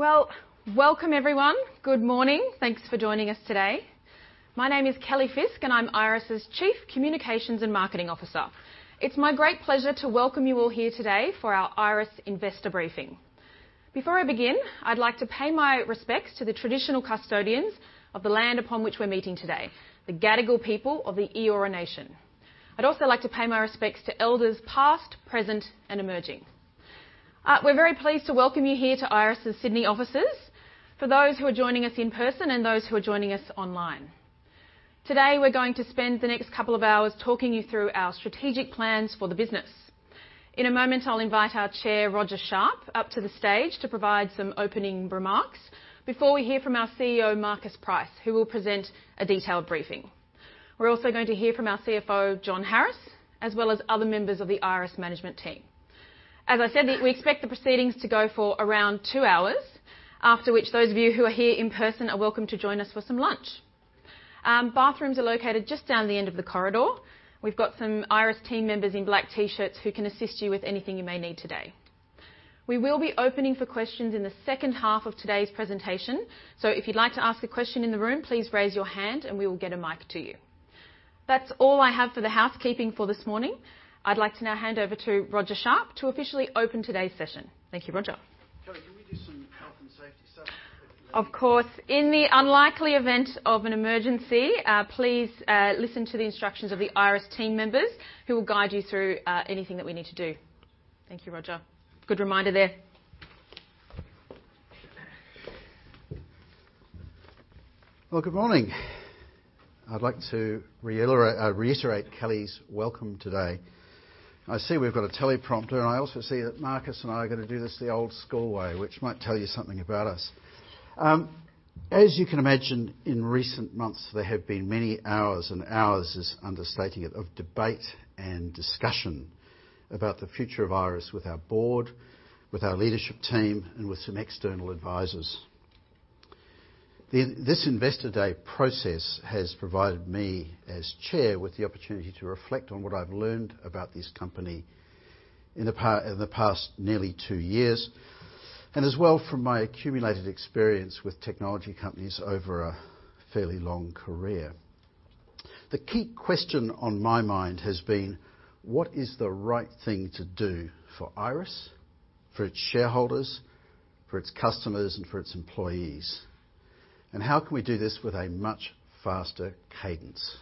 Welcome everyone. Good morning. Thanks for joining us today. My name is Kelly Fisk, and I'm Iress's Chief Communications and Marketing Officer. It's my great pleasure to welcome you all here today for our Iress Investor Briefing. Before I begin, I'd like to pay my respects to the traditional custodians of the land upon which we're meeting today, the Gadigal people of the Eora Nation. I'd also like to pay my respects to elders past, present, and emerging. We're very pleased to welcome you here to Iress's Sydney offices, for those who are joining us in person and those who are joining us online. Today we're going to spend the next couple of hours talking you through our strategic plans for the business. In a moment, I'll invite our chair, Roger Sharp, up to the stage to provide some opening remarks before we hear from our CEO, Marcus Price, who will present a detailed briefing. We're also going to hear from our CFO, John Harris, as well as other members of the Iress management team. As I said, we expect the proceedings to go for around two hours, after which those of you who are here in person are welcome to join us for some lunch. Bathrooms are located just down the end of the corridor. We've got some Iress team members in black T-shirts who can assist you with anything you may need today. We will be opening for questions in the second half of today's presentation. If you'd like to ask a question in the room, please raise your hand and we will get a mic to you. That's all I have for the housekeeping for this morning. I'd like to now hand over to Roger Sharp to officially open today's session. Thank you. Roger? Kelly, can we do some health and safety stuff if you may? Of course. In the unlikely event of an emergency, please listen to the instructions of the Iress team members who will guide you through anything that we need to do. Thank you, Roger. Good reminder there. Well, good morning. I'd like to reiterate Kelly's welcome today. I see we've got a teleprompter. I also see that Marcus and I are gonna do this the old school way, which might tell you something about us. As you can imagine, in recent months, there have been many hours, and hours is understating it, of debate and discussion about the future of Iress with our board, with our leadership team, and with some external advisors. This Investor Day process has provided me as chair with the opportunity to reflect on what I've learned about this company in the past nearly two years, as well from my accumulated experience with technology companies over a fairly long career. The key question on my mind has been: What is the right thing to do for Iress, for its shareholders, for its customers, and for its employees? How can we do this with a much faster cadence?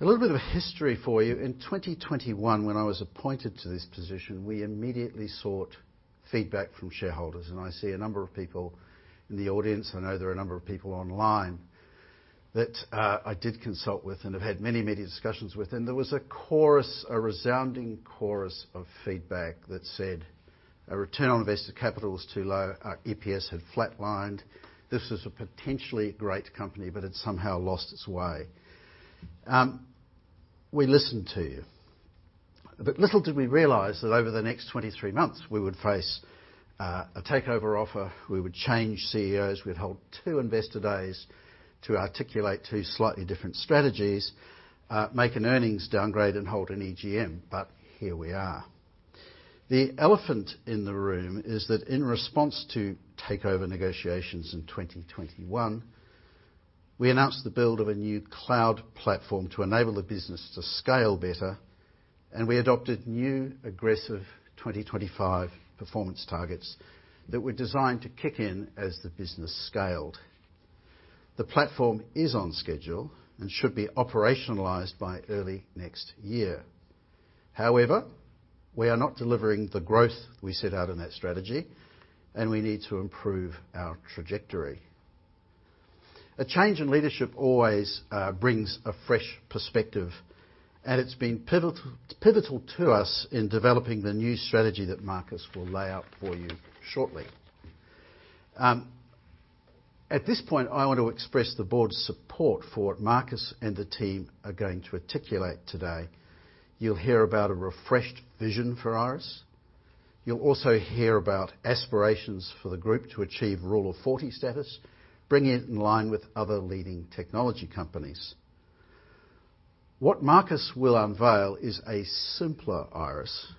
A little bit of a history for you. In 2021, when I was appointed to this position, we immediately sought feedback from shareholders, and I see a number of people in the audience. I know there are a number of people online that I did consult with and have had many media discussions with. There was a chorus, a resounding chorus of feedback that said our return on invested capital was too low. Our EPS had flatlined. This was a potentially great company, but it somehow lost its way. We listened to you. Little did we realize that over the next 23 months we would face, a takeover offer, we would change CEOs, we'd hold two Investor Days to articulate two slightly different strategies, make an earnings downgrade, and hold an EGM, but here we are. The elephant in the room is that in response to takeover negotiations in 2021, we announced the build of a new cloud platform to enable the business to scale better, and we adopted new aggressive 2025 performance targets that were designed to kick in as the business scaled. The platform is on schedule and should be operationalized by early next year. However, we are not delivering the growth we set out in that strategy, and we need to improve our trajectory. A change in leadership always brings a fresh perspective, and it's been pivotal to us in developing the new strategy that Marcus will lay out for you shortly. At this point, I want to express the board's support for what Marcus and the team are going to articulate today. You'll hear about a refreshed vision for Iress. You'll also hear about aspirations for the group to achieve Rule of 40 status, bringing it in line with other leading technology companies. What Marcus will unveil is a simpler Iress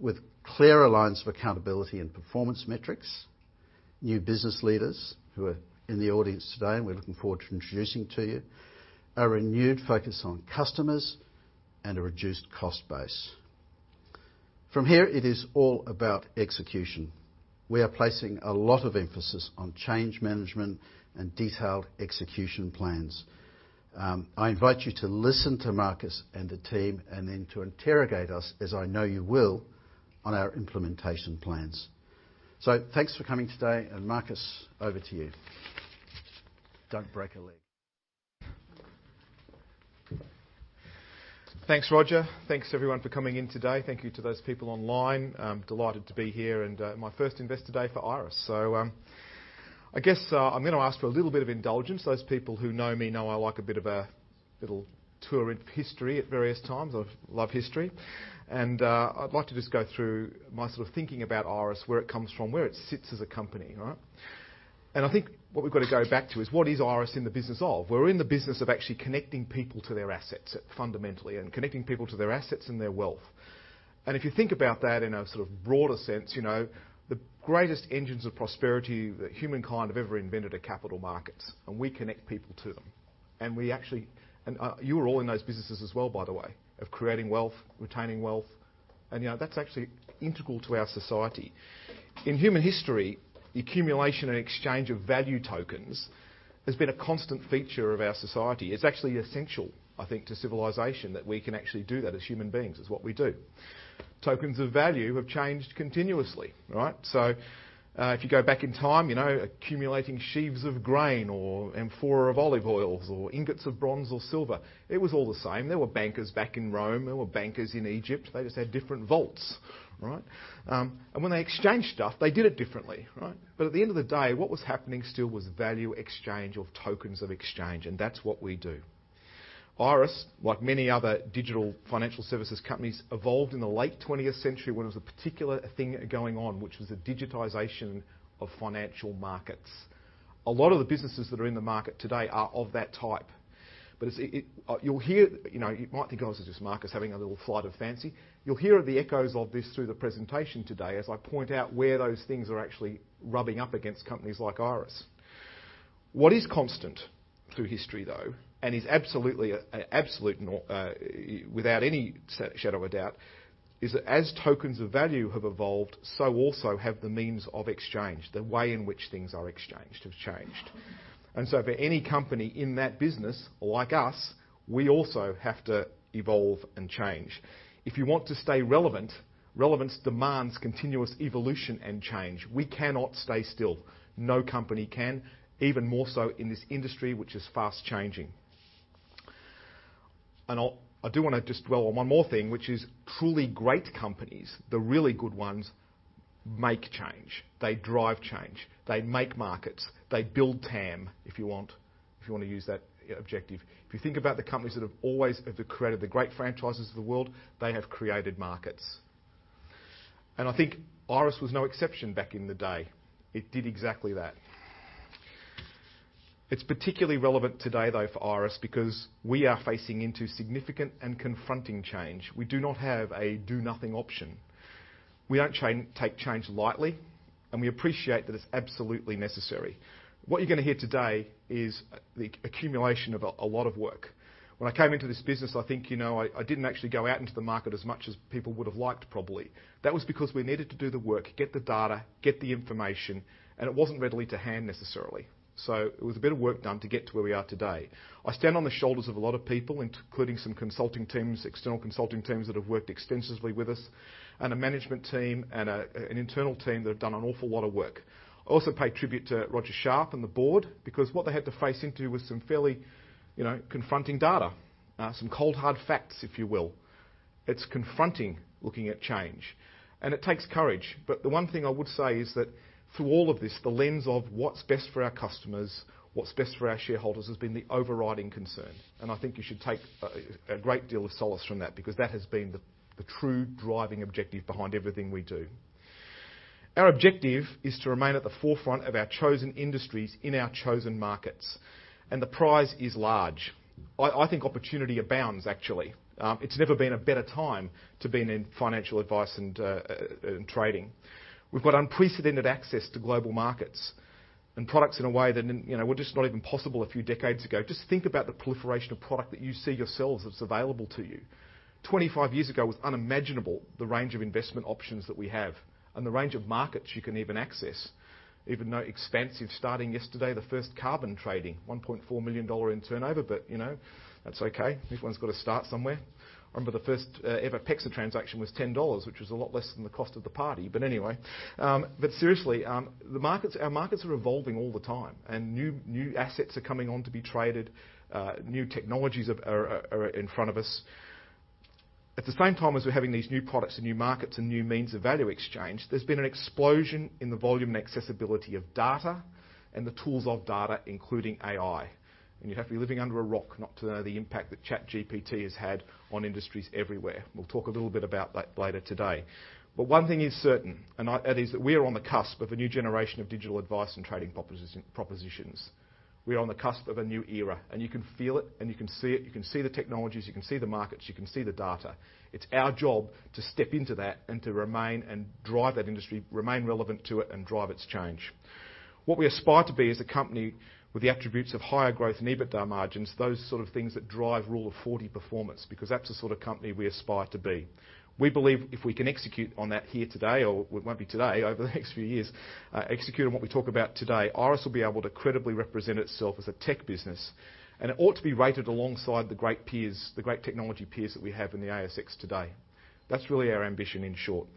with clear lines of accountability and performance metrics, new business leaders who are in the audience today and we're looking forward to introducing to you, a renewed focus on customers, and a reduced cost base. From here, it is all about execution. We are placing a lot of emphasis on change management and detailed execution plans. I invite you to listen to Marcus and the team and then to interrogate us, as I know you will, on our implementation plans. Thanks for coming today. Marcus, over to you. Don't break a leg. Thanks, Roger. Thanks everyone for coming in today. Thank you to those people online. I'm delighted to be here and, my first Investor Day for Iress. I guess, I'm gonna ask for a little bit of indulgence. Those people who know me know I like a bit of a Little tour in history at various times. I love history. I'd like to just go through my sort of thinking about Iress, where it comes from, where it sits as a company, all right? I think what we've got to go back to is, what is Iress in the business of? We're in the business of actually connecting people to their assets, fundamentally, and connecting people to their assets and their wealth. If you think about that in a sort of broader sense, you know, the greatest engines of prosperity that humankind have ever invented are capital markets, and we connect people to them. You're all in those businesses as well, by the way, of creating wealth, retaining wealth, and, you know, that's actually integral to our society. In human history, the accumulation and exchange of value tokens has been a constant feature of our society. It's actually essential, I think, to civilization that we can actually do that as human beings. It's what we do. Tokens of value have changed continuously, right? If you go back in time, you know, accumulating sheaves of grain or amphora of olive oils, or ingots of bronze or silver, it was all the same. There were bankers back in Rome. There were bankers in Egypt. They just had different vaults, right? And when they exchanged stuff, they did it differently, right? At the end of the day, what was happening still was value exchange of tokens of exchange, and that's what we do. Iress, like many other digital financial services companies, evolved in the late twentieth century when there was a particular thing going on, which was the digitization of financial markets. A lot of the businesses that are in the market today are of that type. It's you'll hear, you know, you might think of this as just Marcus having a little flight of fancy. You'll hear the echoes of this through the presentation today as I point out where those things are actually rubbing up against companies like Iress. What is constant through history, though, and is absolutely, an absolute without any shadow of a doubt, is that as tokens of value have evolved, so also have the means of exchange. The way in which things are exchanged have changed. For any company in that business, like us, we also have to evolve and change. If you want to stay relevant, relevance demands continuous evolution and change. We cannot stay still. No company can, even more so in this industry which is fast changing. I do wanna just dwell on one more thing, which is truly great companies, the really good ones, make change. They drive change. They make markets. They build TAM, if you want, if you wanna use that objective. If you think about the companies that have created the great franchises of the world, they have created markets. I think Iress was no exception back in the day. It did exactly that. It's particularly relevant today, though, for Iress because we are facing into significant and confronting change. We do not have a do nothing option. We don't take change lightly, and we appreciate that it's absolutely necessary. What you're gonna hear today is the accumulation of a lot of work. When I came into this business, I think, you know, I didn't actually go out into the market as much as people would've liked probably. That was because we needed to do the work, get the data, get the information, and it wasn't readily to hand necessarily. So it was a bit of work done to get to where we are today. I stand on the shoulders of a lot of people, including some consulting teams, external consulting teams that have worked extensively with us, and a management team and an internal team that have done an awful lot of work. I also pay tribute to Roger Sharp and the board because what they had to face into was some fairly, you know, confronting data. Some cold, hard facts, if you will. It's confronting looking at change, and it takes courage. But the one thing I would say is that through all of this, the lens of what's best for our customers, what's best for our shareholders, has been the overriding concern. And I think you should take a great deal of solace from that, because that has been the true driving objective behind everything we do. Our objective is to remain at the forefront of our chosen industries in our chosen markets, and the prize is large. I think opportunity abounds actually. It's never been a better time to be in financial advice and trading. We've got unprecedented access to global markets and products in a way that, you know, were just not even possible a few decades ago. Just think about the proliferation of product that you see yourselves that's available to you. 25 years ago, it was unimaginable the range of investment options that we have and the range of markets you can even access. Even though Xpansiv, starting yesterday, the first carbon trading, 1.4 million dollar in turnover. You know, that's okay. Everyone's got to start somewhere. I remember the first ever PEXA transaction was $10, which was a lot less than the cost of the party. Anyway. Seriously, the markets, our markets are evolving all the time, and new assets are coming on to be traded, new technologies are in front of us. At the same time as we're having these new products and new markets and new means of value exchange, there's been an explosion in the volume and accessibility of data and the tools of data, including AI. You'd have to be living under a rock not to know the impact that ChatGPT has had on industries everywhere. We'll talk a little bit about that later today. One thing is certain, that is that we are on the cusp of a new generation of digital advice and trading propositions. We are on the cusp of a new era, and you can feel it, and you can see it. You can see the technologies. You can see the markets. You can see the data. It's our job to step into that and to remain and drive that industry, remain relevant to it, and drive its change. What we aspire to be is a company with the attributes of higher growth and EBITDA margins, those sort of things that drive Rule of 40 performance, because that's the sort of company we aspire to be. We believe if we can execute on that here today, or it won't be today, over the next few years, execute on what we talk about today, Iress will be able to credibly represent itself as a tech business, and it ought to be rated alongside the great peers, the great technology peers that we have in the ASX today. That's really our ambition in short.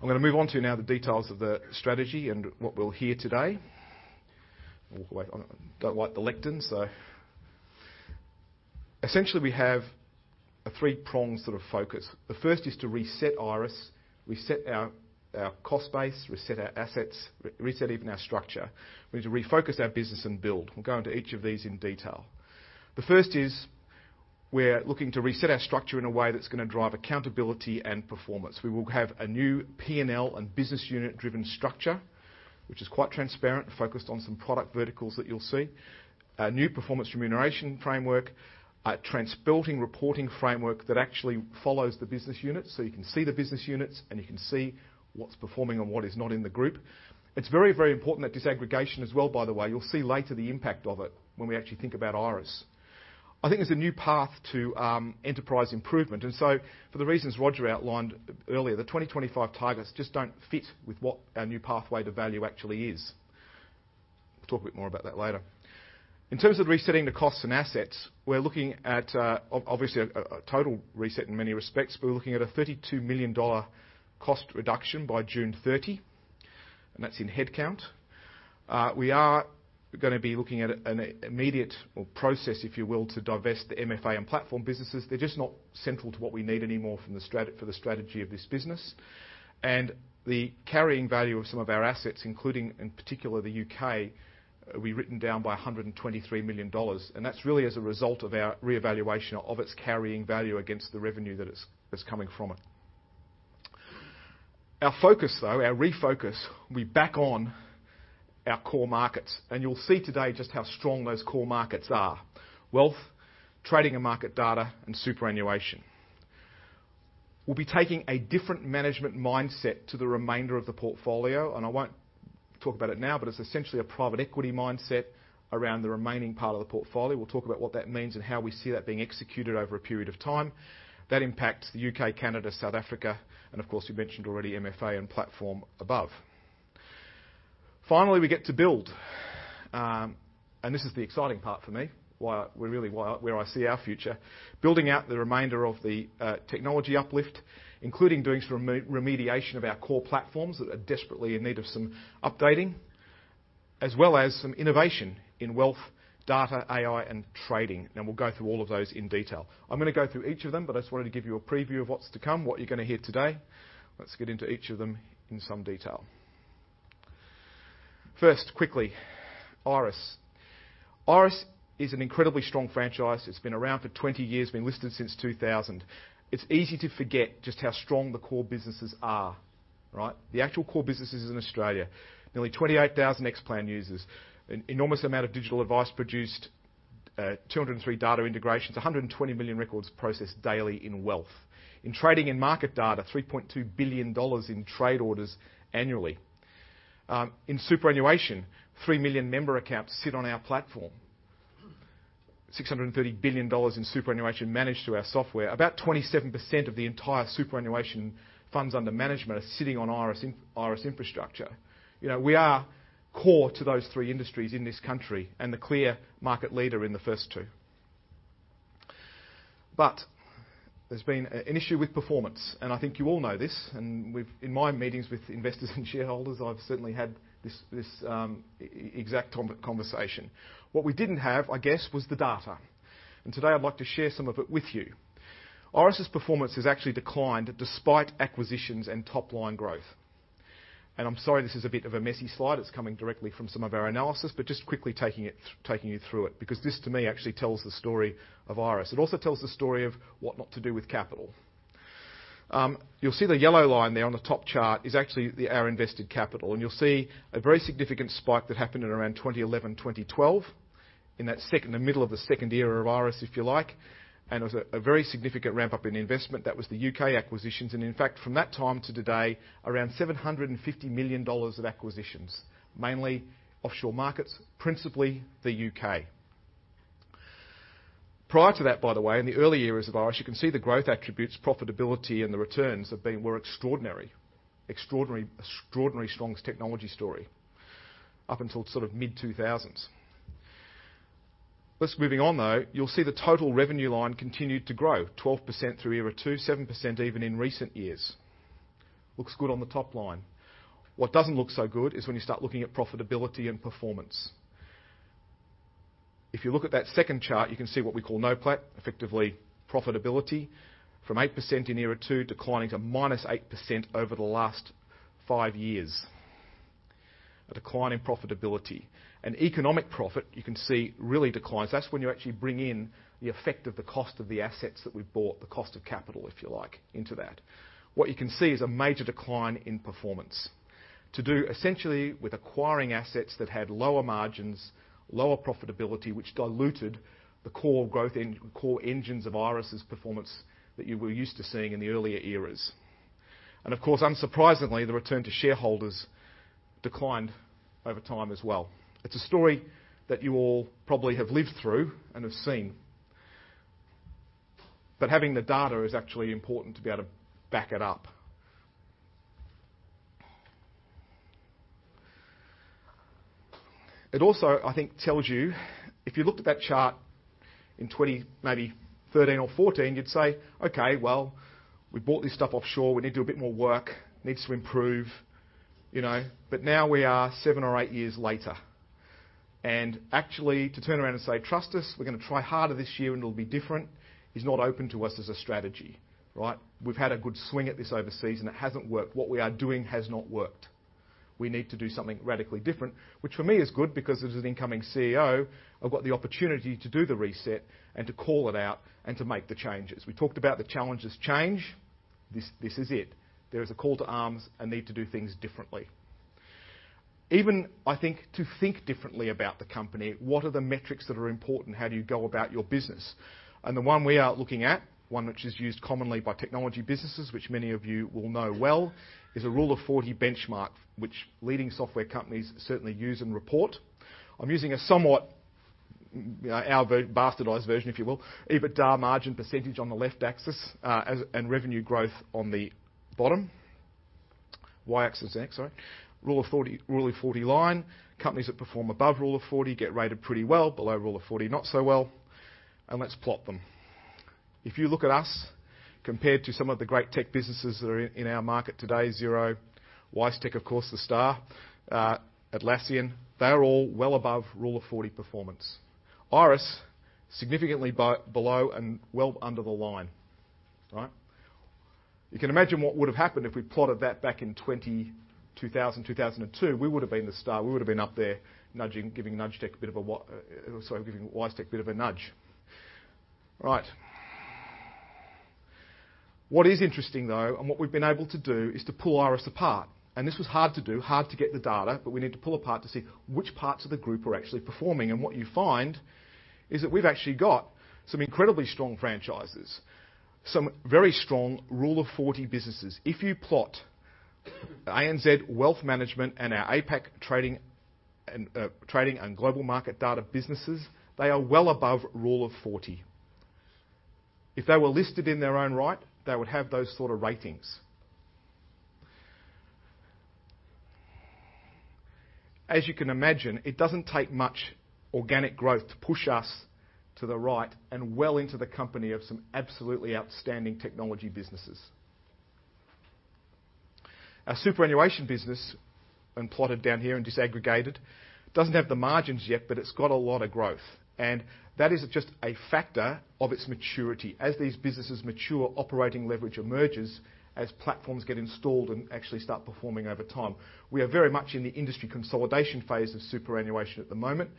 I'm gonna move on to now the details of the strategy and what we'll hear today. Walk away. Don't like the lectern, so. Essentially we have A three-pronged sort of focus. The first is to reset Iress, reset our cost base, reset our assets, reset even our structure. We need to refocus our business and build. We'll go into each of these in detail. The first is we're looking to reset our structure in a way that's gonna drive accountability and performance. We will have a new P&L and business unit-driven structure, which is quite transparent and focused on some product verticals that you'll see. A new performance remuneration framework, a trans-building reporting framework that actually follows the business unit. You can see the business units, and you can see what's performing and what is not in the group. It's very important, that disaggregation as well, by the way, you'll see later the impact of it when we actually think about Iress. I think there's a new path to enterprise improvement. For the reasons Roger outlined earlier, the 2025 targets just don't fit with what our new pathway to value actually is. We'll talk a bit more about that later. In terms of resetting the costs and assets, we're looking at obviously a total reset in many respects, but we're looking at a $32 million cost reduction by June 30, and that's in headcount. We are gonna be looking at an immediate or process, if you will, to divest the MFA and platform businesses. They're just not central to what we need anymore for the strategy of this business. The carrying value of some of our assets, including in particular the U.K., will be written down by $123 million. That's really as a result of our reevaluation of its carrying value against the revenue that is coming from it. Our focus though, our refocus, we back on our core markets. You'll see today just how strong those core markets are: wealth, trading and market data, and superannuation. We'll be taking a different management mindset to the remainder of the portfolio, and I won't talk about it now, but it's essentially a private equity mindset around the remaining part of the portfolio. We'll talk about what that means and how we see that being executed over a period of time. That impacts the U.K., Canada, South Africa, and of course, we mentioned already MFA and Platform above. Finally, we get to build. This is the exciting part for me, where we're really where I see our future, building out the remainder of the technology uplift, including doing some remediation of our core platforms that are desperately in need of some updating, as well as some innovation in wealth, data, AI, and trading. We'll go through all of those in detail. I'm gonna go through each of them, but I just wanted to give you a preview of what's to come, what you're gonna hear today. Let's get into each of them in some detail. First, quickly, Iress. Iress is an incredibly strong franchise. It's been around for 20 years, been listed since 2000. It's easy to forget just how strong the core businesses are, right? The actual core businesses in Australia. Nearly 28,000 Xplan users. An enormous amount of digital advice produced, 203 data integrations, 120 million records processed daily in wealth. In trading and market data, 3.2 billion dollars in trade orders annually. In superannuation, 3 million member accounts sit on our platform. 630 billion dollars in superannuation managed through our software. About 27% of the entire superannuation funds under management are sitting on Iress infrastructure. You know, we are core to those three industries in this country and the clear market leader in the first two. There's been an issue with performance, and I think you all know this, in my meetings with investors and shareholders, I've certainly had this exact conversation. What we didn't have, I guess, was the data. Today I'd like to share some of it with you. Iress's performance has actually declined despite acquisitions and top-line growth. I'm sorry, this is a bit of a messy slide. It's coming directly from some of our analysis, but just quickly taking you through it because this to me actually tells the story of Iress. It also tells the story of what not to do with capital. You'll see the yellow line there on the top chart is actually our invested capital. You'll see a very significant spike that happened at around 2011, 2012 in that the middle of the second era of Iress, if you like, and it was a very significant ramp-up in investment. That was the U.K. acquisitions. In fact, from that time to today, around 750 million dollars of acquisitions, mainly offshore markets, principally the U.K. Prior to that, by the way, in the early eras of Iress, you can see the growth attributes, profitability, and the returns were extraordinary. Extraordinary strong technology story up until sort of mid-2000s. Just moving on, though, you'll see the total revenue line continued to grow, 12% through era two, 7% even in recent years. Looks good on the top line. What doesn't look so good is when you start looking at profitability and performance. If you look at that second chart, you can see what we call NOPLAT, effectively profitability from 8% in era two, declining to -8% over the last five years. A decline in profitability. Economic profit, you can see, really declines. That's when you actually bring in the effect of the cost of the assets that we've bought, the cost of capital, if you like, into that. What you can see is a major decline in performance to do essentially with acquiring assets that had lower margins, lower profitability, which diluted the core growth engines of Iress's performance that you were used to seeing in the earlier eras. Of course, unsurprisingly, the return to shareholders declined over time as well. It's a story that you all probably have lived through and have seen. Having the data is actually important to be able to back it up. It also, I think, tells you if you looked at that chart in 20, maybe 13 or 14, you'd say, "Okay, well, we bought this stuff offshore. We need to do a bit more work. Needs to improve," you know. Now we are seven or eight years later. Actually to turn around and say, "Trust us, we're gonna try harder this year and it'll be different," is not open to us as a strategy, right? We've had a good swing at this over season. It hasn't worked. What we are doing has not worked. We need to do something radically different, which for me is good because as an incoming CEO, I've got the opportunity to do the reset and to call it out and to make the changes. We talked about the challenges change. This is it. There is a call to arms and need to do things differently. Even, I think, to think differently about the company, what are the metrics that are important? How do you go about your business? The one we are looking at, one which is used commonly by technology businesses, which many of you will know well, is a Rule of 40 benchmark, which leading software companies certainly use and report. I'm using a somewhat, you know, our bastardized version, if you will. EBITDA margin percentage on the left axis and revenue growth on the bottom. Y-axis. Sorry. Rule of 40, Rule of 40 line. Companies that perform above Rule of 40 get rated pretty well. Below Rule of 40, not so well. Let's plot them. If you look at us compared to some of the great tech businesses that are in our market today, Xero, WiseTech, of course, the star, Atlassian, they're all well above Rule of 40 performance. Iress, significantly below and well under the line. All right? You can imagine what would have happened if we plotted that back in 2000, 2002. We would have been the star. We would have been up there nudging, giving Nudgetech a bit of a nudge. All right. What is interesting, though, what we've been able to do, is to pull Iress apart. This was hard to do, hard to get the data, but we need to pull apart to see which parts of the group are actually performing. What you find is that we've actually got some incredibly strong franchises, some very strong Rule of 40 businesses. If you plot the ANZ Wealth Management and our APAC trading and trading and global market data businesses, they are well above Rule of 40. If they were listed in their own right, they would have those sort of ratings. As you can imagine, it doesn't take much organic growth to push us to the right and well into the company of some absolutely outstanding technology businesses. Our superannuation business, and plotted down here and disaggregated, doesn't have the margins yet, but it's got a lot of growth. That is just a factor of its maturity. As these businesses mature, operating leverage emerges as platforms get installed and actually start performing over time. We are very much in the industry consolidation phase of superannuation at the moment,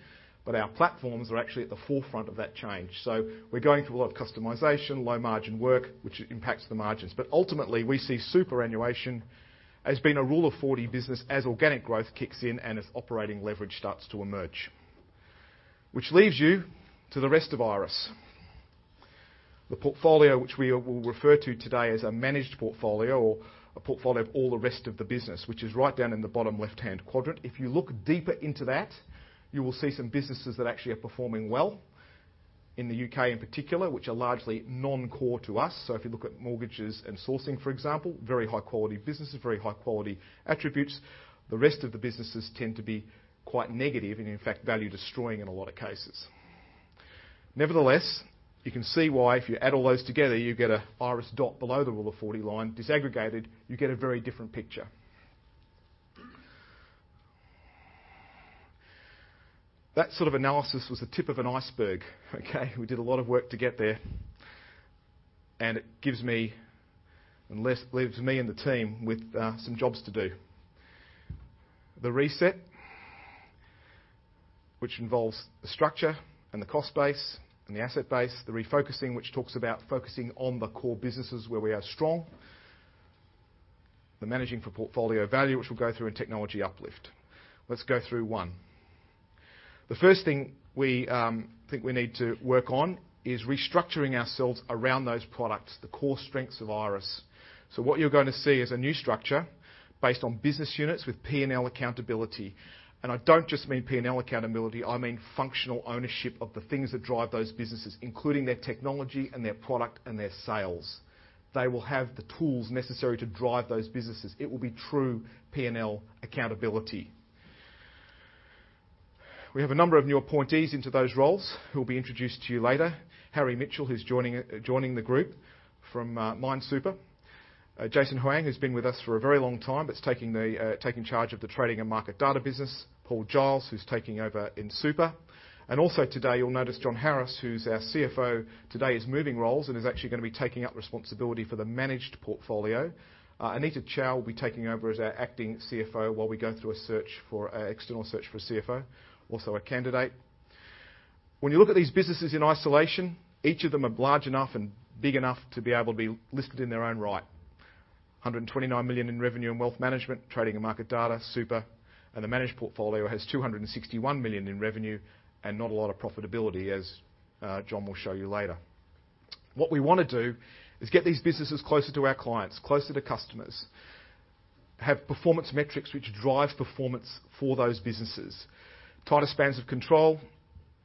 but our platforms are actually at the forefront of that change. We're going through a lot of customization, low margin work, which impacts the margins. Ultimately, we see superannuation as being a Rule of 40 business as organic growth kicks in and as operating leverage starts to emerge. Which leaves you to the rest of Iress. The portfolio which we'll refer to today as a managed portfolio or a portfolio of all the rest of the business, which is right down in the bottom left-hand quadrant. If you look deeper into that, you will see some businesses that actually are performing well in the U.K. in particular, which are largely non-core to us. If you look at mortgages and sourcing, for example, very high quality businesses, very high quality attributes. The rest of the businesses tend to be quite negative and, in fact, value destroying in a lot of cases. Nevertheless, you can see why if you add all those together, you get a Iress dot below the Rule of 40 line. Disaggregated, you get a very different picture. That sort of analysis was the tip of an iceberg. Okay? We did a lot of work to get there. And it gives me, leaves me and the team with some jobs to do. The reset, which involves the structure and the cost base and the asset base. The refocusing, which talks about focusing on the core businesses where we are strong. The managing for portfolio value, which we'll go through in technology uplift. Let's go through one. The first thing we think we need to work on is restructuring ourselves around those products, the core strengths of Iress. So what you're gonna see is a new structure based on business units with P&L accountability. I don't just mean P&L accountability, I mean functional ownership of the things that drive those businesses, including their technology and their product and their sales. They will have the tools necessary to drive those businesses. It will be true P&L accountability. We have a number of new appointees into those roles who will be introduced to you later. Harry Mitchell, who's joining joining the group from Mine Super. Jason Hoang, who's been with us for a very long time, but is taking the taking charge of the trading and market data business. Paul Giles, who's taking over in Super. Also today, you'll notice John Harris, who's our CFO today, is moving roles and is actually gonna be taking up responsibility for the managed portfolio. Anita Chow will be taking over as our Acting CFO while we go through an external search for a CFO, also a candidate. When you look at these businesses in isolation, each of them are large enough and big enough to be able to be listed in their own right. 129 million in revenue and Wealth Management, Trading and Market Data, Super, and the managed portfolio has 261 million in revenue and not a lot of profitability, as John will show you later. What we wanna do is get these businesses closer to our clients, closer to customers. Have performance metrics which drive performance for those businesses. Tighter spans of control.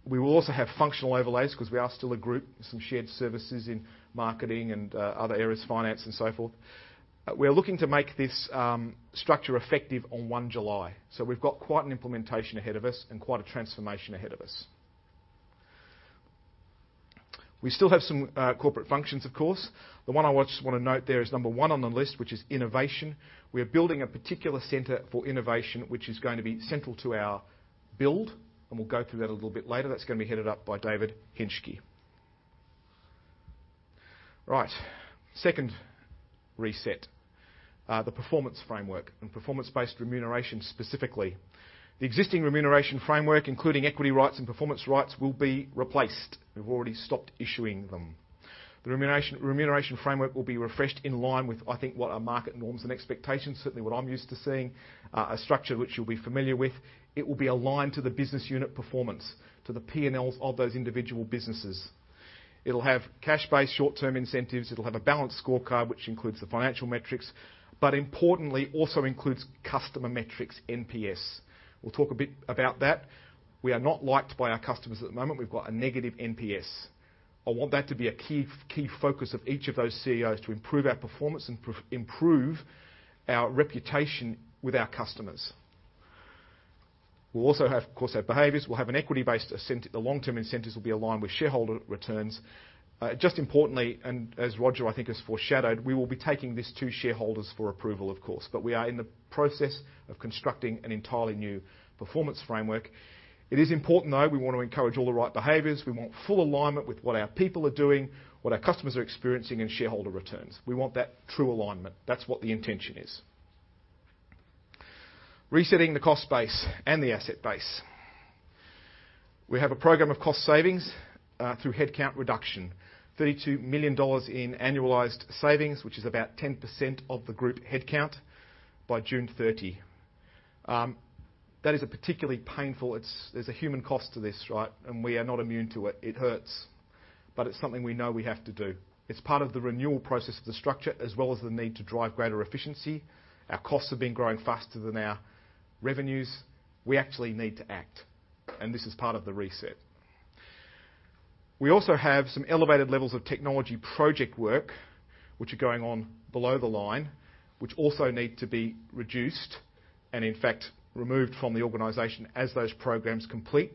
We will also have functional overlays 'cause we are still a group with some shared services in marketing and other areas, finance and so forth. We're looking to make this structure effective on 1 July. We've got quite an implementation ahead of us and quite a transformation ahead of us. We still have some corporate functions, of course. The one I wanna note there is number one on the list, which is innovation. We are building a particular center for innovation, which is going to be central to our build, and we'll go through that a little bit later. That's gonna be headed up by David Hentschke. Second reset, the performance framework and performance-based remuneration specifically. The existing remuneration framework, including equity rights and performance rights, will be replaced. We've already stopped issuing them. The remuneration framework will be refreshed in line with, I think, what are market norms and expectations, certainly what I'm used to seeing. A structure which you'll be familiar with. It will be aligned to the business unit performance, to the P&Ls of those individual businesses. It'll have cash-based short-term incentives. It'll have a balanced scorecard, which includes the financial metrics, but importantly also includes customer metrics, NPS. We'll talk a bit about that. We are not liked by our customers at the moment. We've got a negative NPS. I want that to be a key focus of each of those CEOs to improve our performance and improve our reputation with our customers. We'll also have, of course, our behaviors. The long-term incentives will be aligned with shareholder returns. Just importantly, and as Roger, I think, has foreshadowed, we will be taking this to shareholders for approval, of course. We are in the process of constructing an entirely new performance framework. It is important, though. We want to encourage all the right behaviors. We want full alignment with what our people are doing, what our customers are experiencing, and shareholder returns. We want that true alignment. That's what the intention is. Resetting the cost base and the asset base. We have a program of cost savings, through headcount reduction. 32 million dollars in annualized savings, which is about 10% of the group headcount by June 30. That is a particularly painful. It's a human cost to this, right? We are not immune to it. It hurts, but it's something we know we have to do. It's part of the renewal process of the structure, as well as the need to drive greater efficiency. Our costs have been growing faster than our revenues. We actually need to act, and this is part of the reset. We also have some elevated levels of technology project work, which are going on below the line, which also need to be reduced and, in fact, removed from the organization as those programs complete.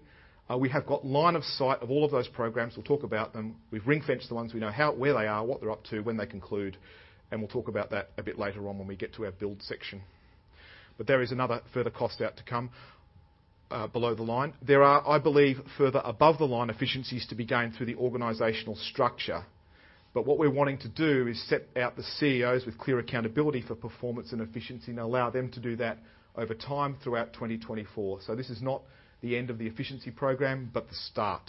We have got line of sight of all of those programs. We'll talk about them. We've ring-fenced the ones we know, how, where they are, what they're up to, when they conclude, and we'll talk about that a bit later on when we get to our build section. There is another further cost out to come, below the line. There are, I believe, further above the line efficiencies to be gained through the organizational structure. What we're wanting to do is set out the CEOs with clear accountability for performance and efficiency and allow them to do that over time throughout 2024. This is not the end of the efficiency program, but the start.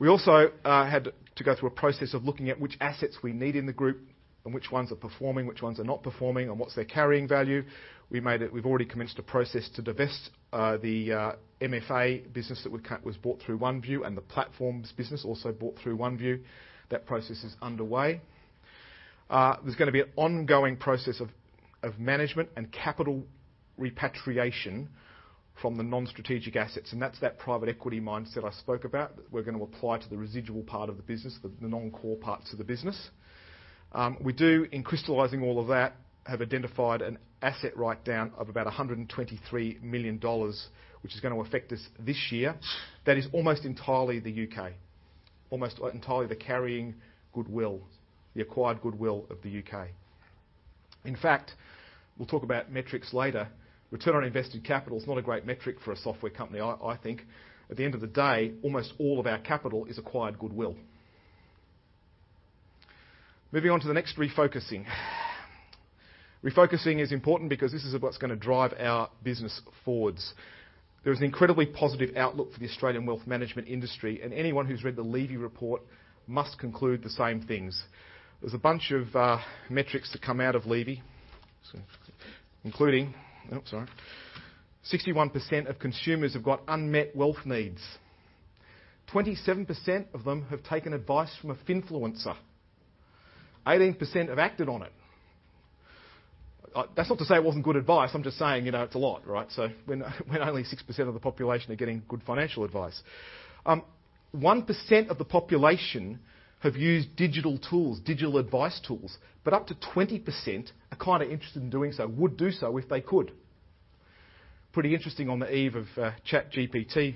We also had to go through a process of looking at which assets we need in the group and which ones are performing, which ones are not performing, and what's their carrying value. We've already commenced a process to divest the MFA business that was bought through OneVue and the platforms business also bought through OneVue. That process is underway. There's gonna be an ongoing process of management and capital repatriation from the non-strategic assets, and that's that private equity mindset I spoke about. We're gonna apply to the residual part of the business, the non-core parts of the business. We do, in crystallizing all of that, have identified an asset write down of about 123 million dollars, which is going to affect us this year. That is almost entirely the U.K. Almost entirely the carrying goodwill, the acquired goodwill of the U.K. In fact, we'll talk about metrics later. Return on invested capital is not a great metric for a software company, I think. At the end of the day, almost all of our capital is acquired goodwill. Moving on to the next, refocusing. Refocusing is important because this is what's gonna drive our business forward. There is an incredibly positive outlook for the Australian wealth management industry, anyone who's read the Levy Review must conclude the same things. There's a bunch of metrics that come out of Levy Review, including, oops, sorry, 61% of consumers have got unmet wealth needs. 27% of them have taken advice from a finfluencer. 18% have acted on it. That's not to say it wasn't good advice. I'm just saying, you know, it's a lot, right? When only 6% of the population are getting good financial advice. 1% of the population have used digital tools, digital advice tools, but up to 20% are kind of interested in doing so, would do so if they could. Pretty interesting on the eve of ChatGPT.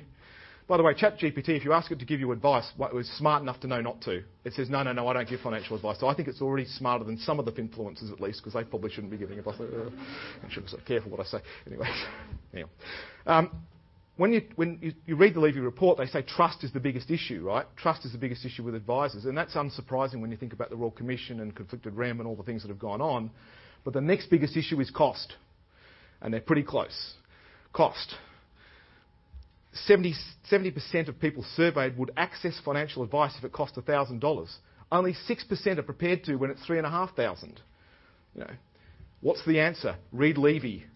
By the way, ChatGPT, if you ask it to give you advice, well, it's smart enough to know not to. It says, "No, no. I don't give financial advice." I think it's already smarter than some of the finfluencers, at least, because they probably shouldn't be giving advice. I should be so careful what I say. Anyways, anyhow. When you read the Levy Review, they say trust is the biggest issue, right? Trust is the biggest issue with advisors, and that's unsurprising when you think about the Royal Commission and conflicted rem and all the things that have gone on. The next biggest issue is cost, and they're pretty close. Cost. 70% of people surveyed would access financial advice if it cost $1,000. Only 6% are prepared to when it's $3,500. You know. What's the answer? Read Levy Review.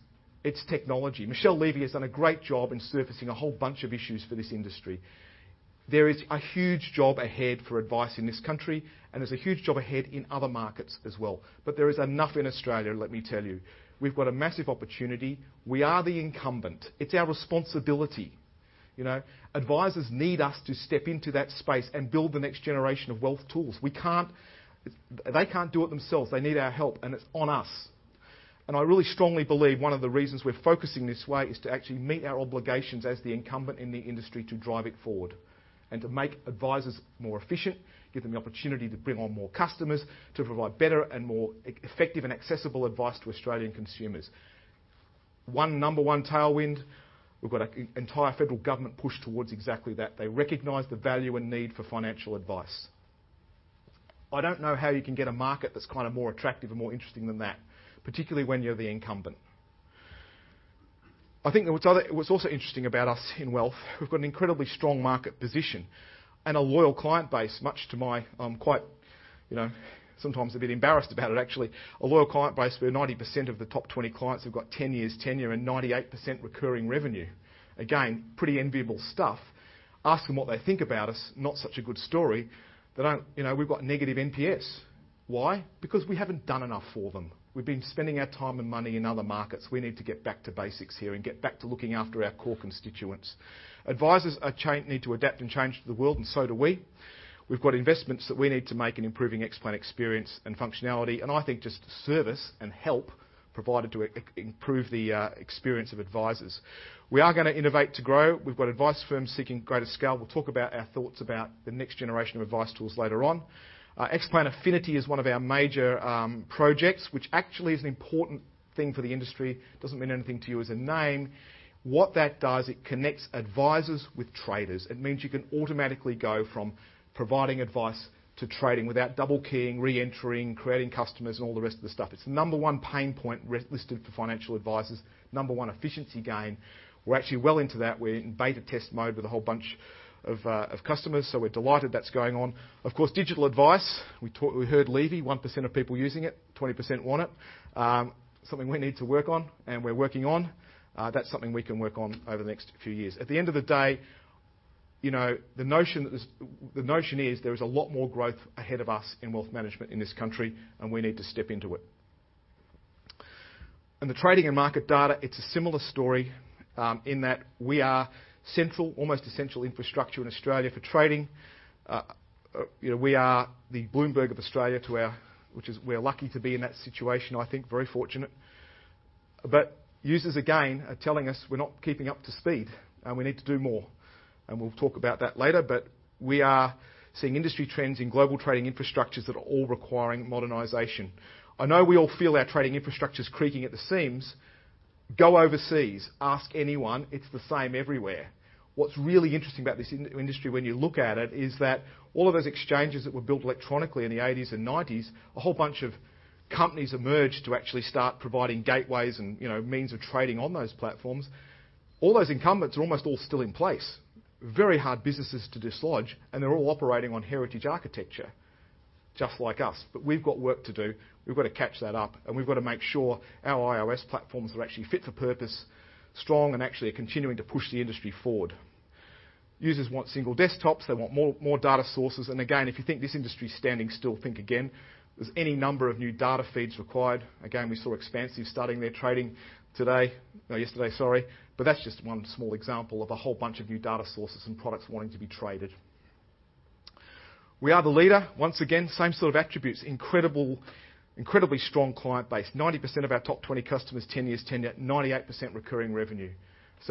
It's technology. Michelle Levy has done a great job in surfacing a whole bunch of issues for this industry. There is a huge job ahead for advice in this country, and there's a huge job ahead in other markets as well. There is enough in Australia, let me tell you. We've got a massive opportunity. We are the incumbent. It's our responsibility. You know. Advisers need us to step into that space and build the next generation of wealth tools. They can't do it themselves. They need our help, and it's on us. I really strongly believe one of the reasons we're focusing this way is to actually meet our obligations as the incumbent in the industry to drive it forward and to make advisors more efficient, give them the opportunity to bring on more customers, to provide better and more effective and accessible advice to Australian consumers. One number one tailwind, we've got an entire federal government push towards exactly that. They recognize the value and need for financial advice. I don't know how you can get a market that's kind of more attractive and more interesting than that, particularly when you're the incumbent. I think what's also interesting about us in Wealth, we've got an incredibly strong market position and a loyal client base, much to my, you know, sometimes a bit embarrassed about it actually. A loyal client base, where 90% of the top 20 clients have got 10 years tenure and 98% recurring revenue. Again, pretty enviable stuff. Ask them what they think about us, not such a good story. You know, we've got negative NPS. Why? Because we haven't done enough for them. We've been spending our time and money in other markets. We need to get back to basics here and get back to looking after our core constituents. Advisers need to adapt and change to the world, and so do we. We've got investments that we need to make in improving Xplan experience and functionality, and I think just service and help provided to improve the experience of advisers. We are gonna innovate to grow. We've got advice firms seeking greater scale. We'll talk about our thoughts about the next generation of advice tools later on. Xplan Affinity is one of our major projects, which actually is an important thing for the industry. Doesn't mean anything to you as a name. What that does, it connects advisers with traders. It means you can automatically go from providing advice to trading without double-keying, re-entering, creating customers, and all the rest of the stuff. It's the number one pain point re-listed for financial advisers. Number one efficiency gain. We're actually well into that. We're in beta test mode with a whole bunch of customers. We're delighted that's going on. Of course, digital advice, we heard Levy, 1% of people using it, 20% want it. Something we need to work on and we're working on. That's something we can work on over the next few years. At the end of the day, you know, the notion is there is a lot more growth ahead of us in wealth management in this country. We need to step into it. The trading and market data, it's a similar story, in that we are central, almost essential infrastructure in Australia for trading. You know, we are the Bloomberg of Australia. We're lucky to be in that situation, I think, very fortunate. Users, again, are telling us we're not keeping up to speed and we need to do more, and we'll talk about that later. We are seeing industry trends in global trading infrastructures that are all requiring modernization. I know we all feel our trading infrastructure's creaking at the seams. Go overseas, ask anyone, it's the same everywhere. What's really interesting about this in-industry when you look at it is that all of those exchanges that were built electronically in the 1980s and 1990s, a whole bunch of companies emerged to actually start providing gateways and, you know, means of trading on those platforms. All those incumbents are almost all still in place. Very hard businesses to dislodge, and they're all operating on heritage architecture, just like us. We've got work to do. We've got to catch that up, we've got to make sure our IOS platforms are actually fit for purpose, strong, and actually are continuing to push the industry forward. Users want single desktops, they want more, more data sources, again, if you think this industry's standing still, think again. There's any number of new data feeds required. Again, we saw Xpansiv starting their trading today, yesterday, sorry, that's just one small example of a whole bunch of new data sources and products wanting to be traded. We are the leader. Once again, same sort of attributes. Incredibly strong client base. 90% of our top 20 customers, 10 years tenure, 98% recurring revenue.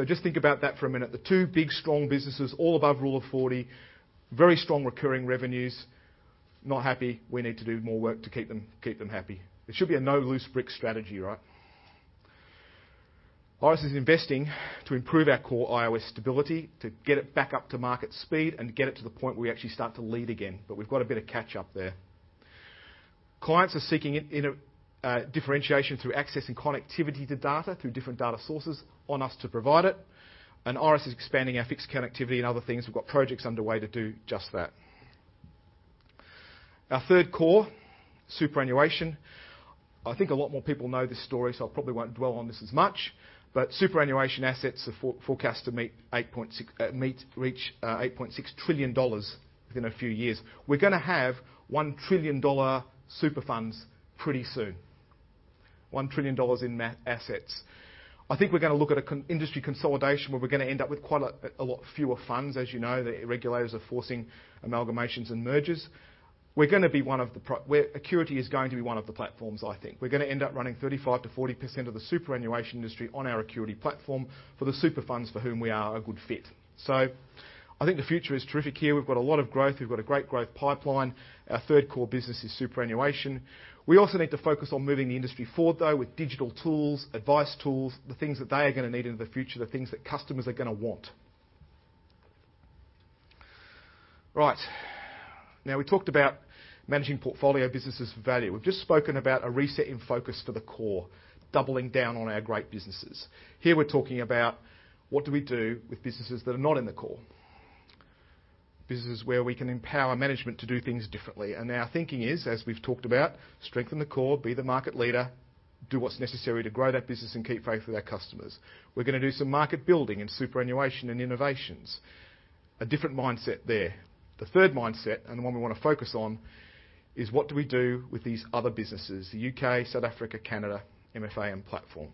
Just think about that for a minute. The two big, strong businesses, all above Rule of 40, very strong recurring revenues, not happy, we need to do more work to keep them happy. It should be a no-loose-brick strategy, right? Iress is investing to improve our core IOS stability, to get it back up to market speed and get it to the point where we actually start to lead again, but we've got a bit of catch-up there. Clients are seeking differentiation through access and connectivity to data, through different data sources on us to provide it, and Iress is expanding our FIX connectivity and other things. We've got projects underway to do just that. Our third core, superannuation. I think a lot more people know this story, so I probably won't dwell on this as much, but superannuation assets are forecast to reach 8.6 trillion dollars within a few years. We're gonna have 1 trillion dollar super funds pretty soon. 1 trillion dollars in assets. I think we're gonna look at an industry consolidation where we're gonna end up with quite a lot fewer funds. As you know, the regulators are forcing amalgamations and mergers. We're gonna be one of the platforms, I think. We're gonna end up running 35%-40% of the superannuation industry on our Acurity platform for the super funds for whom we are a good fit. I think the future is terrific here. We've got a lot of growth. We've got a great growth pipeline. Our third core business is superannuation. We also need to focus on moving the industry forward, though, with digital tools, advice tools, the things that they are gonna need into the future, the things that customers are gonna want. Right. Now, we talked about managing portfolio businesses for value. We've just spoken about a reset in focus for the core, doubling down on our great businesses. Here we're talking about what do we do with businesses that are not in the core. Businesses where we can empower management to do things differently. Our thinking is, as we've talked about, strengthen the core, be the market leader, do what's necessary to grow that business and keep faith with our customers. We're gonna do some market building and superannuation and innovations. A different mindset there. The third mindset, and the one we wanna focus on, is what do we do with these other businesses, U.K., South Africa, Canada, MFA, and Platform.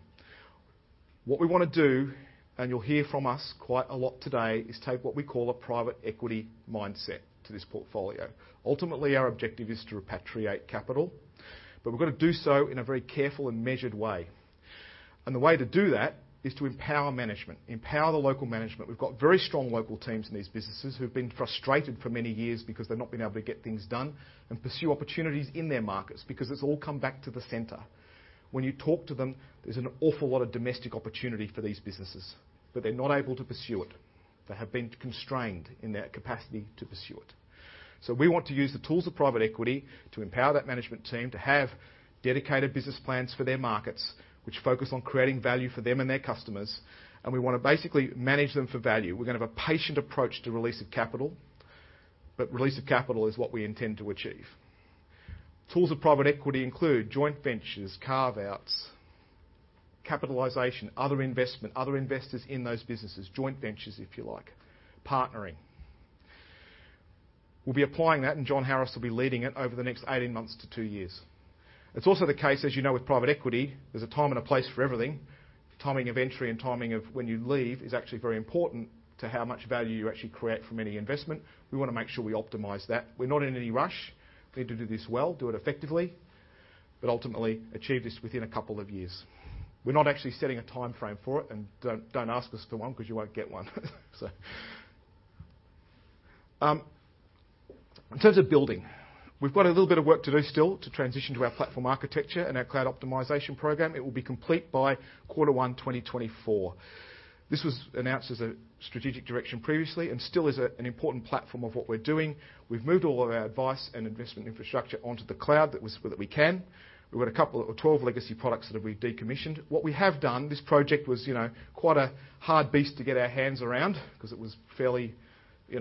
What we want to do, and you'll hear from us quite a lot today, is take what we call a private equity mindset to this portfolio. Ultimately, our objective is to repatriate capital. We're gonna do so in a very careful and measured way. The way to do that is to empower management, empower the local management. We've got very strong local teams in these businesses who've been frustrated for many years because they've not been able to get things done and pursue opportunities in their markets because it's all come back to the center. When you talk to them, there's an awful lot of domestic opportunity for these businesses. They're not able to pursue it. They have been constrained in their capacity to pursue it. We want to use the tools of private equity to empower that management team to have dedicated business plans for their markets, which focus on creating value for them and their customers, and we wanna basically manage them for value. We're gonna have a patient approach to release of capital, but release of capital is what we intend to achieve. Tools of private equity include joint ventures, carve-outs, capitalization, other investment, other investors in those businesses, joint ventures, if you like, partnering. We'll be applying that, and John Harris will be leading it over the next 18 months to two years. It's also the case, as you know, with private equity, there's a time and a place for everything. Timing of entry and timing of when you leave is actually very important to how much value you actually create from any investment. We wanna make sure we optimize that. We're not in any rush. We need to do this well, do it effectively, but ultimately achieve this within a couple of years. We're not actually setting a timeframe for it and don't ask us for one because you won't get one. In terms of building. We've got a little bit of work to do still to transition to our platform architecture and our cloud optimization program. It will be complete by quarter one 2024. This was announced as a strategic direction previously and still is a, an important platform of what we're doing. We've moved all of our advice and investment infrastructure onto the cloud that we can. We've got a couple or 12 legacy products that'll be decommissioned. What we have done, this project was, you know, quite a hard beast to get our hands around because it was fairly, you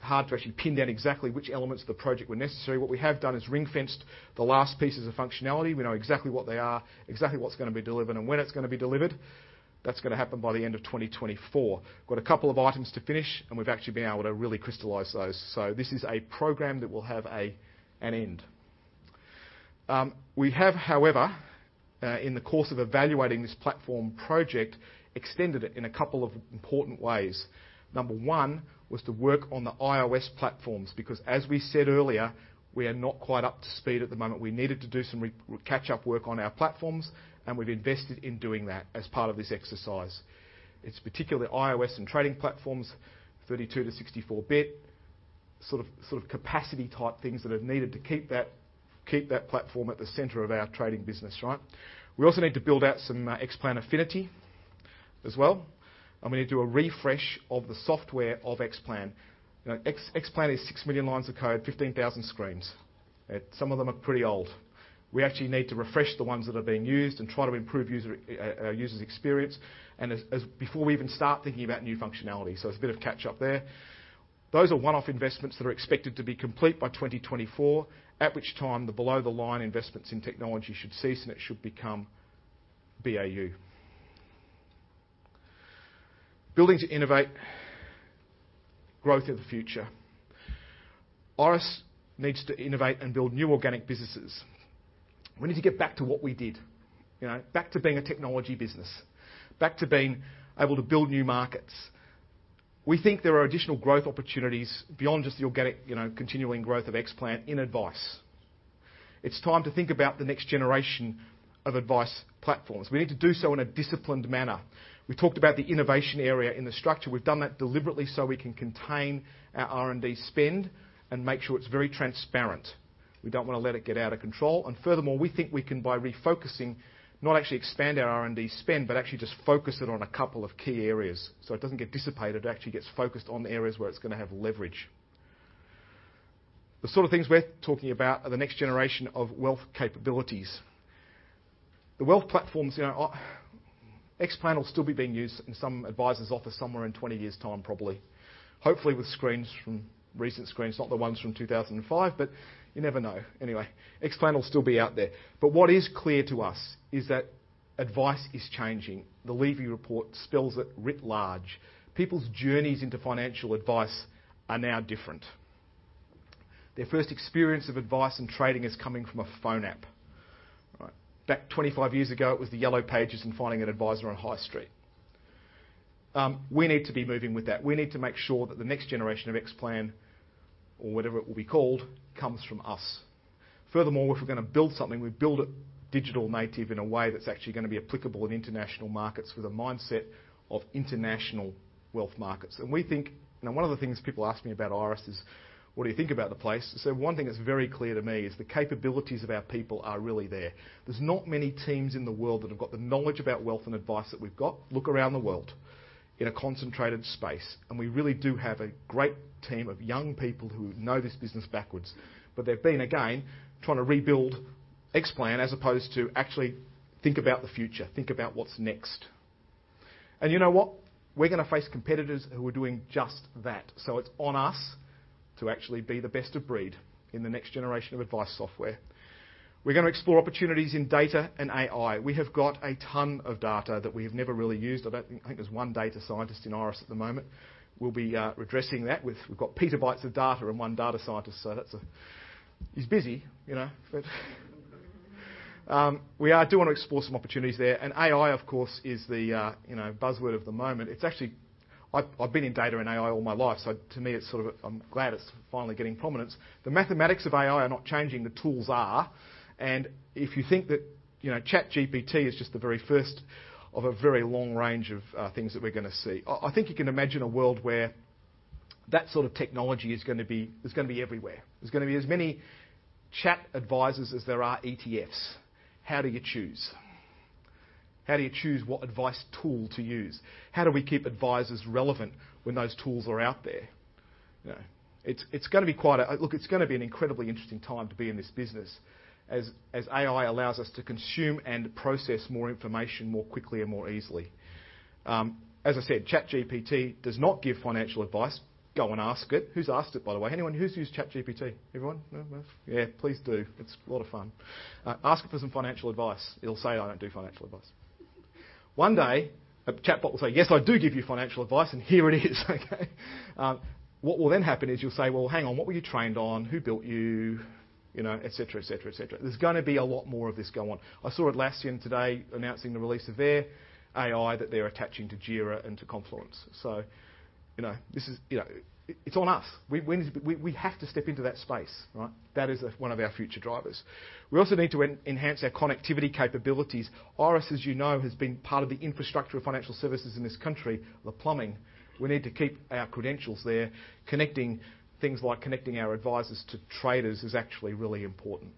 know, hard to actually pin down exactly which elements of the project were necessary. What we have done is ring-fenced the last pieces of functionality. We know exactly what they are, exactly what's gonna be delivered, and when it's gonna be delivered. That's gonna happen by the end of 2024. Got a couple of items to finish. We've actually been able to really crystallize those. This is a program that will have an end. We have, however, in the course of evaluating this platform project, extended it in a couple of important ways. Number one was to work on the IOS platforms because, as we said earlier, we are not quite up to speed at the moment. We needed to do some catch-up work on our platforms, and we've invested in doing that as part of this exercise. It's particularly iOS and trading platforms, 32-64 bit, sort of capacity-type things that are needed to keep that, keep that platform at the center of our trading business, right? We also need to build out some Xplan Affinity as well, and we need to do a refresh of the software of Xplan. You know, Xplan is 6 million lines of code, 15,000 screens. Some of them are pretty old. We actually need to refresh the ones that are being used and try to improve user's experience before we even start thinking about new functionality. It's a bit of catch-up there. Those are one-off investments that are expected to be complete by 2024, at which time the below-the-line investments in technology should cease, and it should become BAU. Building to innovate, growth of the future. Iress needs to innovate and build new organic businesses. We need to get back to what we did. You know, back to being a technology business, back to being able to build new markets. We think there are additional growth opportunities beyond just the organic, you know, continuing growth of Xplan in advice. It's time to think about the next generation of advice platforms. We need to do so in a disciplined manner. We've talked about the innovation area in the structure. We've done that deliberately so we can contain our R&D spend and make sure it's very transparent. We don't want to let it get out of control. Furthermore, we think we can by refocusing, not actually expand our R&D spend, but actually just focus it on a couple of key areas so it doesn't get dissipated. It actually gets focused on the areas where it's going to have leverage. The sort of things we're talking about are the next generation of wealth capabilities. The wealth platforms, you know, Xplan will still be being used in some advisor's office somewhere in 20 years' time, probably. Hopefully, with screens from recent screens, not the ones from 2005, but you never know. Anyway, Xplan will still be out there. What is clear to us is that advice is changing. The Levy Review spells it writ large. People's journeys into financial advice are now different. Their first experience of advice and trading is coming from a phone app, right? Back 25 years ago, it was the Yellow Pages and finding an advisor on High Street. We need to be moving with that. We need to make sure that the next generation of Xplan, or whatever it will be called, comes from us. Furthermore, if we're gonna build something, we build it digital native in a way that's actually gonna be applicable in international markets with a mindset of international wealth markets. Now, one of the things people ask me about Iress is: What do you think about the place? One thing that's very clear to me is the capabilities of our people are really there. There's not many teams in the world that have got the knowledge about wealth and advice that we've got, look around the world, in a concentrated space. We really do have a great team of young people who know this business backwards. They've been, again, trying to rebuild Xplan as opposed to actually think about the future, think about what's next. You know what? We're gonna face competitors who are doing just that. It's on us to actually be the best of breed in the next generation of advice software. We're gonna explore opportunities in data and AI. We have got a ton of data that we have never really used. I think there's one data scientist in Iress at the moment. We'll be redressing that with... We've got petabytes of data and one data scientist, so that's He's busy, you know, but we do wanna explore some opportunities there. AI, of course, is the, you know, buzzword of the moment. It's actually I've been in data and AI all my life, so to me it's sort of I'm glad it's finally getting prominence. The mathematics of AI are not changing, the tools are. If you think that, you know, ChatGPT is just the very first of a very long range of things that we're gonna see. I think you can imagine a world where that sort of technology is gonna be everywhere. There's gonna be as many chat advisors as there are ETFs. How do you choose? How do you choose what advice tool to use? How do we keep advisors relevant when those tools are out there? You know, it's gonna be quite a. Look, it's gonna be an incredibly interesting time to be in this business as AI allows us to consume and process more information more quickly and more easily. As I said, ChatGPT does not give financial advice. Go and ask it. Who's asked it, by the way? Anyone? Who's used ChatGPT? Everyone? No one? Yeah, please do. It's a lot of fun. Ask it for some financial advice. It'll say, "I don't do financial advice." One day, a chatbot will say, "Yes, I do give you financial advice, and here it is." Okay? What will then happen is you'll say, "Well, hang on. What were you trained on? Who built you?" You know, et cetera, et cetera, et cetera. There's gonna be a lot more of this going on. I saw Atlassian today announcing the release of their AI that they're attaching to Jira and to Confluence. You know, it's on us. We, we have to step into that space, right? That is one of our future drivers. We also need to enhance our connectivity capabilities. Iress, as you know, has been part of the infrastructure of financial services in this country, the plumbing. We need to keep our credentials there. Connecting things like connecting our advisors to traders is actually really important.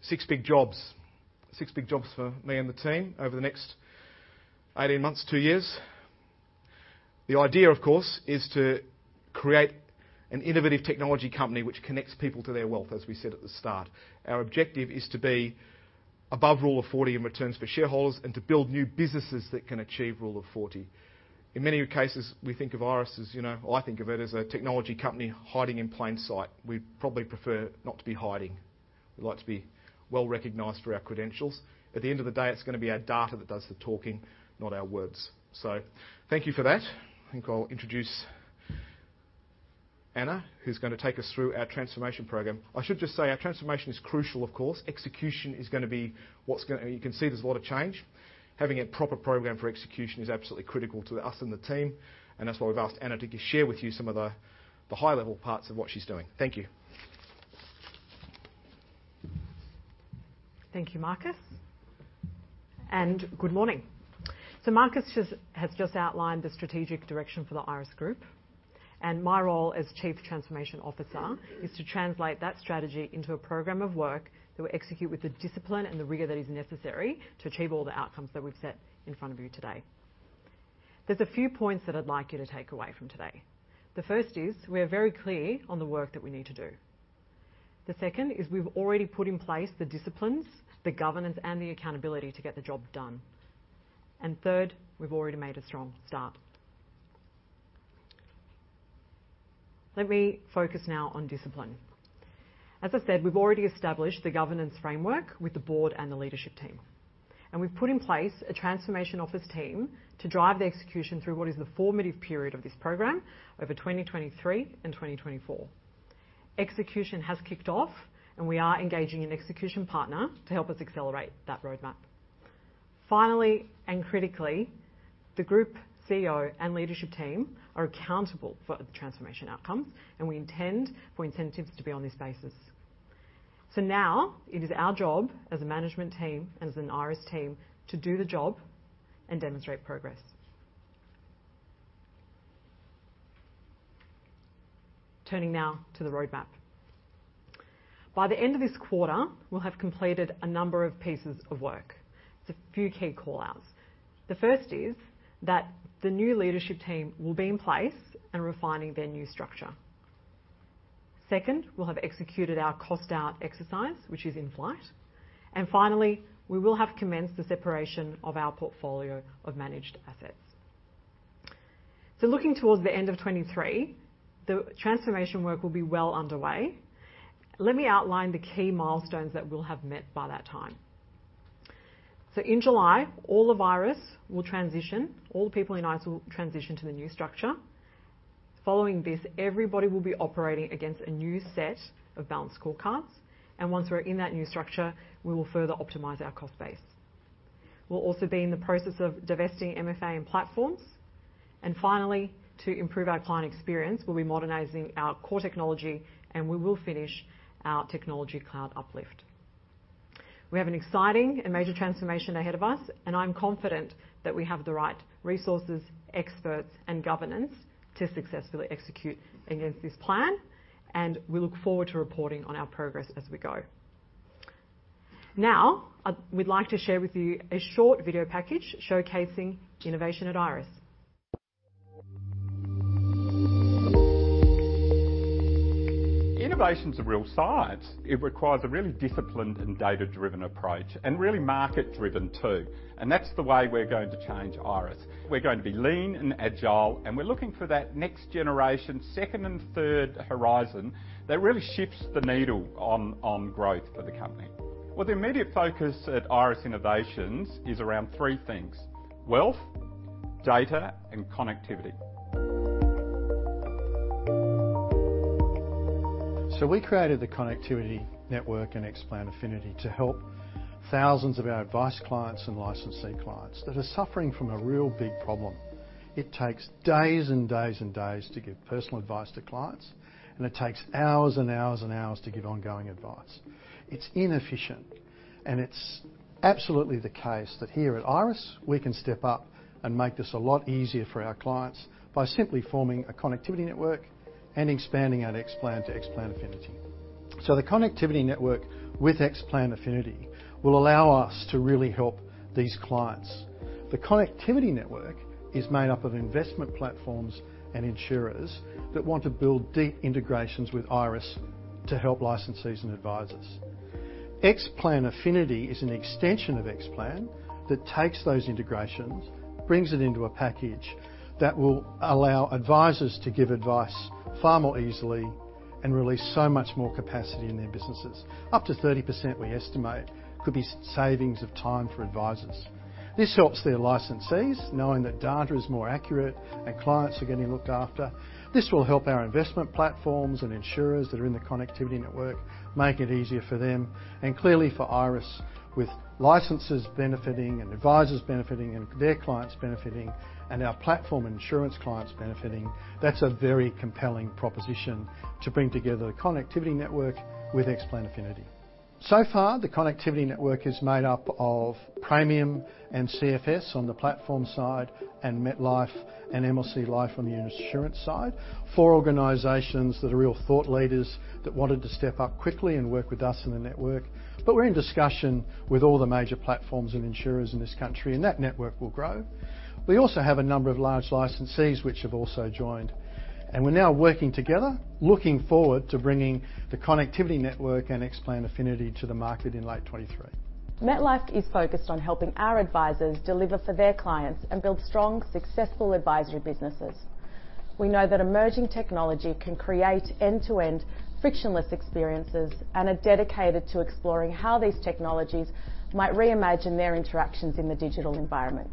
Six big jobs. Six big jobs for me and the team over the next 18 months, two years. The idea, of course, is to create an innovative technology company which connects people to their wealth, as we said at the start. Our objective is to be above Rule of 40 in returns for shareholders and to build new businesses that can achieve Rule of 40. In many cases, we think of Iress as, you know, I think of it as a technology company hiding in plain sight. We'd probably prefer not to be hiding. We'd like to be well-recognized for our credentials. At the end of the day, it's gonna be our data that does the talking, not our words. Thank you for that. I think I'll introduce Ana, who's gonna take us through our transformation program. I should just say our transformation is crucial, of course. Execution is gonna be what's gonna. You can see there's a lot of change. Having a proper program for execution is absolutely critical to us and the team. That's why we've asked Ana to share with you some of the high-level parts of what she's doing. Thank you. Thank you, Marcus. Good morning. Marcus has just outlined the strategic direction for the Iress group, and my role as Chief Transformation Officer is to translate that strategy into a program of work that we execute with the discipline and the rigor that is necessary to achieve all the outcomes that we've set in front of you today. There's a few points that I'd like you to take away from today. The first is, we are very clear on the work that we need to do. The second is we've already put in place the disciplines, the governance, and the accountability to get the job done. Third, we've already made a strong start. Let me focus now on discipline. As I said, we've already established the governance framework with the board and the leadership team, and we've put in place a transformation office team to drive the execution through what is the formative period of this program over 2023 and 2024. Execution has kicked off, and we are engaging an execution partner to help us accelerate that roadmap. Finally, and critically, the group CEO and leadership team are accountable for the transformation outcomes, and we intend for incentives to be on this basis. Now it is our job as a management team and as an Iress team to do the job and demonstrate progress. Turning now to the roadmap. By the end of this quarter, we'll have completed a number of pieces of work. A few key call-outs. The first is that the new leadership team will be in place and refining their new structure. Second, we'll have executed our cost out exercise, which is in flight. Finally, we will have commenced the separation of our portfolio of managed assets. Looking towards the end of 2023, the transformation work will be well underway. Let me outline the key milestones that we'll have met by that time. In July, all of Iress will transition, all the people in Iress will transition to the new structure. Following this, everybody will be operating against a new set of balanced scorecards, and once we're in that new structure, we will further optimize our cost base. We'll also be in the process of divesting MFA and platforms. Finally, to improve our client experience, we'll be modernizing our core technology, and we will finish our technology cloud uplift. We have an exciting and major transformation ahead of us. I'm confident that we have the right resources, experts, and governance to successfully execute against this plan. We look forward to reporting on our progress as we go. We'd like to share with you a short video package showcasing innovation at Iress. Innovation's a real science. It requires a really disciplined and data-driven approach, really market-driven too. That's the way we're going to change Iress. We're going to be lean and agile, and we're looking for that next generation, second and third horizon that really shifts the needle on growth for the company. Well, the immediate focus at Iress Innovations is around three things: wealth, data, and connectivity. We created the Connectivity Network and Xplan Affinity to help 1,000s of our advice clients and licensee clients that are suffering from a real big problem. It takes days and days and days to give personal advice to clients, and it takes hours and hours and hours to give ongoing advice. It's inefficient, and it's absolutely the case that here at Iress, we can step up and make this a lot easier for our clients by simply forming a Connectivity Network and expanding our Xplan to Xplan Affinity. The Connectivity Network with Xplan Affinity will allow us to really help these clients. The Connectivity Network is made up of investment platforms and insurers that want to build deep integrations with Iress to help licensees and advisors. Xplan Affinity is an extension of Xplan that takes those integrations, brings it into a package that will allow advisors to give advice far more easily and release so much more capacity in their businesses. Up to 30%, we estimate, could be savings of time for advisors. This helps their licensees knowing that data is more accurate and clients are getting looked after. This will help our investment platforms and insurers that are in the Connectivity Network make it easier for them. Clearly for Iress, with licenses benefiting and advisors benefiting and their clients benefiting, and our platform insurance clients benefiting, that's a very compelling proposition to bring together the Connectivity Network with Xplan Affinity. So far, the Connectivity Network is made up of Praemium and CFS on the platform side, and MetLife and MLC Life on the insurance side. Four organizations that are real thought leaders that wanted to step up quickly and work with us in the network. We're in discussion with all the major platforms and insurers in this country, and that network will grow. We also have a number of large licensees which have also joined. We're now working together, looking forward to bringing the Connectivity Network and Xplan Affinity to the market in late 2023. MetLife is focused on helping our advisors deliver for their clients and build strong, successful advisory businesses. We know that emerging technology can create end-to-end frictionless experiences and are dedicated to exploring how these technologies might reimagine their interactions in the digital environment.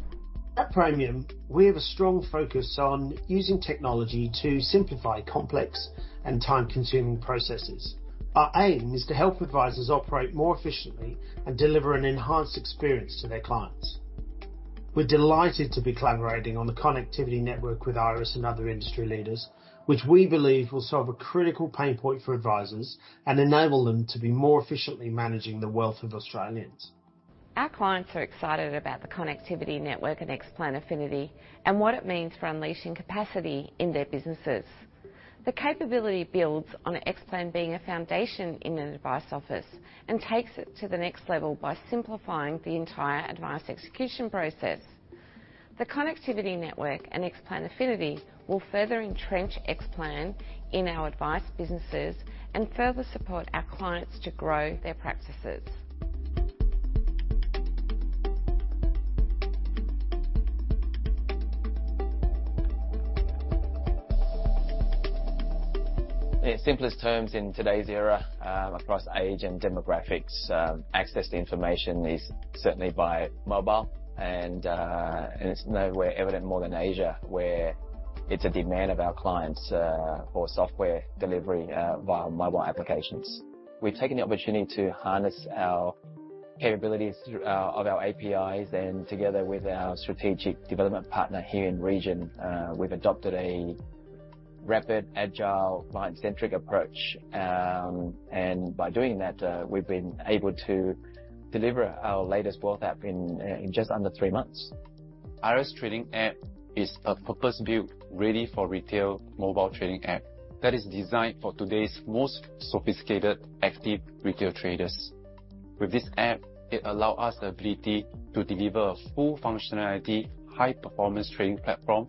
At Praemium, we have a strong focus on using technology to simplify complex and time-consuming processes. Our aim is to help advisors operate more efficiently and deliver an enhanced experience to their clients. We're delighted to be collaborating on the Connectivity Network with Iress and other industry leaders, which we believe will solve a critical pain point for advisors and enable them to be more efficiently managing the wealth of Australians. Our clients are excited about the Connectivity Network and Xplan Affinity and what it means for unleashing capacity in their businesses. The capability builds on Xplan being a foundation in an advice office and takes it to the next level by simplifying the entire advice execution process. The Connectivity Network and Xplan Affinity will further entrench Xplan in our advice businesses and further support our clients to grow their practices. In simplest terms, in today's era, across age and demographics, access to information is certainly by mobile. It's nowhere evident more than Asia, where it's a demand of our clients for software delivery via mobile applications. We've taken the opportunity to harness our capabilities of our APIs and together with our strategic development partner here in region, we've adopted a rapid agile client-centric approach. By doing that, we've been able to deliver our latest wealth app in just under three months. Iress trading app is a purpose-built, ready for retail mobile trading app that is designed for today's most sophisticated active retail traders. With this app, it allow us the ability to deliver a full functionality, high-performance trading platform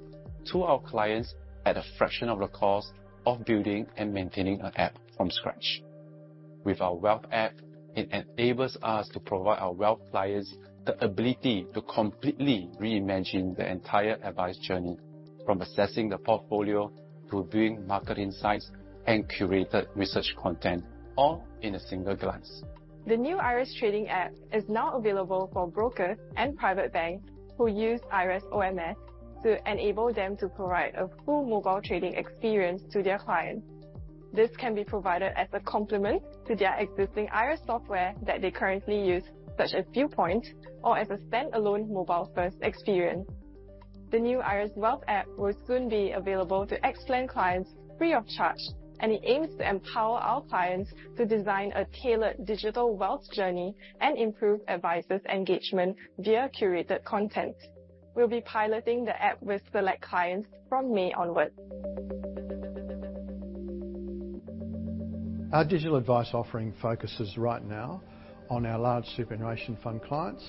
to our clients at a fraction of the cost of building and maintaining an app from scratch. With our wealth app, it enables us to provide our wealth clients the ability to completely reimagine their entire advice journey from assessing the portfolio to viewing market insights and curated research content, all in a single glance. The new Iress Trading app is now available for brokers and private banks who use Iress OMS to enable them to provide a full mobile trading experience to their clients. This can be provided as a complement to their existing Iress software that they currently use, such as ViewPoint or as a standalone mobile first experience. The new Iress wealth app will soon be available to Xplan clients free of charge, and it aims to empower our clients to design a tailored digital wealth journey and improve advisors' engagement via curated content. We'll be piloting the app with select clients from May onwards. Our digital advice offering focuses right now on our large superannuation fund clients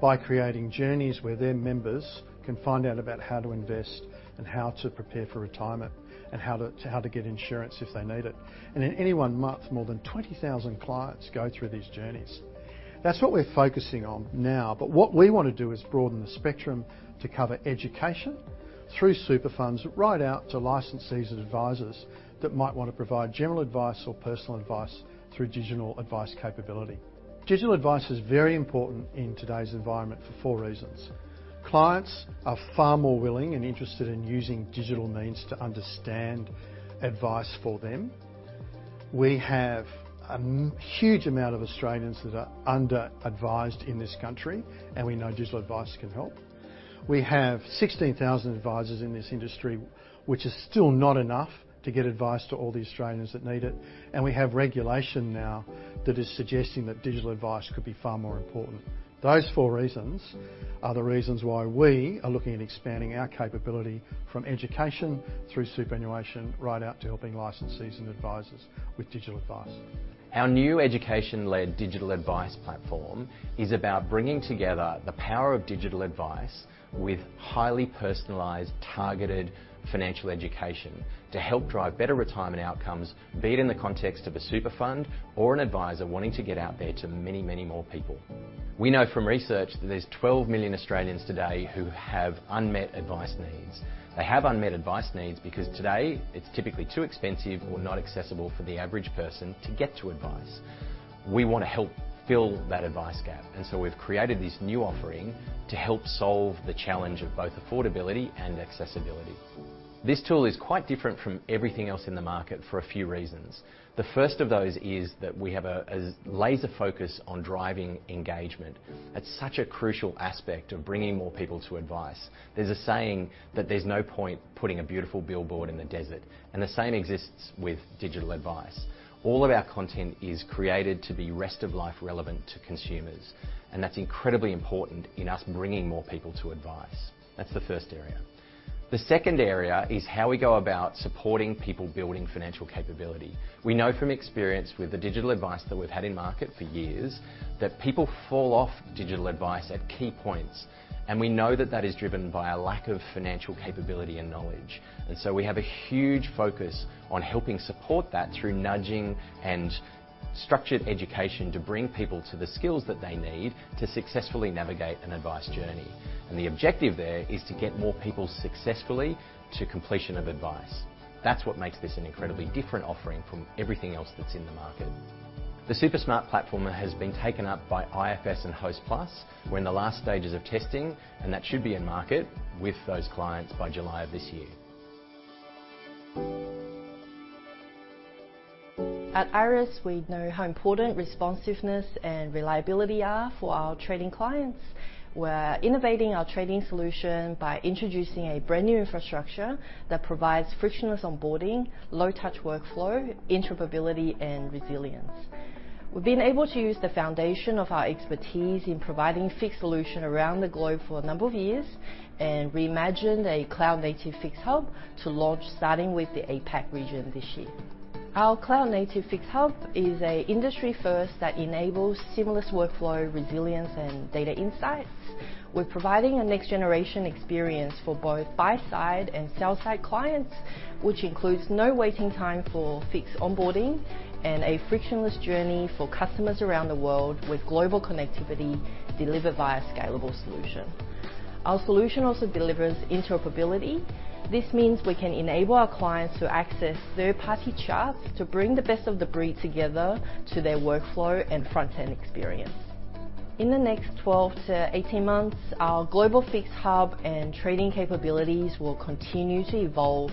by creating journeys where their members can find out about how to invest and how to prepare for retirement, and how to get insurance if they need it. In any one month, more than 20,000 clients go through these journeys. That's what we're focusing on now. What we wanna do is broaden the spectrum to cover education through super funds, right out to licensees and advisors that might wanna provide general advice or personal advice through digital advice capability. Digital advice is very important in today's environment for four reasons. Clients are far more willing and interested in using digital means to understand advice for them. We have a huge amount of Australians that are under-advised in this country. We know digital advice can help. We have 16,000 advisors in this industry, which is still not enough to get advice to all the Australians that need it. We have regulation now that is suggesting that digital advice could be far more important. Those four reasons are the reasons why we are looking at expanding our capability from education through superannuation, right out to helping licensees and advisors with digital advice. Our new education-led digital advice platform is about bringing together the power of digital advice with highly personalized, targeted financial education to help drive better retirement outcomes, be it in the context of a super fund or an advisor wanting to get out there to many, many more people. We know from research that there's 12 million Australians today who have unmet advice needs. They have unmet advice needs because today it's typically too expensive or not accessible for the average person to get to advice. We wanna help fill that advice gap. We've created this new offering to help solve the challenge of both affordability and accessibility. This tool is quite different from everything else in the market for a few reasons. The first of those is that we have a laser focus on driving engagement. It's such a crucial aspect of bringing more people to advice. There's a saying that there's no point putting a beautiful billboard in the desert, and the same exists with digital advice. All of our content is created to be rest of life relevant to consumers, and that's incredibly important in us bringing more people to advice. That's the first area. The second area is how we go about supporting people building financial capability. We know from experience with the digital advice that we've had in market for years, that people fall off digital advice at key points. We know that that is driven by a lack of financial capability and knowledge. We have a huge focus on helping support that through nudging and structured education to bring people to the skills that they need to successfully navigate an advice journey. The objective there is to get more people successfully to completion of advice. That's what makes this an incredibly different offering from everything else that's in the market. The SuperSmart platform has been taken up by IFS and Hostplus. We're in the last stages of testing, and that should be in market with those clients by July of this year. At Iress, we know how important responsiveness and reliability are for our trading clients. We're innovating our trading solution by introducing a brand-new infrastructure that provides frictionless onboarding, low-touch workflow, interoperability, and resilience. We've been able to use the foundation of our expertise in providing FIX solution around the globe for a number of years, and reimagined a cloud-native FIX Hub to launch starting with the APAC region this year. Our cloud-native FIX Hub is a industry first that enables seamless workflow, resilience, and data insights. We're providing a next-generation experience for both buy side and sell side clients, which includes no waiting time for FIX onboarding and a frictionless journey for customers around the world with global connectivity delivered via scalable solution. Our solution also delivers interoperability. This means we can enable our clients to access third-party charts to bring the best of the breed together to their workflow and front end experience. In the next 12-18 months, our global FIX Hub and trading capabilities will continue to evolve.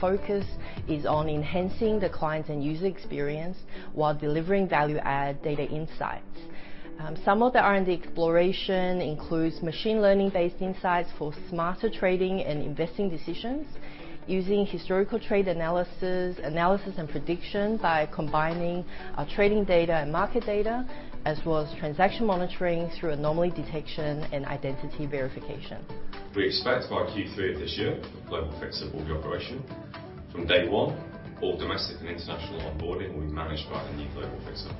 Focus is on enhancing the clients and user experience while delivering value-add data insights. Some of the R&D exploration includes machine learning-based insights for smarter trading and investing decisions using historical trade analysis and prediction by combining our trading data and market data, as well as transaction monitoring through anomaly detection and identity verification. We expect by Q3 of this year, Iress FIX Hub will be operational. From day one, all domestic and international onboarding will be managed by the new Iress FIX Hub.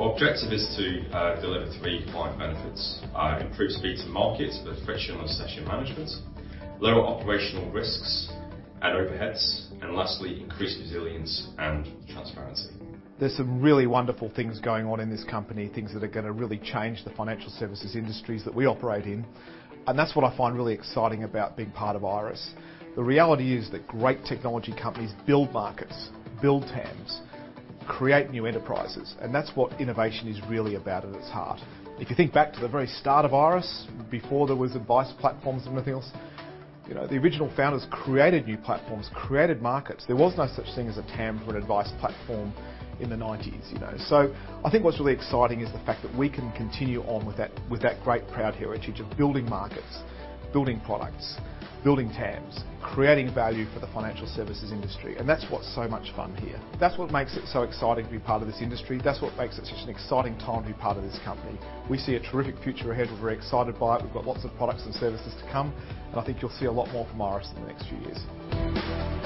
Our objective is to deliver three client benefits: improved speed to market with frictionless session management, lower operational risks and overheads, and lastly, increased resilience and transparency. There's some really wonderful things going on in this company, things that are gonna really change the financial services industries that we operate in. That's what I find really exciting about being part of Iress. The reality is that great technology companies build markets, build TAMs, create new enterprises. That's what innovation is really about at its heart. If you think back to the very start of Iress, before there was advice platforms and everything else, you know, the original founders created new platforms, created markets. There was no such thing as a TAM for an advice platform in the nineties, you know? I think what's really exciting is the fact that we can continue on with that, with that great proud heritage of building markets, building products, building TAMs, creating value for the financial services industry. That's what's so much fun here. That's what makes it so exciting to be part of this industry. That's what makes it such an exciting time to be part of this company. We see a terrific future ahead. We're very excited by it. We've got lots of products and services to come. I think you'll see a lot more from Iress in the next few years.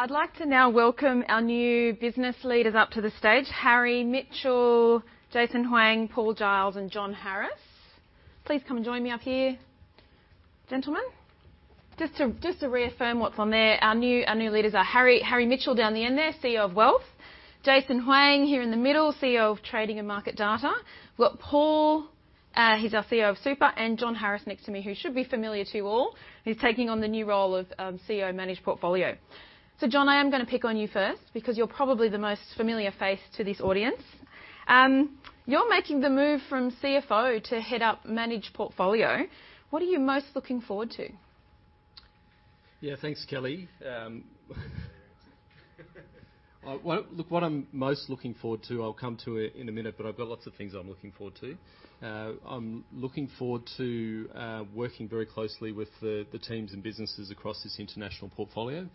I'd like to now welcome our new business leaders up to the stage. Harry Mitchell, Jason Hoang, Paul Giles, and John Harris. Please come and join me up here, gentlemen. Just to reaffirm what's on there. Our new leaders are Harry Mitchell, down the end there, CEO of Wealth. Jason Hoang, here in the middle, CEO of Trading and Market Data. We've got Paul, he's our CEO of Super, and John Harris next to me, who should be familiar to you all, who's taking on the new role of CEO Managed Portfolio. John, I am gonna pick on you first because you're probably the most familiar face to this audience. You're making the move from CFO to head up managed portfolio. What are you most looking forward to? Thanks, Kelly. Well, look, what I'm most looking forward to, I'll come to it in a minute, but I've got lots of things I'm looking forward to. I'm looking forward to working very closely with the teams and businesses across this international portfolio.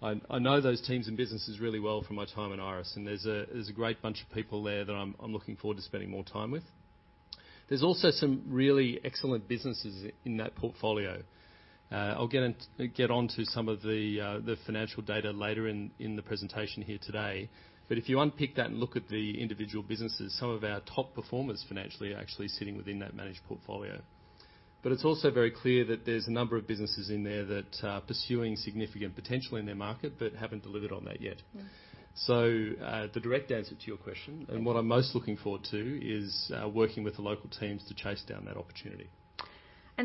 I know those teams and businesses really well from my time in Iress, and there's a great bunch of people there that I'm looking forward to spending more time with. There's also some really excellent businesses in that portfolio. I'll get on to some of the financial data later in the presentation here today. If you unpick that and look at the individual businesses, some of our top performers financially are actually sitting within that managed portfolio. It's also very clear that there's a number of businesses in there that, pursuing significant potential in their market but haven't delivered on that yet. Mm-hmm. The direct answer to your question- Okay What I'm most looking forward to is working with the local teams to chase down that opportunity.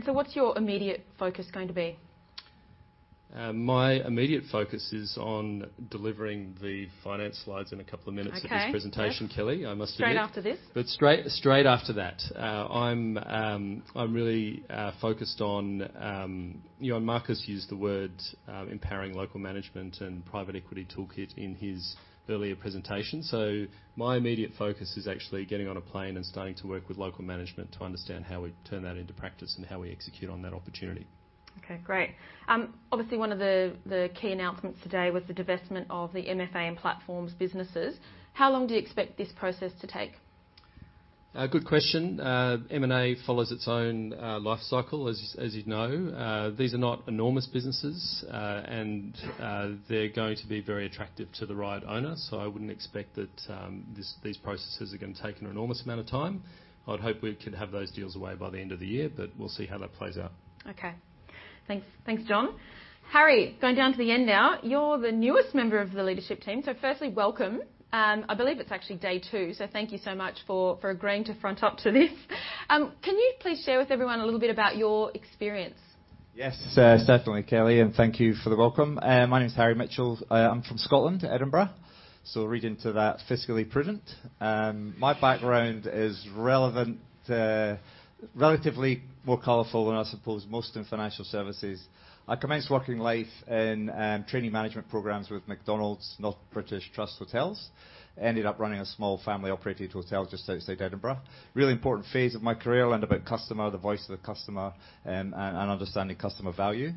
What's your immediate focus going to be? My immediate focus is on delivering the finance slides in a couple of minutes. Okay. Yes. of this presentation, Kelly, I must admit. Straight after this. Straight after that. I'm really focused on... You know, Marcus used the word, empowering local management and private equity toolkit in his earlier presentation. My immediate focus is actually getting on a plane and starting to work with local management to understand how we turn that into practice and how we execute on that opportunity. Great. Obviously one of the key announcements today was the divestment of the MFA and Platforms businesses. How long do you expect this process to take? A good question. M&A follows its own life cycle, as you know. These are not enormous businesses, and they're going to be very attractive to the right owner, so I wouldn't expect that these processes are gonna take an enormous amount of time. I'd hope we could have those deals away by the end of the year, but we'll see how that plays out. Okay. Thanks. Thanks, John. Harry, going down to the end now. You're the newest member of the leadership team. Firstly, welcome. I believe it's actually day 2, so thank you so much for agreeing to front up to this. Can you please share with everyone a little bit about your experience? Certainly, Kelly, thank you for the welcome. My name is Harry Mitchell. I am from Scotland, Edinburgh, read into that fiscally prudent. My background is relevant, relatively more colorful than I suppose most in financial services. I commenced working life in training management programs with McDonald's, North British Trust Hotels. Ended up running a small family-operated hotel just outside Edinburgh. Really important phase of my career. Learned about customer, the voice of the customer, and understanding customer value.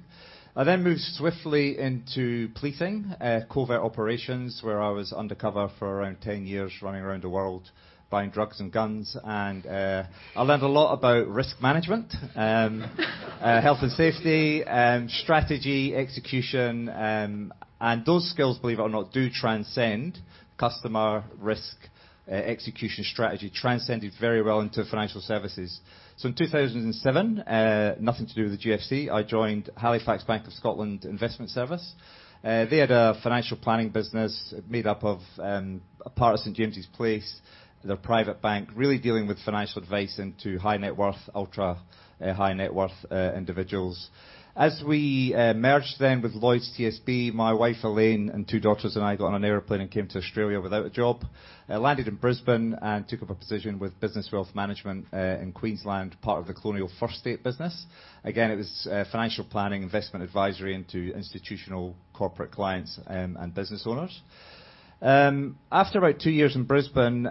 I moved swiftly into policing, covert operations, where I was undercover for around 10 years, running around the world buying drugs and guns. I learned a lot about risk management, health and safety, strategy, execution, and those skills, believe it or not, do transcend customer risk. Execution strategy transcended very well into financial services. In 2007, nothing to do with the GFC, I joined Halifax Bank of Scotland Investment Services. They had a financial planning business made up of a part of St. James's Place, their private bank, really dealing with financial advice into high net worth, ultra high net worth individuals. As we merged then with Lloyds TSB, my wife Elaine and two daughters and I got on an airplane and came to Australia without a job. I landed in Brisbane and took up a position with Business Wealth Management in Queensland, part of the Colonial First State business. Again, it was financial planning, investment advisory into institutional corporate clients and business owners. After about two years in Brisbane,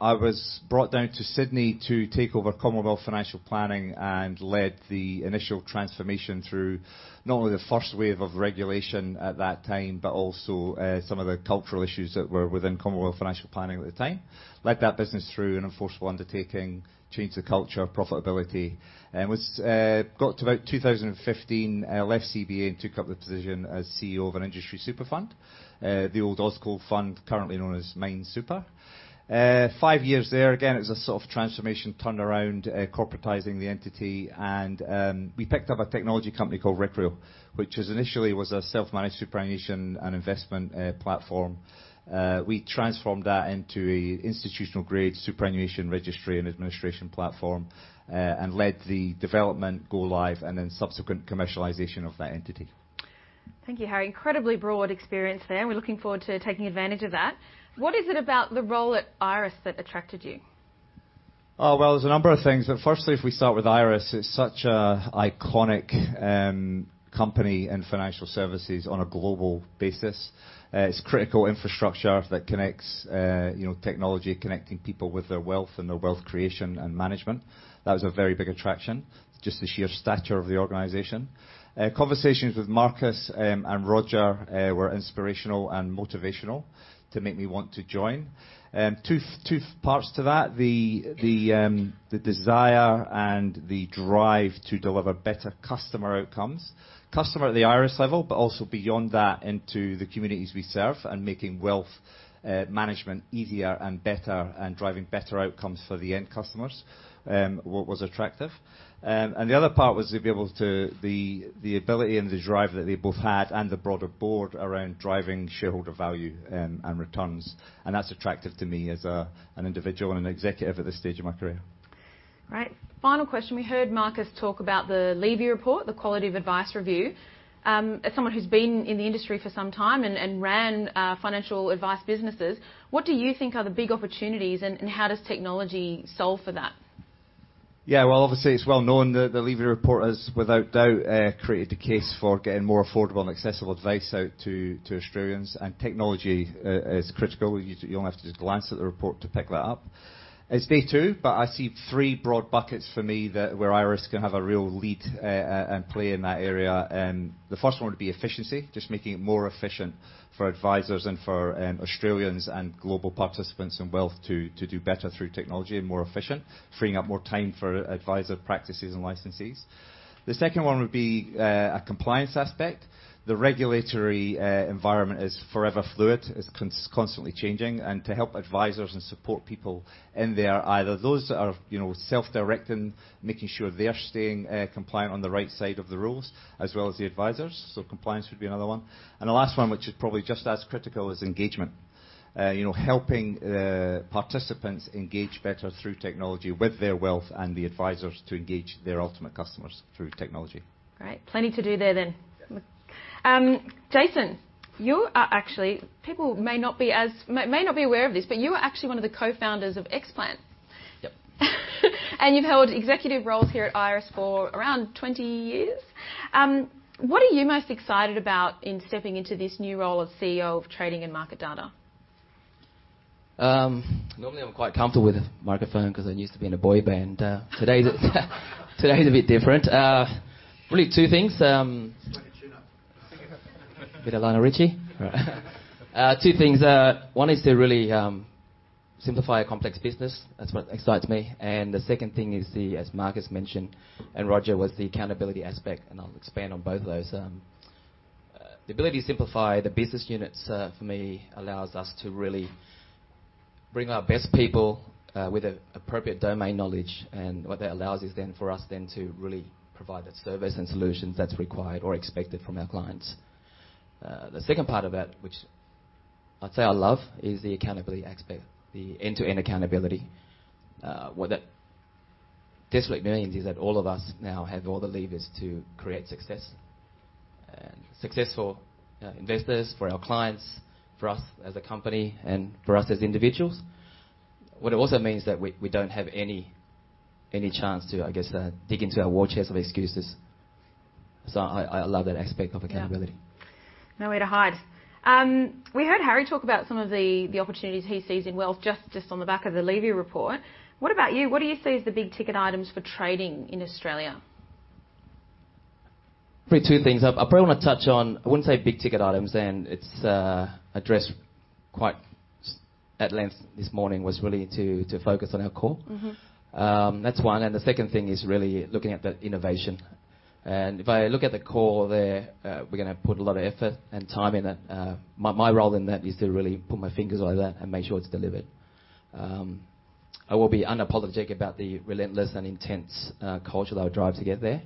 I was brought down to Sydney to take over Commonwealth Financial Planning and led the initial transformation through not only the first wave of regulation at that time, but also some of the cultural issues that were within Commonwealth Financial Planning at the time. Led that business through an enforceable undertaking, changed the culture, profitability, and got to about 2015, left CBA and took up the position as CEO of an industry super fund, the old AUSCOAL fund currently known as Mine Super. Five years there. Again, it was a sort of transformation turnaround, corporatizing the entity and we picked up a technology company called Recreo, which was initially a self-managed superannuation and investment platform. We transformed that into an institutional grade superannuation registry and administration platform, and led the development go live and then subsequent commercialization of that entity. Thank you, Harry. Incredibly broad experience there. We're looking forward to taking advantage of that. What is it about the role at Iress that attracted you? Well, there's a number of things. Firstly, if we start with Iress, it's such a iconic company in financial services on a global basis. It's critical infrastructure that connects, you know, technology, connecting people with their wealth and their wealth creation and management. That was a very big attraction, just the sheer stature of the organization. Conversations with Marcus and Roger were inspirational and motivational to make me want to join. Two parts to that. The desire and the drive to deliver better customer outcomes. Customer at the Iress level, but also beyond that into the communities we serve and making wealth management easier and better and driving better outcomes for the end customers, what was attractive. The other part was to be able to... The ability and the drive that they both had and the broader board around driving shareholder value, and returns. That's attractive to me as an individual and an executive at this stage of my career. Right. Final question. We heard Marcus talk about the Levy Review, the Quality of Advice Review. As someone who's been in the industry for some time and ran financial advice businesses, what do you think are the big opportunities and how does technology solve for that? Well, obviously, it's well known that the Levy Review has without doubt, created the case for getting more affordable and accessible advice out to Australians. Technology is critical. You only have to just glance at the report to pick that up. It's day two, but I see three broad buckets for me that where Iress can have a real lead and play in that area. The first one would be efficiency, just making it more efficient for advisors and for Australians and global participants in wealth to do better through technology and more efficient, freeing up more time for advisor practices and licensees. The second one would be a compliance aspect. The regulatory environment is forever fluid, it's constantly changing, and to help advisors and support people in there, either those that are, you know, self-directing, making sure they're staying compliant on the right side of the rules, as well as the advisors. Compliance would be another one. The last one, which is probably just as critical, is engagement. You know, helping participants engage better through technology with their wealth and the advisors to engage their ultimate customers through technology. Great. Plenty to do there then. Jason, you are actually... People may not be aware of this, but you are actually one of the co-founders of Xplan. Yep. You've held executive roles here at Iress for around 20 years. What are you most excited about in stepping into this new role of CEO of Trading and Market Data? Normally I'm quite comfortable with a microphone 'cause I used to be in a boy band. Today is a bit different. Really ttwo things. Just wear your chin up. Bit of Lionel Richie. Two things. One is to really simplify a complex business. That's what excites me. The second thing is the, as Marcus mentioned, and Roger, was the accountability aspect, and I'll expand on both of those. The ability to simplify the business units, for me allows us to really bring our best people with the appropriate domain knowledge. What that allows is then for us then to really provide that service and solutions that's required or expected from our clients. The second part of that, which I'd say I love, is the accountability aspect, the end-to-end accountability. What that basically means is that all of us now have all the levers to create success for investors, for our clients, for us as a company, and for us as individuals. What it also means is that we don't have any chance to, I guess, dig into our wheelchairs of excuses. I love that aspect of accountability. Nowhere to hide. We heard Harry talk about some of the opportunities he sees in wealth just on the back of the Levy Review. What about you? What do you see as the big-ticket items for trading in Australia? Probably two things. I probably wanna touch on, I wouldn't say big-ticket items, and it's addressed quite at length this morning, was really to focus on our core. Mm-hmm. That's one. The second thing is really looking at the innovation. If I look at the core there, we're gonna put a lot of effort and time in it. My, my role in that is to really put my fingers like that and make sure it's delivered. I will be unapologetic about the relentless and intense culture that I drive to get there.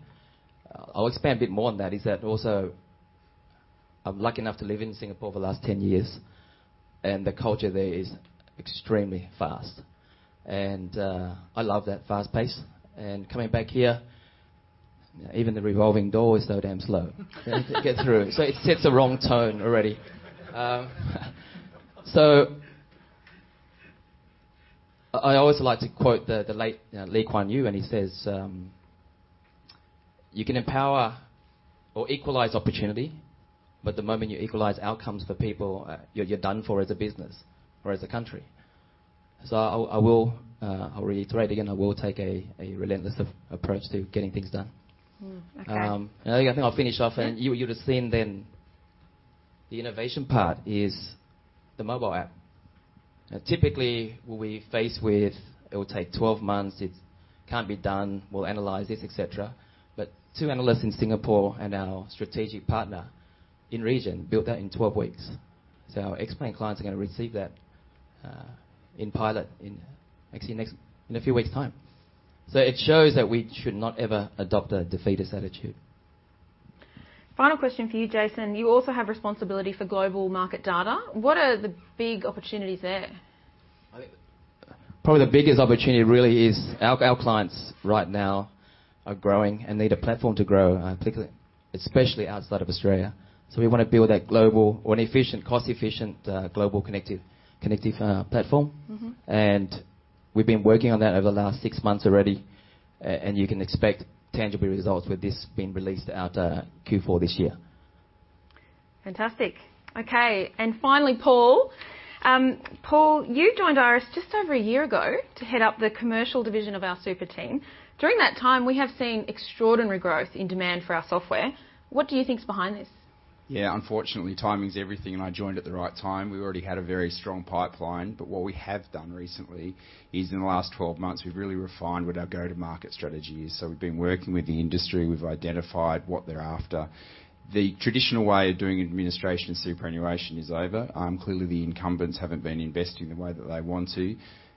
I'll expand a bit more on that, is that also I'm lucky enough to live in Singapore for the last 10 years, the culture there is extremely fast. I love that fast pace. Coming back here, even the revolving door is so damn slow- -to get through. It sets the wrong tone already. I always like to quote the late Lee Kuan Yew, and he says, "You can empower or equalize opportunity, but the moment you equalize outcomes for people, you're done for as a business or as a country." I will, I'll reiterate again, I will take a relentless approach to getting things done. Mm. Okay. I think I'll finish off. Mm-hmm. You, you'll have seen then the innovation part is the mobile app. Typically what we're faced with, it will take 12 months, it can't be done, we'll analyze this, et cetera. Two analysts in Singapore and our strategic partner in-region built that in 12 weeks. Our Xplan clients are gonna receive that in pilot in actually next, in a few weeks' time. It shows that we should not ever adopt a defeatist attitude. Final question for you, Jason. You also have responsibility for global market data. What are the big opportunities there? I think probably the biggest opportunity really is our clients right now are growing and need a platform to grow, particularly, especially outside of Australia. We wanna build that global or an efficient, cost-efficient, global connective platform. Mm-hmm. We've been working on that over the last six months already. You can expect tangible results with this being released out, Q4 this year. Fantastic. Okay. Finally, Paul. Paul, you joined Iress just over a year ago to head up the commercial division of our super team. During that time, we have seen extraordinary growth in demand for our software. What do you think is behind this? Unfortunately, timing's everything, and I joined at the right time. We already had a very strong pipeline. What we have done recently is in the last 12 months, we've really refined what our go-to-market strategy is. We've been working with the industry. We've identified what they're after. The traditional way of doing administration superannuation is over. Clearly, the incumbents haven't been investing the way that they want to.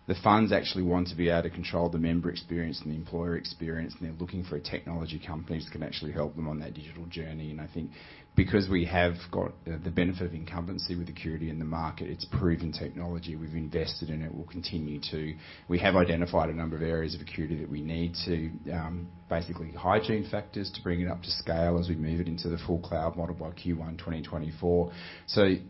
The funds actually want to be able to control the member experience and the employer experience, and they're looking for technology companies that can actually help them on their digital journey. And I think because we have got the benefit of incumbency with Acurity in the market, it's proven technology. We've invested in it. We'll continue to. We have identified a number of areas of Acurity that we need to, basically hygiene factors to bring it up to scale as we move it into the full cloud model by Q1 2024.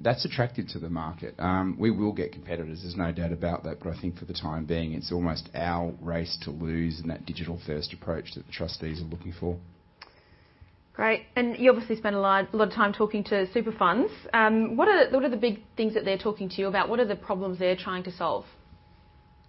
That's attractive to the market. We will get competitors, there's no doubt about that, I think for the time being, it's almost our race to lose in that digital-first approach that the trustees are looking for. Great. You obviously spend a lot of time talking to super funds. What are the big things that they're talking to you about? What are the problems they're trying to solve?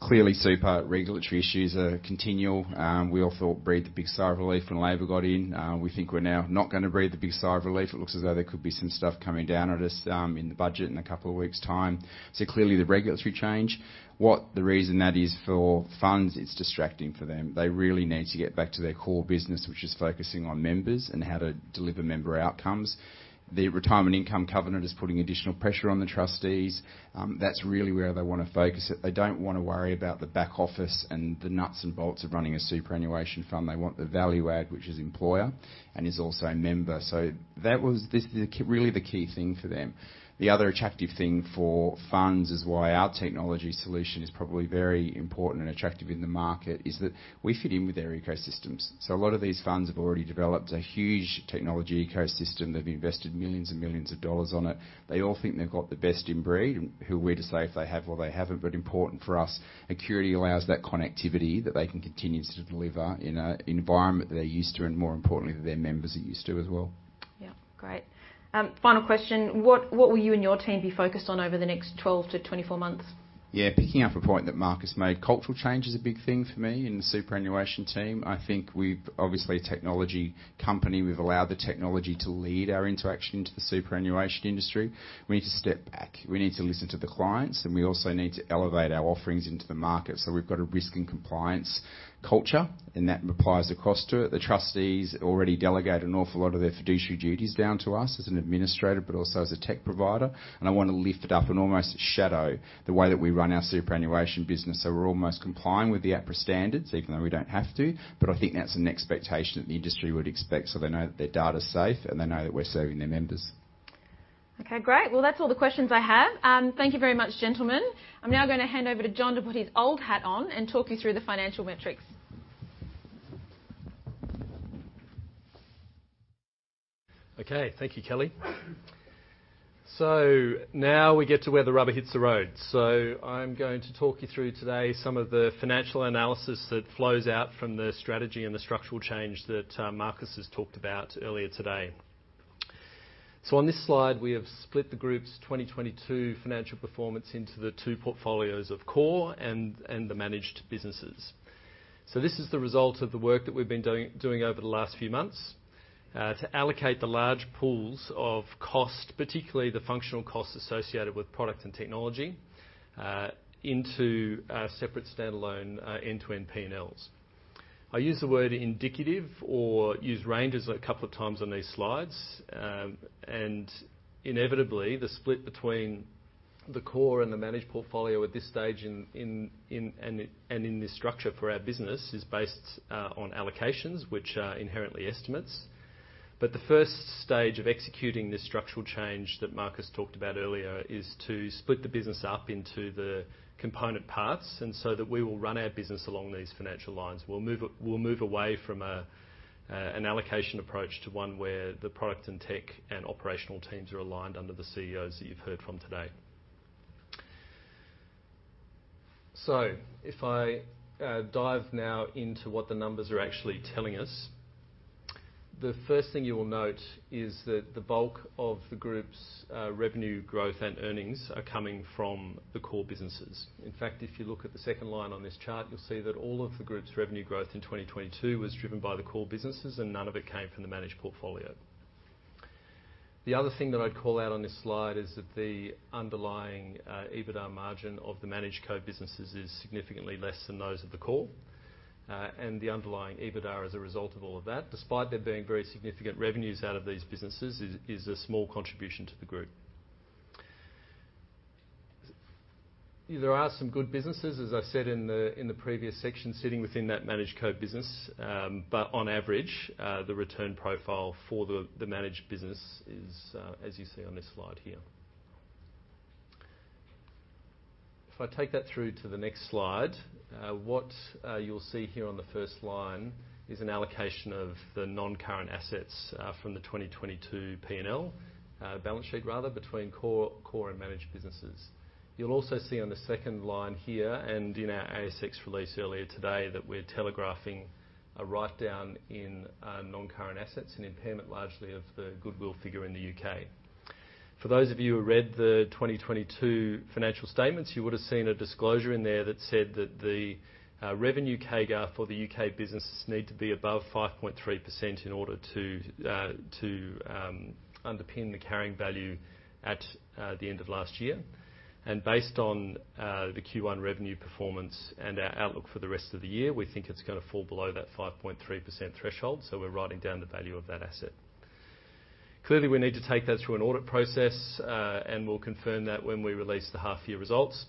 Clearly, super regulatory issues are continual. We all thought breathed a big sigh of relief when Labor got in. We think we're now not gonna breathe a big sigh of relief. It looks as though there could be some stuff coming down at us, in the budget in a couple of weeks' time. Clearly, the regulatory change. What the reason that is for funds, it's distracting for them. They really need to get back to their core business, which is focusing on members and how to deliver member outcomes. The Retirement Income Covenant is putting additional pressure on the trustees. That's really where they wanna focus it. They don't wanna worry about the back office and the nuts and bolts of running a superannuation fund. They want the value add, which is employer and is also a member. That was this, really the key thing for them. The other attractive thing for funds is why our technology solution is probably very important and attractive in the market, is that we fit in with their ecosystems. A lot of these funds have already developed a huge technology ecosystem. They've invested millions and millions of dollars on it. They all think they've got the best in breed. Who are we to say if they have or they haven't? Important for us, Acurity allows that connectivity that they can continue to deliver in an environment that they're used to and more importantly, that their members are used to as well. Yeah. Great. final question. What will you and your team be focused on over the next 12-24 months? Yeah. Picking up a point that Marcus made, cultural change is a big thing for me in the superannuation team. I think, obviously, a technology company, we've allowed the technology to lead our interaction into the superannuation industry. We need to step back. We need to listen to the clients, and we also need to elevate our offerings into the market. We've got a risk and compliance culture, and that applies across to it. The trustees already delegate an awful lot of their fiduciary duties down to us as an administrator, but also as a tech provider, and I wanna lift it up and almost shadow the way that we run our superannuation business. We're almost complying with the APRA standards, even though we don't have to, but I think that's an expectation that the industry would expect, so they know that their data's safe and they know that we're serving their members. Great. Well, that's all the questions I have. Thank you very much, gentlemen. I'm now gonna hand over to John to put his old hat on and talk you through the financial metrics. Okay. Thank you, Kelly. Now we get to where the rubber hits the road. I'm going to talk you through today some of the financial analysis that flows out from the strategy and the structural change that Marcus has talked about earlier today. On this slide, we have split the group's 2022 financial performance into the two portfolios of core and the managed businesses. This is the result of the work that we've been doing over the last few months, to allocate the large pools of cost, particularly the functional costs associated with product and technology, into separate standalone, end-to-end P&Ls. I use the word indicative or use ranges a couple of times on these slides, and inevitably, the split between the core and the managed portfolio at this stage in this structure for our business is based on allocations which are inherently estimates. The first stage of executing this structural change that Marcus talked about earlier is to split the business up into the component parts, and so that we will run our business along these financial lines. We'll move away from an allocation approach to one where the product and tech and operational teams are aligned under the CEOs that you've heard from today. If I dive now into what the numbers are actually telling us, the first thing you will note is that the bulk of the group's revenue growth and earnings are coming from the core businesses. In fact, if you look at the second line on this chart, you'll see that all of the group's revenue growth in 2022 was driven by the core businesses and none of it came from the managed portfolio. The other thing that I'd call out on this slide is that the underlying EBITDA margin of the managed co-businesses is significantly less than those of the core. The underlying EBITDA as a result of all of that, despite there being very significant revenues out of these businesses, is a small contribution to the group. There are some good businesses, as I said in the previous section, sitting within that managed co business. On average, the return profile for the managed business is as you see on this slide here. If I take that through to the next slide, what you'll see here on the first line is an allocation of the non-current assets from the 2022 P&L balance sheet rather between core and managed businesses. You'll also see on the second line here and in our ASX release earlier today that we're telegraphing a writedown in non-current assets and impairment largely of the goodwill figure in the U.K. For those of you who read the 2022 financial statements, you would've seen a disclosure in there that said that the revenue CAGR for the U.K. business need to be above 5.3% in order to underpin the carrying value at the end of last year. Based on the Q1 revenue performance and our outlook for the rest of the year, we think it's gonna fall below that 5.3% threshold, so we're writing down the value of that asset. Clearly, we need to take that through an audit process, and we'll confirm that when we release the half year results.